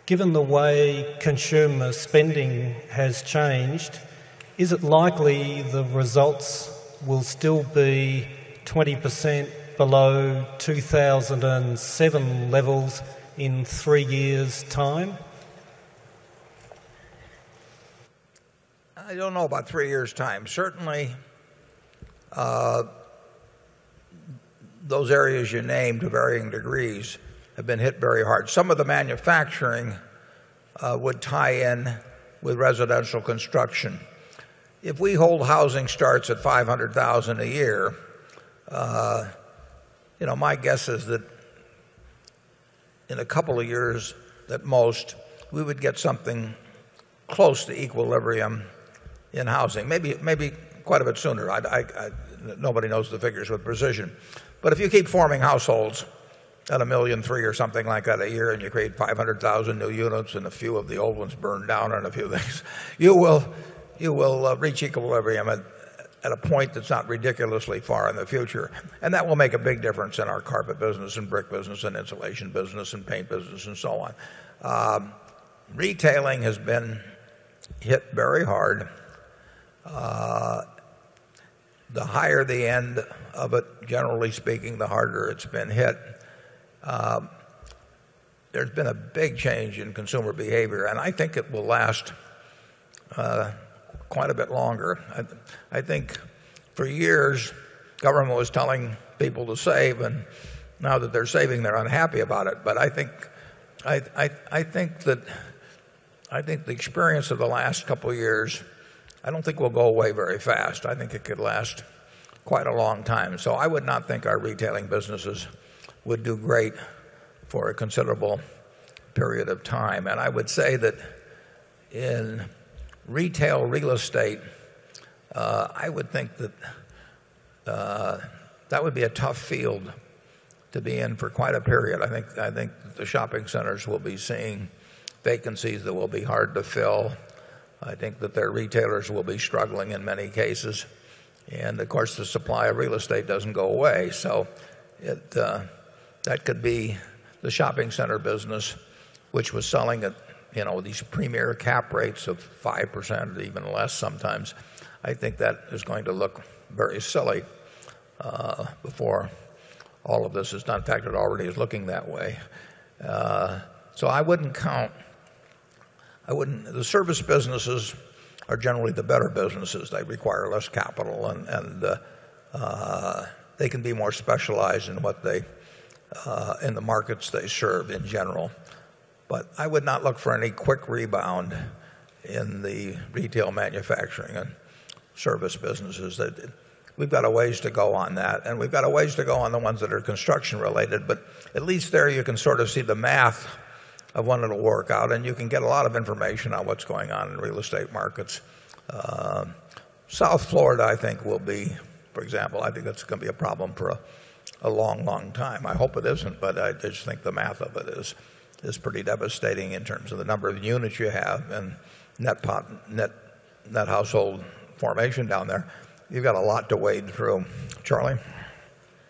Given the way consumer spending has changed, is it likely the results will still be 20% below 2,007 levels in 3 years' time? I don't know about 3 years' time. Certainly, those areas you named to varying degrees have been hit very hard. Some of the manufacturing would tie in with residential construction. If we hold housing starts at 500,000 a year, my guess is that in a couple of years at most, we would get something close to equilibrium in housing, maybe quite a bit sooner. Nobody knows the figures with precision. But if you keep forming households at 1,300,000 or something like that a year and you create 500,000 new units and a few of the old ones burn down on a few things, you will reach equilibrium at a point that's not ridiculously far in the future and that will make a big difference in our carpet business and brick business and insulation business and paint business and so on. Retailing has been hit very hard. The higher the end of it, generally speaking, the harder it's been hit. There's been a big change in consumer behavior and I think it will last quite a bit longer. I think for years, government was telling people to save. And now that they're saving, they're unhappy about it. But I think the experience of the last couple of years I don't think will go away very fast. I think it could last quite a long time. So I would not think our retailing businesses would do great for a considerable period of time. And I would say that in retail real estate, I would think that that would be a tough field to be in for quite a period. I think the shopping centers will be seeing vacancies that will be hard to fill. I think that their retailers will be struggling in many cases. And of course the supply of real estate doesn't go away. So that could be the shopping center business, which was selling at these premier cap rates of 5% or even less sometimes. I think that is going to look very silly before all of this is done. In fact, it already is looking that way. So I wouldn't count. I wouldn't the service businesses are generally the better businesses. They require less capital and they can be more specialized in what they in the markets they serve in general. But I would not look for any quick rebound in the retail manufacturing and service businesses. We've got a ways to go on that and we've got a ways to go on the ones that are construction related. But at least there you can sort of see the math of one of the work out and you can get a lot of information on what's going on in real estate markets. South Florida, I think will be, for example, I think that's going to be a problem for a long, long time. I hope it isn't, but I just think the math of it is pretty devastating in terms of the number of units you have and net household formation down there. You've got a lot to wade through. Charlie?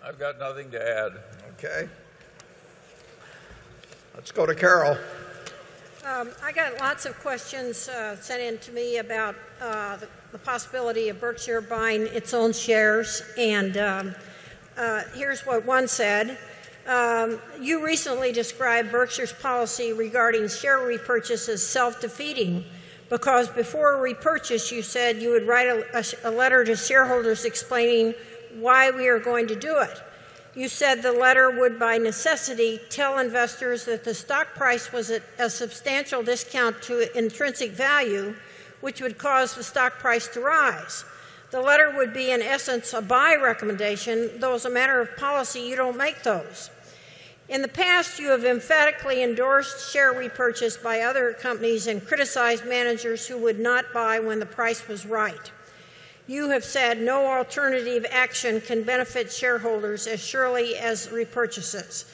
I've got nothing to add. Okay. Let's go to Carol. I got lots of questions sent in to me about the possibility of Berkshire buying its own shares. And here's what one said. You recently described Berkshire's policy regarding share repurchase as self defeating because before repurchase you said you would write a letter to shareholders explaining why we are going to do it. You said the letter would by necessity tell investors that the stock price was at a substantial discount to intrinsic value, which would cause the stock price to rise. The letter would be in essence a buy recommendation, though as a matter of policy, you don't make those. In the past, you have emphatically endorsed share repurchase by other companies and criticized managers who would not buy when the price was right. You have said no alternative action can benefit shareholders as surely as repurchases.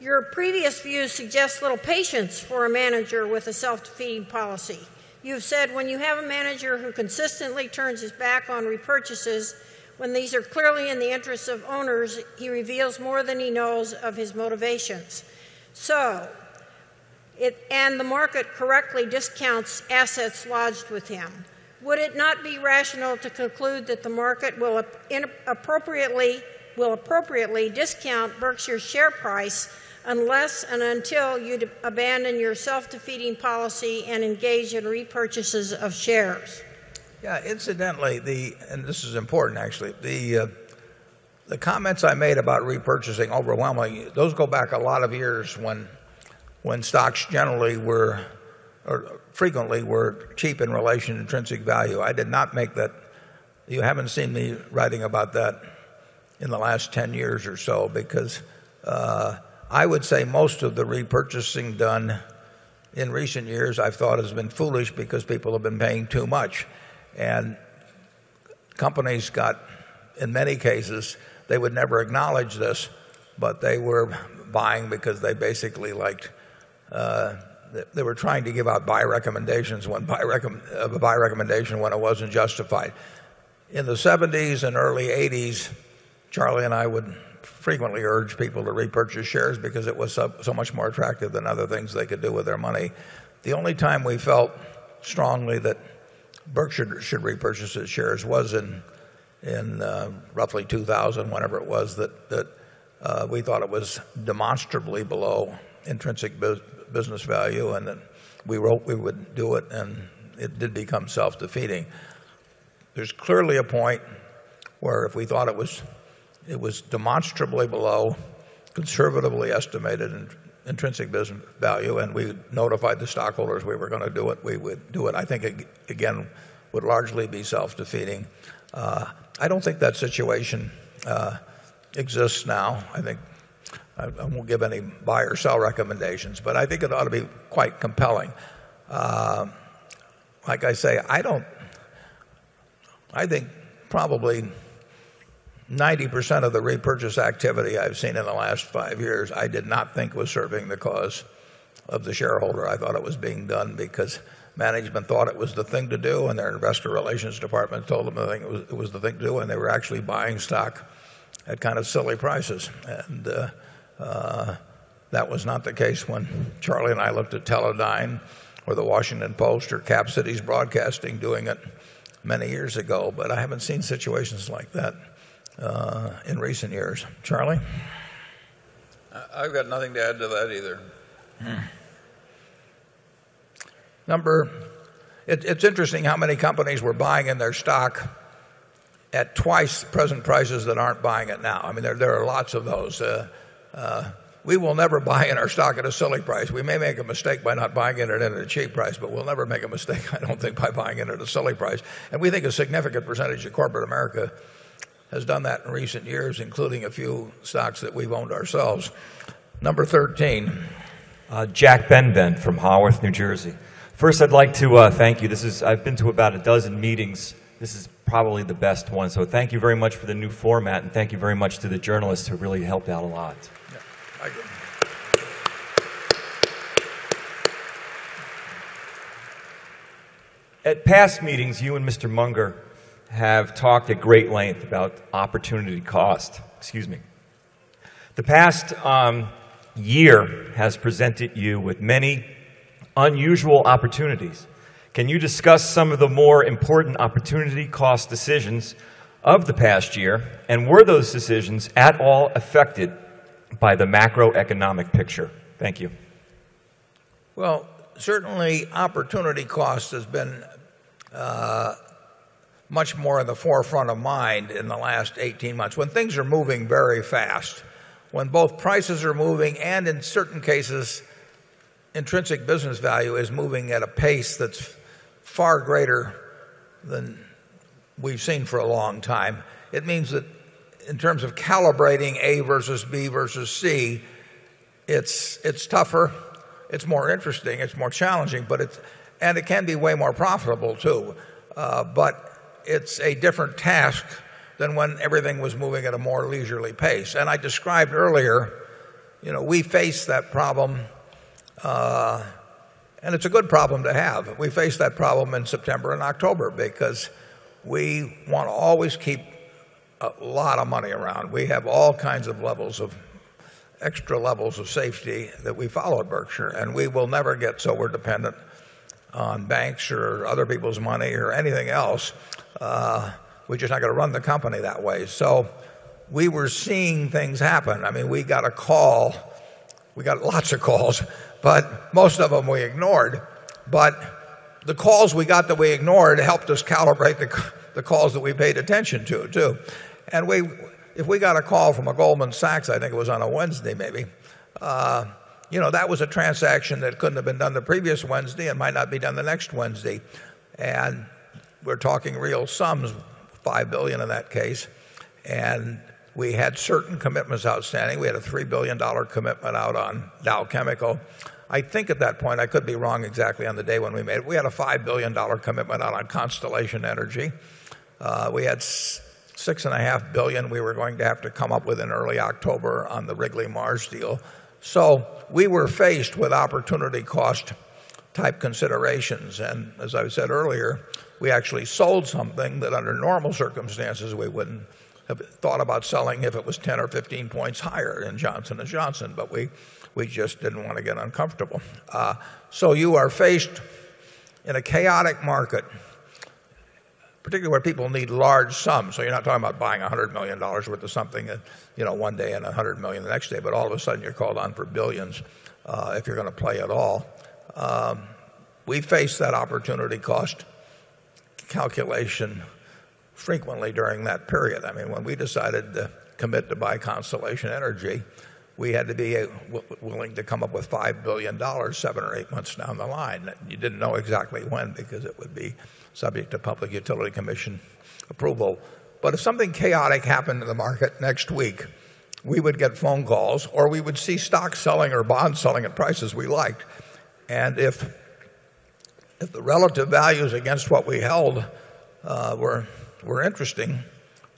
Your previous views suggest little patience for a manager with a self defeating policy. You've said when you have a manager who consistently turns his back on repurchases when these are clearly in the interest of owners, he reveals more than he knows of his motivations. So if and the market correctly discounts assets lodged with him, would it not be rational to conclude that the market will appropriately discount Berkshire's share price unless and until you abandon your self defeating policy and engage in repurchases of shares? Yes. Incidentally, the and this is important actually. The comments I made about repurchasing overwhelmingly those go back a lot of years when stocks generally were or frequently were cheap in relation to intrinsic value. I did not make that. You haven't seen me writing about that in the last 10 years or so because I would say most of the repurchasing done in recent years I've thought has been foolish because people have been paying too much and companies got, in many cases, they would never acknowledge this, but they were buying because they basically liked they were trying to give out buy recommendations when buy recommendation when it wasn't justified. In the '70s early '80s, Charlie and I would frequently urge people to repurchase shares because it was so much more attractive than other things they could do with their money. The only time we felt strongly that Berkshire should repurchase its shares was in roughly 2,000 whenever it was that we thought it was demonstrably below intrinsic business value and that we wrote we would do it and it did become self defeating. There's clearly a point where if we thought it was demonstrably below conservatively estimated intrinsic business value, and we notified the stockholders we were going to do it, we would do it. I think it again would largely be self defeating. I don't think that situation exists now. I won't give any buy or sell recommendations, but I think it ought to be quite compelling. Like I say, I think probably 90% of the repurchase activity I've seen in the last 5 years I did not think was serving the cause of the shareholder. I thought it was being done because management thought it was the thing to do and their investor relations department told them it was the thing to do and they were actually buying stock at kind of silly prices. And that was not the case when Charlie and I looked at Teledyne or the Washington Post or Cap Cities Broadcasting doing it many years ago, but I haven't seen situations like that in recent years. Charlie? I've got nothing to add to that either. Number, it's interesting how many companies were buying in their stock at twice present prices that aren't buying it now. There are lots of those. We will never buy in our stock at a silly price. We may make a mistake by not buying it at a cheap price, but we'll never make a mistake I don't think by buying it at a silly price. And we think a significant percentage of corporate America has done that in recent years including a few stocks that we've owned ourselves. Number 13. Jack Benben from Haworth, New Jersey. First, I'd like to thank you. This is I've been to about a dozen meetings. This is probably the best one. So thank you very much for the new format and thank you very much to the journalists who really helped out a lot. At past meetings, you and mister Munger have talked at great length about opportunity cost. Excuse me. The past year has presented you with many unusual opportunities. Can you discuss some of the more important opportunity cost decisions of the past year? And were those decisions at all affected by the macroeconomic picture? Thank you. Well, certainly opportunity cost has been much more in the forefront of mind in the last 18 months. When things are moving very fast, when both prices are moving and in certain cases, intrinsic business value is moving at a pace that's far greater than we've seen for a long time. It means that in terms of calibrating A versus B versus C, it's tougher. It's more interesting. It's more challenging, and it can be way more profitable too. But it's a different task than when everything was moving at a more leisurely pace. And I described earlier, we face that problem and it's a good problem to have. We faced that problem in September October because we want to always keep a lot of money around. We have all kinds of levels of extra levels of safety that we follow at Berkshire, and we will never get so dependent on banks or other people's money or anything else. We're just not going to run the company that way. So we were seeing things happen. I mean, we got a call. We got lots of calls, but most of them we ignored. But the calls we got that we ignored helped us calibrate the calls that we paid attention to too. And if we got a call from a Goldman Sachs, I think it was on a Wednesday maybe, that was a transaction that couldn't have been done the previous Wednesday. It might not be done the next Wednesday. And we're talking real sums, dollars 5,000,000,000 in that case. And we had certain commitments outstanding. We had a $3,000,000,000 commitment out on Dow Chemical. Think at that point, I could be wrong exactly on the day when we made it, we had a $5,000,000,000 commitment out on Constellation Energy. We had 6,500,000,000 we were going to have to come up with in early October on the Wrigley Mars deal. So we were faced with opportunity cost type considerations. And as I said earlier, we actually sold something that under normal circumstances we wouldn't have thought about selling if it was 10 or 15 points higher in Johnson and Johnson, but we just didn't want to get uncomfortable. So you are faced in a chaotic market, particularly where people need large sums. So you're not talking about buying $100,000,000 worth of something one day and $100,000,000 the next day, but all of a sudden you're called on for 1,000,000,000 if you're going to play at all. We face that opportunity cost calculation frequently during that period. I mean, when we decided to commit to buy Constellation Energy, we had to be willing to come up with $5,000,000,000 7 or 8 months down the line. You didn't know exactly when because it would be subject to Public Utility Commission approval. But if something chaotic happened to the market next week, we would get phone calls or we would see stocks selling or bonds selling at prices we liked. And if the relative values against what we held were interesting,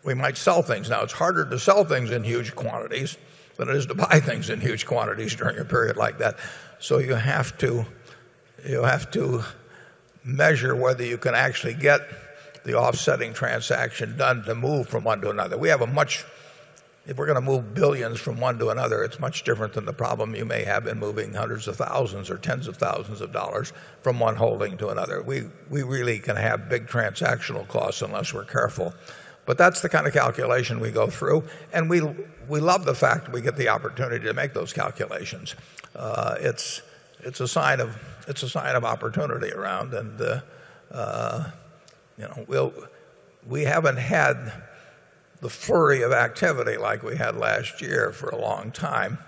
we might sell things. Now it's harder to sell things in huge quantities than it is to buy things in huge quantities during a period like that. So you have to measure whether you can actually get the offsetting transaction done to move from one to another. We have a much if we're going to move 1,000,000,000 from one to another, it's much different than the problem you may have in moving 100 of 1,000 or tens of 1,000 of dollars from one holding to another. We really can have big transactional costs unless we're careful. But that's the kind of calculation we go through And we love the fact we get the opportunity to make those calculations. It's a sign of opportunity around. And we haven't had the flurry of activity like we had last year for a long time.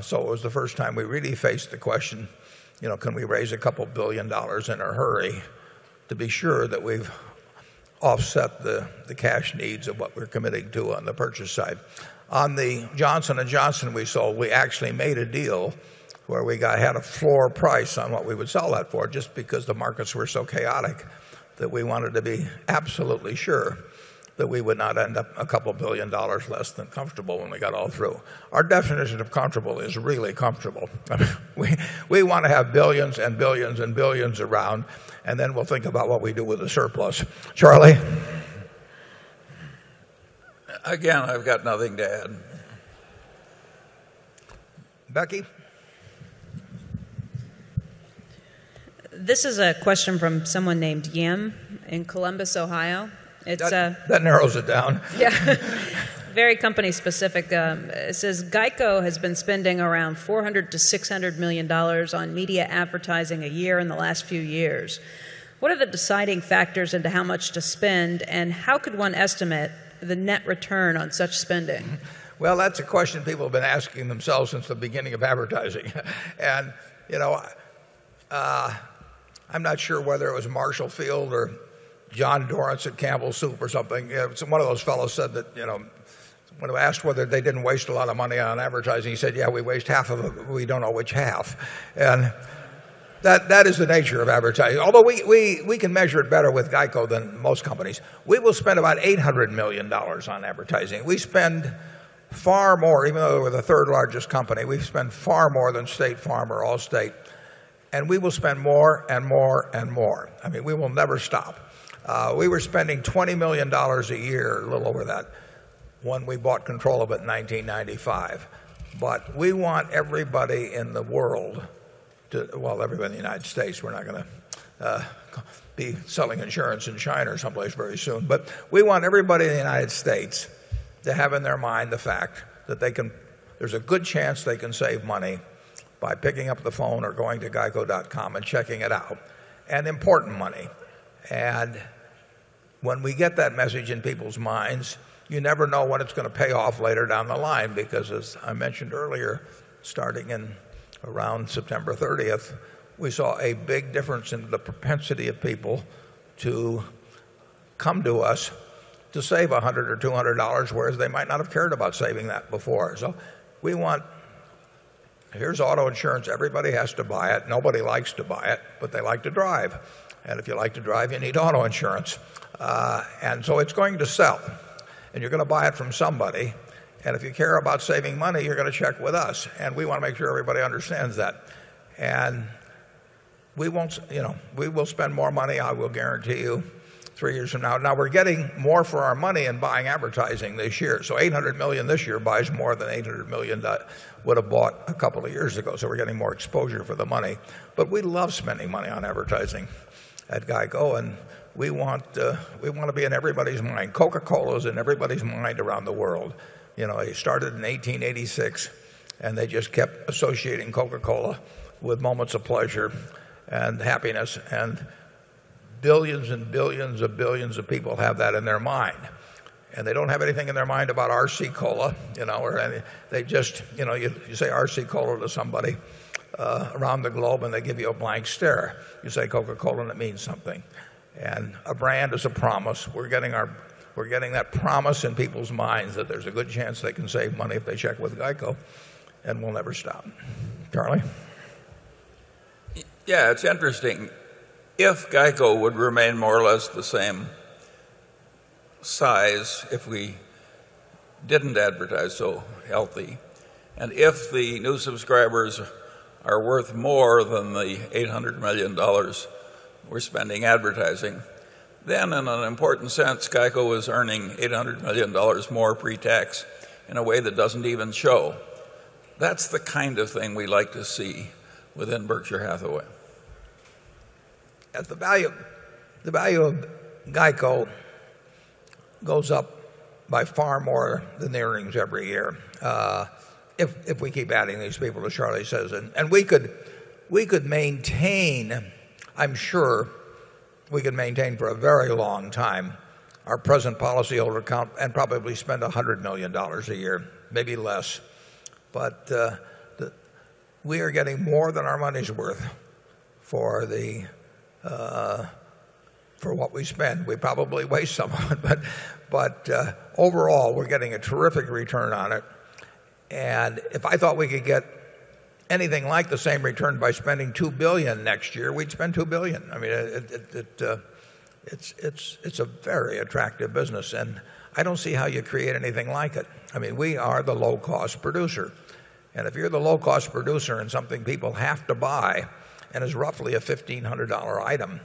So it was the first time we really faced the question, can we raise a couple of $1,000,000,000 in a hurry to be sure that we've offset the cash needs of what we're committing to on the purchase side. On the Johnson and Johnson we sold, we actually made a deal where we had a floor price on what we would sell that for just because the markets were so chaotic that we wanted to be absolutely sure that we would not end up a couple $1,000,000,000 less than comfortable when we got all through. Our definition of comfortable is really comfortable. We want to have 1,000,000,000 and 1,000,000,000,000 around and then we'll think about what we do with the surplus. Charlie? Again, I've got nothing to add. Becky? This is a question from someone named Yam in Columbus, Ohio. It's a That narrows it down. Yeah. Very company specific. It says, GEICO has been spending around $400,000,000 to $600,000,000 on media advertising a year in the last few years. What are the deciding factors into how much to spend and how could one estimate the net return on such spending? Well, that's a question people have been asking themselves since the beginning of advertising. And I'm not sure whether it was Marshall Field or John Dorrance at Campbell Soup or something. 1 of those fellows said that, you know, when we asked whether they didn't waste a lot of money on advertising, he said, Yeah, we waste half of it. We don't know which half. And that is the nature of advertising. Although we can measure it better with GEICO than most companies. We will spend about $800,000,000 on advertising. We spend far more, even though we're the 3rd largest company, we spend far more than State Farm or Allstate and we will spend more and more and more. I mean, we will never stop. We were spending $20,000,000 a year, a little over that when we bought control of it in 1995. But we want everybody in the world to well, everybody in the United States, we're not going to be selling insurance in China or someplace very soon, but we want everybody in the United States to have in their mind the fact that there's a good chance they can save money by picking up the phone or going to geico.com and checking it out and important money. And when we get that message in people's minds, you never know when it's going to pay off later down the line because as I mentioned earlier, starting around September 30, we saw a big difference in the propensity of people to come to us to save $100 or $200 whereas they might not have cared about saving that before. So we want here's auto insurance, everybody has to buy it. Nobody likes to buy it, but they like to drive. And if you like to drive, you need auto insurance. And so it's going to sell and you're going to buy it from somebody. If you care about saving money, you're going to check with us and we want to make sure everybody understands that. And we will spend more money, I will guarantee you, 3 years from now. Now we're getting more for our money in buying advertising this year. So 800,000,000 this year buys more than 800,000,000 that would have bought a couple of years ago. So we're getting more exposure for the money. But we love spending money on advertising at GEICO and we want to be in everybody's mind. Coca Cola is in everybody's mind around the world. It started in 18/86 and they just kept associating Coca Cola with moments of pleasure and happiness and billions and billions of billions of people have that in their mind and they don't have anything in their mind about RC Cola, you know, or any. They just, you know, you say RC Cola to somebody around the globe and they give you a blank stare. You say Coca Cola and it means something. And a brand is a promise. We're getting that promise in people's minds that there's a good chance they can save money if they check with GEICO and we'll never stop. Charlie? Yes. It's interesting. If GEICO would remain more or less the same size, if we didn't advertise so healthy, and if the new subscribers are worth more than the $800,000,000 we're spending advertising, then in an important sense, GEICO is earning $800,000,000 more pre tax in a way that doesn't even show. That's the kind of thing we like to see within Berkshire Hathaway. The value of GEICO goes up by far more than the earnings every year if we keep adding these people, as Charlie says. And we could maintain, I'm sure we could maintain for a very long time our present policyholder account and probably spend $100,000,000 a year, maybe less. But we are getting more than our money's worth for what we spend. We probably waste some of it, but overall we're getting a terrific return on it. And if I thought we could get anything like the same return by spending $2,000,000,000 next year, we'd spend $2,000,000,000 I mean it's a very attractive business and I don't see how you create anything like it. I mean, we are the low cost producer. And if you're the low cost producer and something people have to buy and is roughly a $1500 item,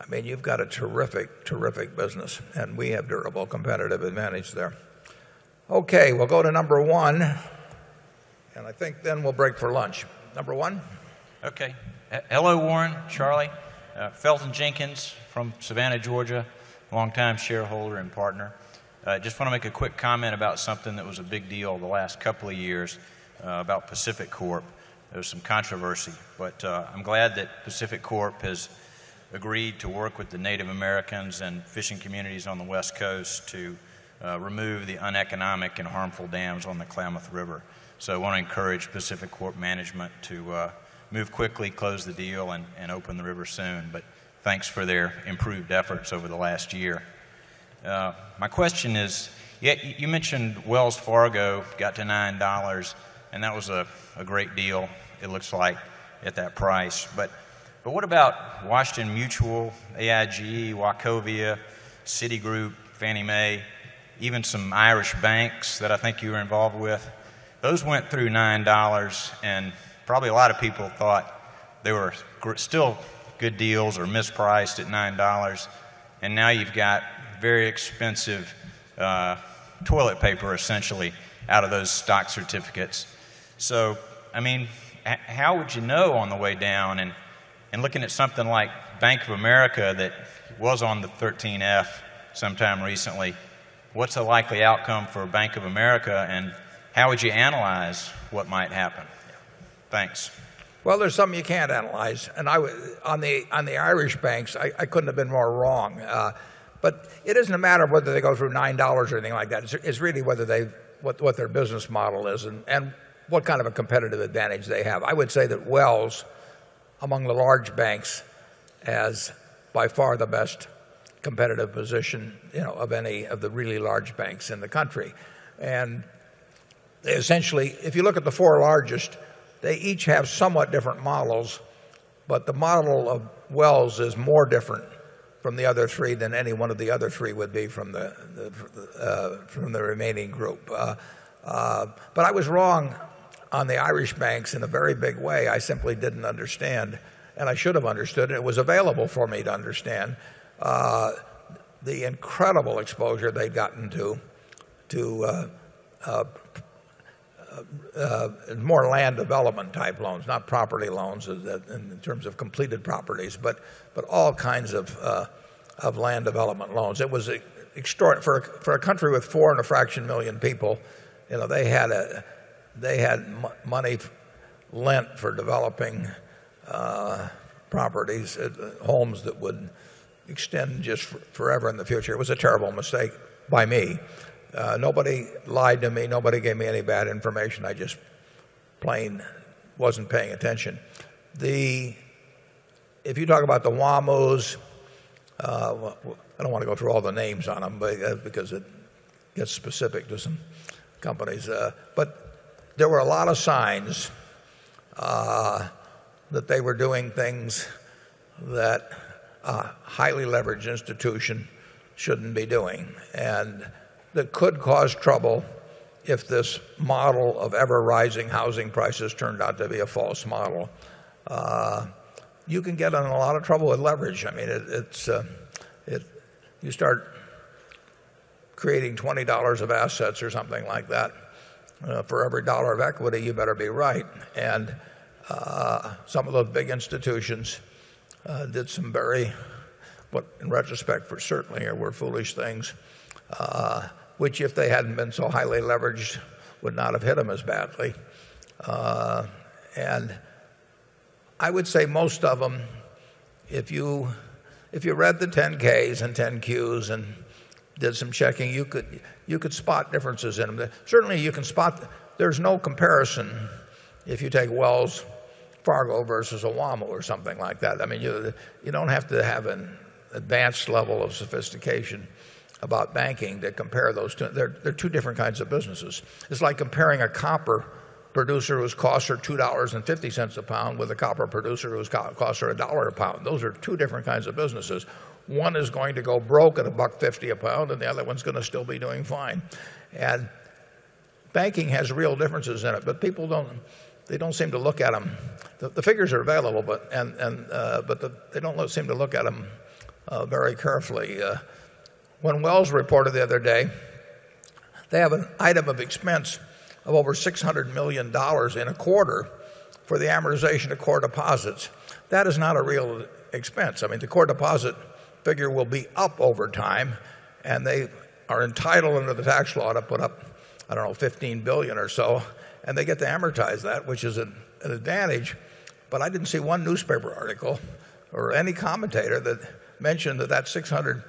I mean, you've got a terrific, terrific business and we have durable competitive advantage there. Okay. We'll go to number 1 and I think then we'll break for lunch. Number 1? Okay. Hello, Warren, Charlie. Felton Jenkins from Savannah, Georgia, longtime shareholder and partner. I just want to make a quick comment about something that was a big deal over the last couple of years about Pacific Corp. There was some controversy, but I'm glad that Pacific Corp has agreed to work with the Native Americans and fishing communities on the West Coast to remove the uneconomic and harmful dams on the Klamath River. So I want to encourage Pacific Corp Management to move quickly, close the deal and open the river soon, but thanks for their improved efforts over the last year. My question is, you mentioned Wells Fargo Citigroup, Fannie Mae, even some Irish banks that I think you were involved with, those went through $9 and probably a lot of people thought they were still good deals or mispriced at $9 and now you've got very expensive toilet paper essentially out of those stock certificates. So I mean, how would you know on the way down in looking at something like Bank of America that was on the 13F sometime recently, what's the likely outcome for Bank of America and how would you analyze what might happen? Thanks. Well, there's some you can't analyze. And on the Irish banks, I couldn't have been more wrong. But it isn't a matter of whether they go through $9 or anything like that. It's really what their business model is and what kind of a competitive advantage they have. I would say that Wells, among the large banks, has by far the best competitive position of any of the really large banks in the country. And essentially, if you look at the 4 largest, they each have somewhat different models but the model of Wells is more different from the other 3 than any one of the other 3 would be from the remaining group. But I was wrong on the Irish banks in a very big way. I simply didn't understand and I should have understood it. It was available for me to understand the incredible exposure they'd gotten to more land development type loans, not property loans in terms of completed properties, but all kinds of land development loans. It was for a country with 4 and a fraction 1000000 people, they had money lent for developing properties, homes that would extend just forever in the future. It was a terrible mistake by me. Nobody lied to me. Nobody gave me any bad information. I just plain wasn't paying attention. If you talk about the WAMOs, I don't want to go through all the names on them because it gets specific to some companies. But there were a lot of signs that they were doing things that a highly leveraged institution shouldn't be doing and that could cause trouble if this model of ever rising housing prices turned out to be a false model. You can get in a lot of trouble with leverage. I mean, it's you start creating $20 of assets or something like that. For every dollar of equity, you better be right. And some of those big institutions did some very, what in retrospect were certainly were foolish things, which if they hadn't been so highly leveraged would not have hit them as badly. And I would say most of them, if you read the 10 ks's and 10 Qs and did some checking, you could spot differences in them. Certainly, you can spot. There's no comparison if you take Wells Fargo versus Awama or something like that. I mean, you don't have to have an advanced level of sophistication about banking that compare those 2. They're 2 different kinds of businesses. It's like comparing a copper producer whose costs are $2.50 a pound with a copper producer whose costs are $1 a pound. Those are 2 different kinds of businesses. 1 is going to go broke at a buck 50 a pound and the other one's going to still be doing fine. And banking has real differences in it but people don't they don't seem to look at them. The figures are available but they don't seem to look at them very carefully. When Wells reported the other day, they have an item of expense of over $600,000,000 in a quarter for the amortization of core deposits. That is not a real expense. I mean, the core deposit figure will be up over time and they are entitled under the tax law to put up, I don't know, dollars 15,000,000,000 or so and they get to amortize that, which is an advantage. But I didn't see one newspaper article or any commentator that mentioned that that $600,000,000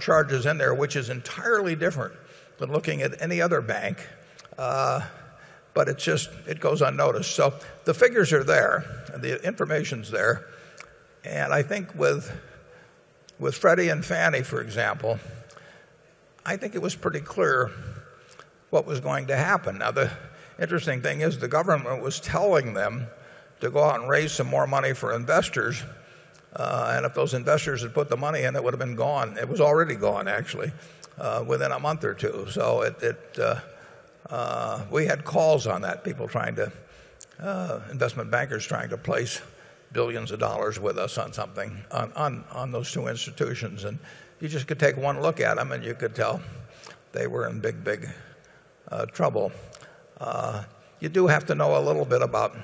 charge is in there, which is entirely different than looking at any other bank, but it just it goes unnoticed. So the figures are there and the information is there. And I think with Freddie and Fannie, for example, I think it was pretty clear what was going to happen. Now, the interesting thing is the government was telling them to go out and raise some more money for investors. And if those investors had put the money in, it would have been gone. It was already gone actually within a month or 2. So it, we had calls on that, people trying to, investment bankers trying to place 1,000,000,000 of dollars with us on something on those 2 institutions. And you just could take one look at them and you could tell they were in big, big trouble. You do have to know a little bit about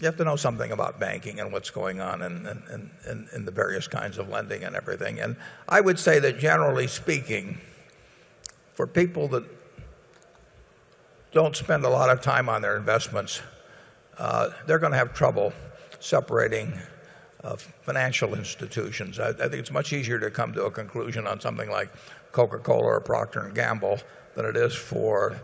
you have to know something about banking and what's going on in the various kinds of lending and everything. And I would say that generally speaking for people that don't spend a lot of time on their investments, they're going to have trouble separating financial institutions. I think it's much easier to come to a conclusion on something like Coca Cola or Procter and Gamble than it is for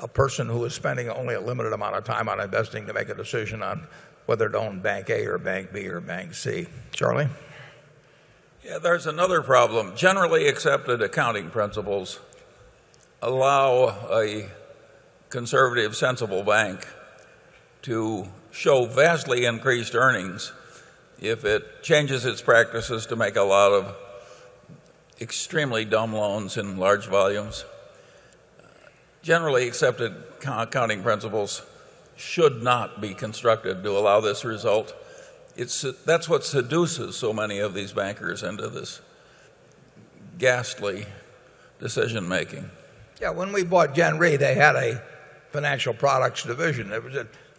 a person who is spending only a limited amount of time on investing to make a decision on whether to own Bank A or Bank B or Bank C. Charlie? Yeah. There's another problem. Generally accepted accounting principles allow a conservative sensible bank to show vastly increased earnings if it changes its practices to make a lot of extremely dumb loans in large volumes, generally accepted accounting principles should not be constructed to allow this result. That's what seduces so many of these bankers into this ghastly decision making. Yeah. When we bought Gen Re, they had a financial products division. It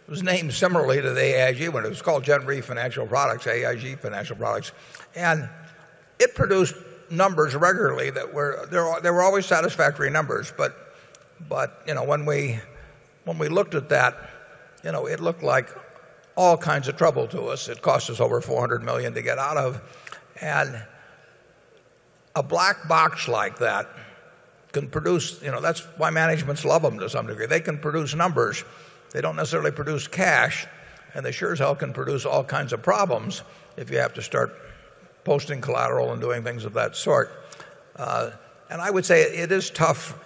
was named similarly to the AIG, but it was called GenRe Financial Products, AIG Financial Products. And it produced numbers regularly that were there were always satisfactory numbers, but when we looked at that, it looked like all kinds of trouble to us. It cost us over 400,000,000 to get out of. And a black box like that can produce that's why managements love them to some degree. They can produce numbers. They don't necessarily produce cash, and they sure as hell can produce all kinds of problems if you have to start posting collateral and doing things of that sort. And I would say it is tough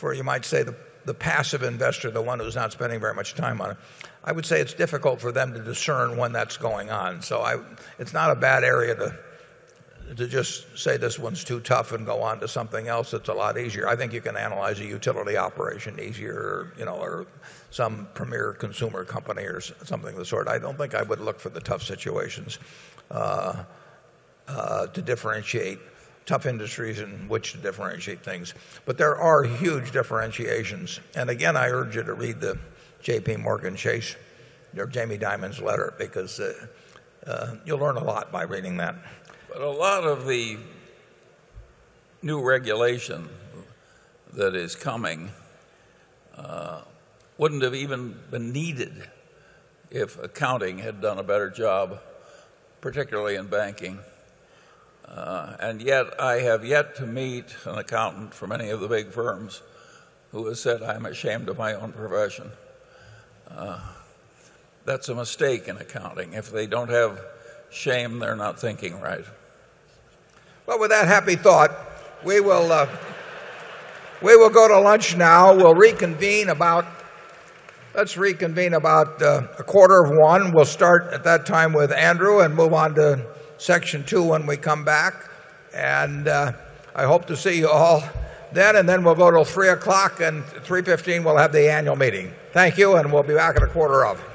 for, you might say, the passive investor, the one who's not spending very much time on it. I would say it's difficult for them to discern when that's going on. So it's not a bad area to just say this one's too tough and go on to something else that's a lot easier. I think you can analyze a utility operation easier or some premier consumer company or something of the sort. I don't think I would look for the tough situations to differentiate tough industries in which to differentiate things. But there are huge differentiations. And again, I urge you to read the JPMorgan Chase or Jamie Dimon's letter because, you'll learn a lot by reading that. But a lot of the new regulation that is coming wouldn't have even been needed if accounting had done a better job, particularly in banking. And yet, I have yet to meet an accountant for many of the big firms who has said I'm ashamed of my own profession. That's a mistake in accounting. If they don't have shame, they're not thinking right. Well, with that happy thought, we will go to lunch now. We'll reconvene about let's reconvene about a quarter of 1. We'll start at that time with Andrew and move on to section 2 when we come back. And I hope to see you all then and then we'll go till 3 o'clock and 3:15, we'll have the annual meeting. Thank you and we'll be back at a quarter of.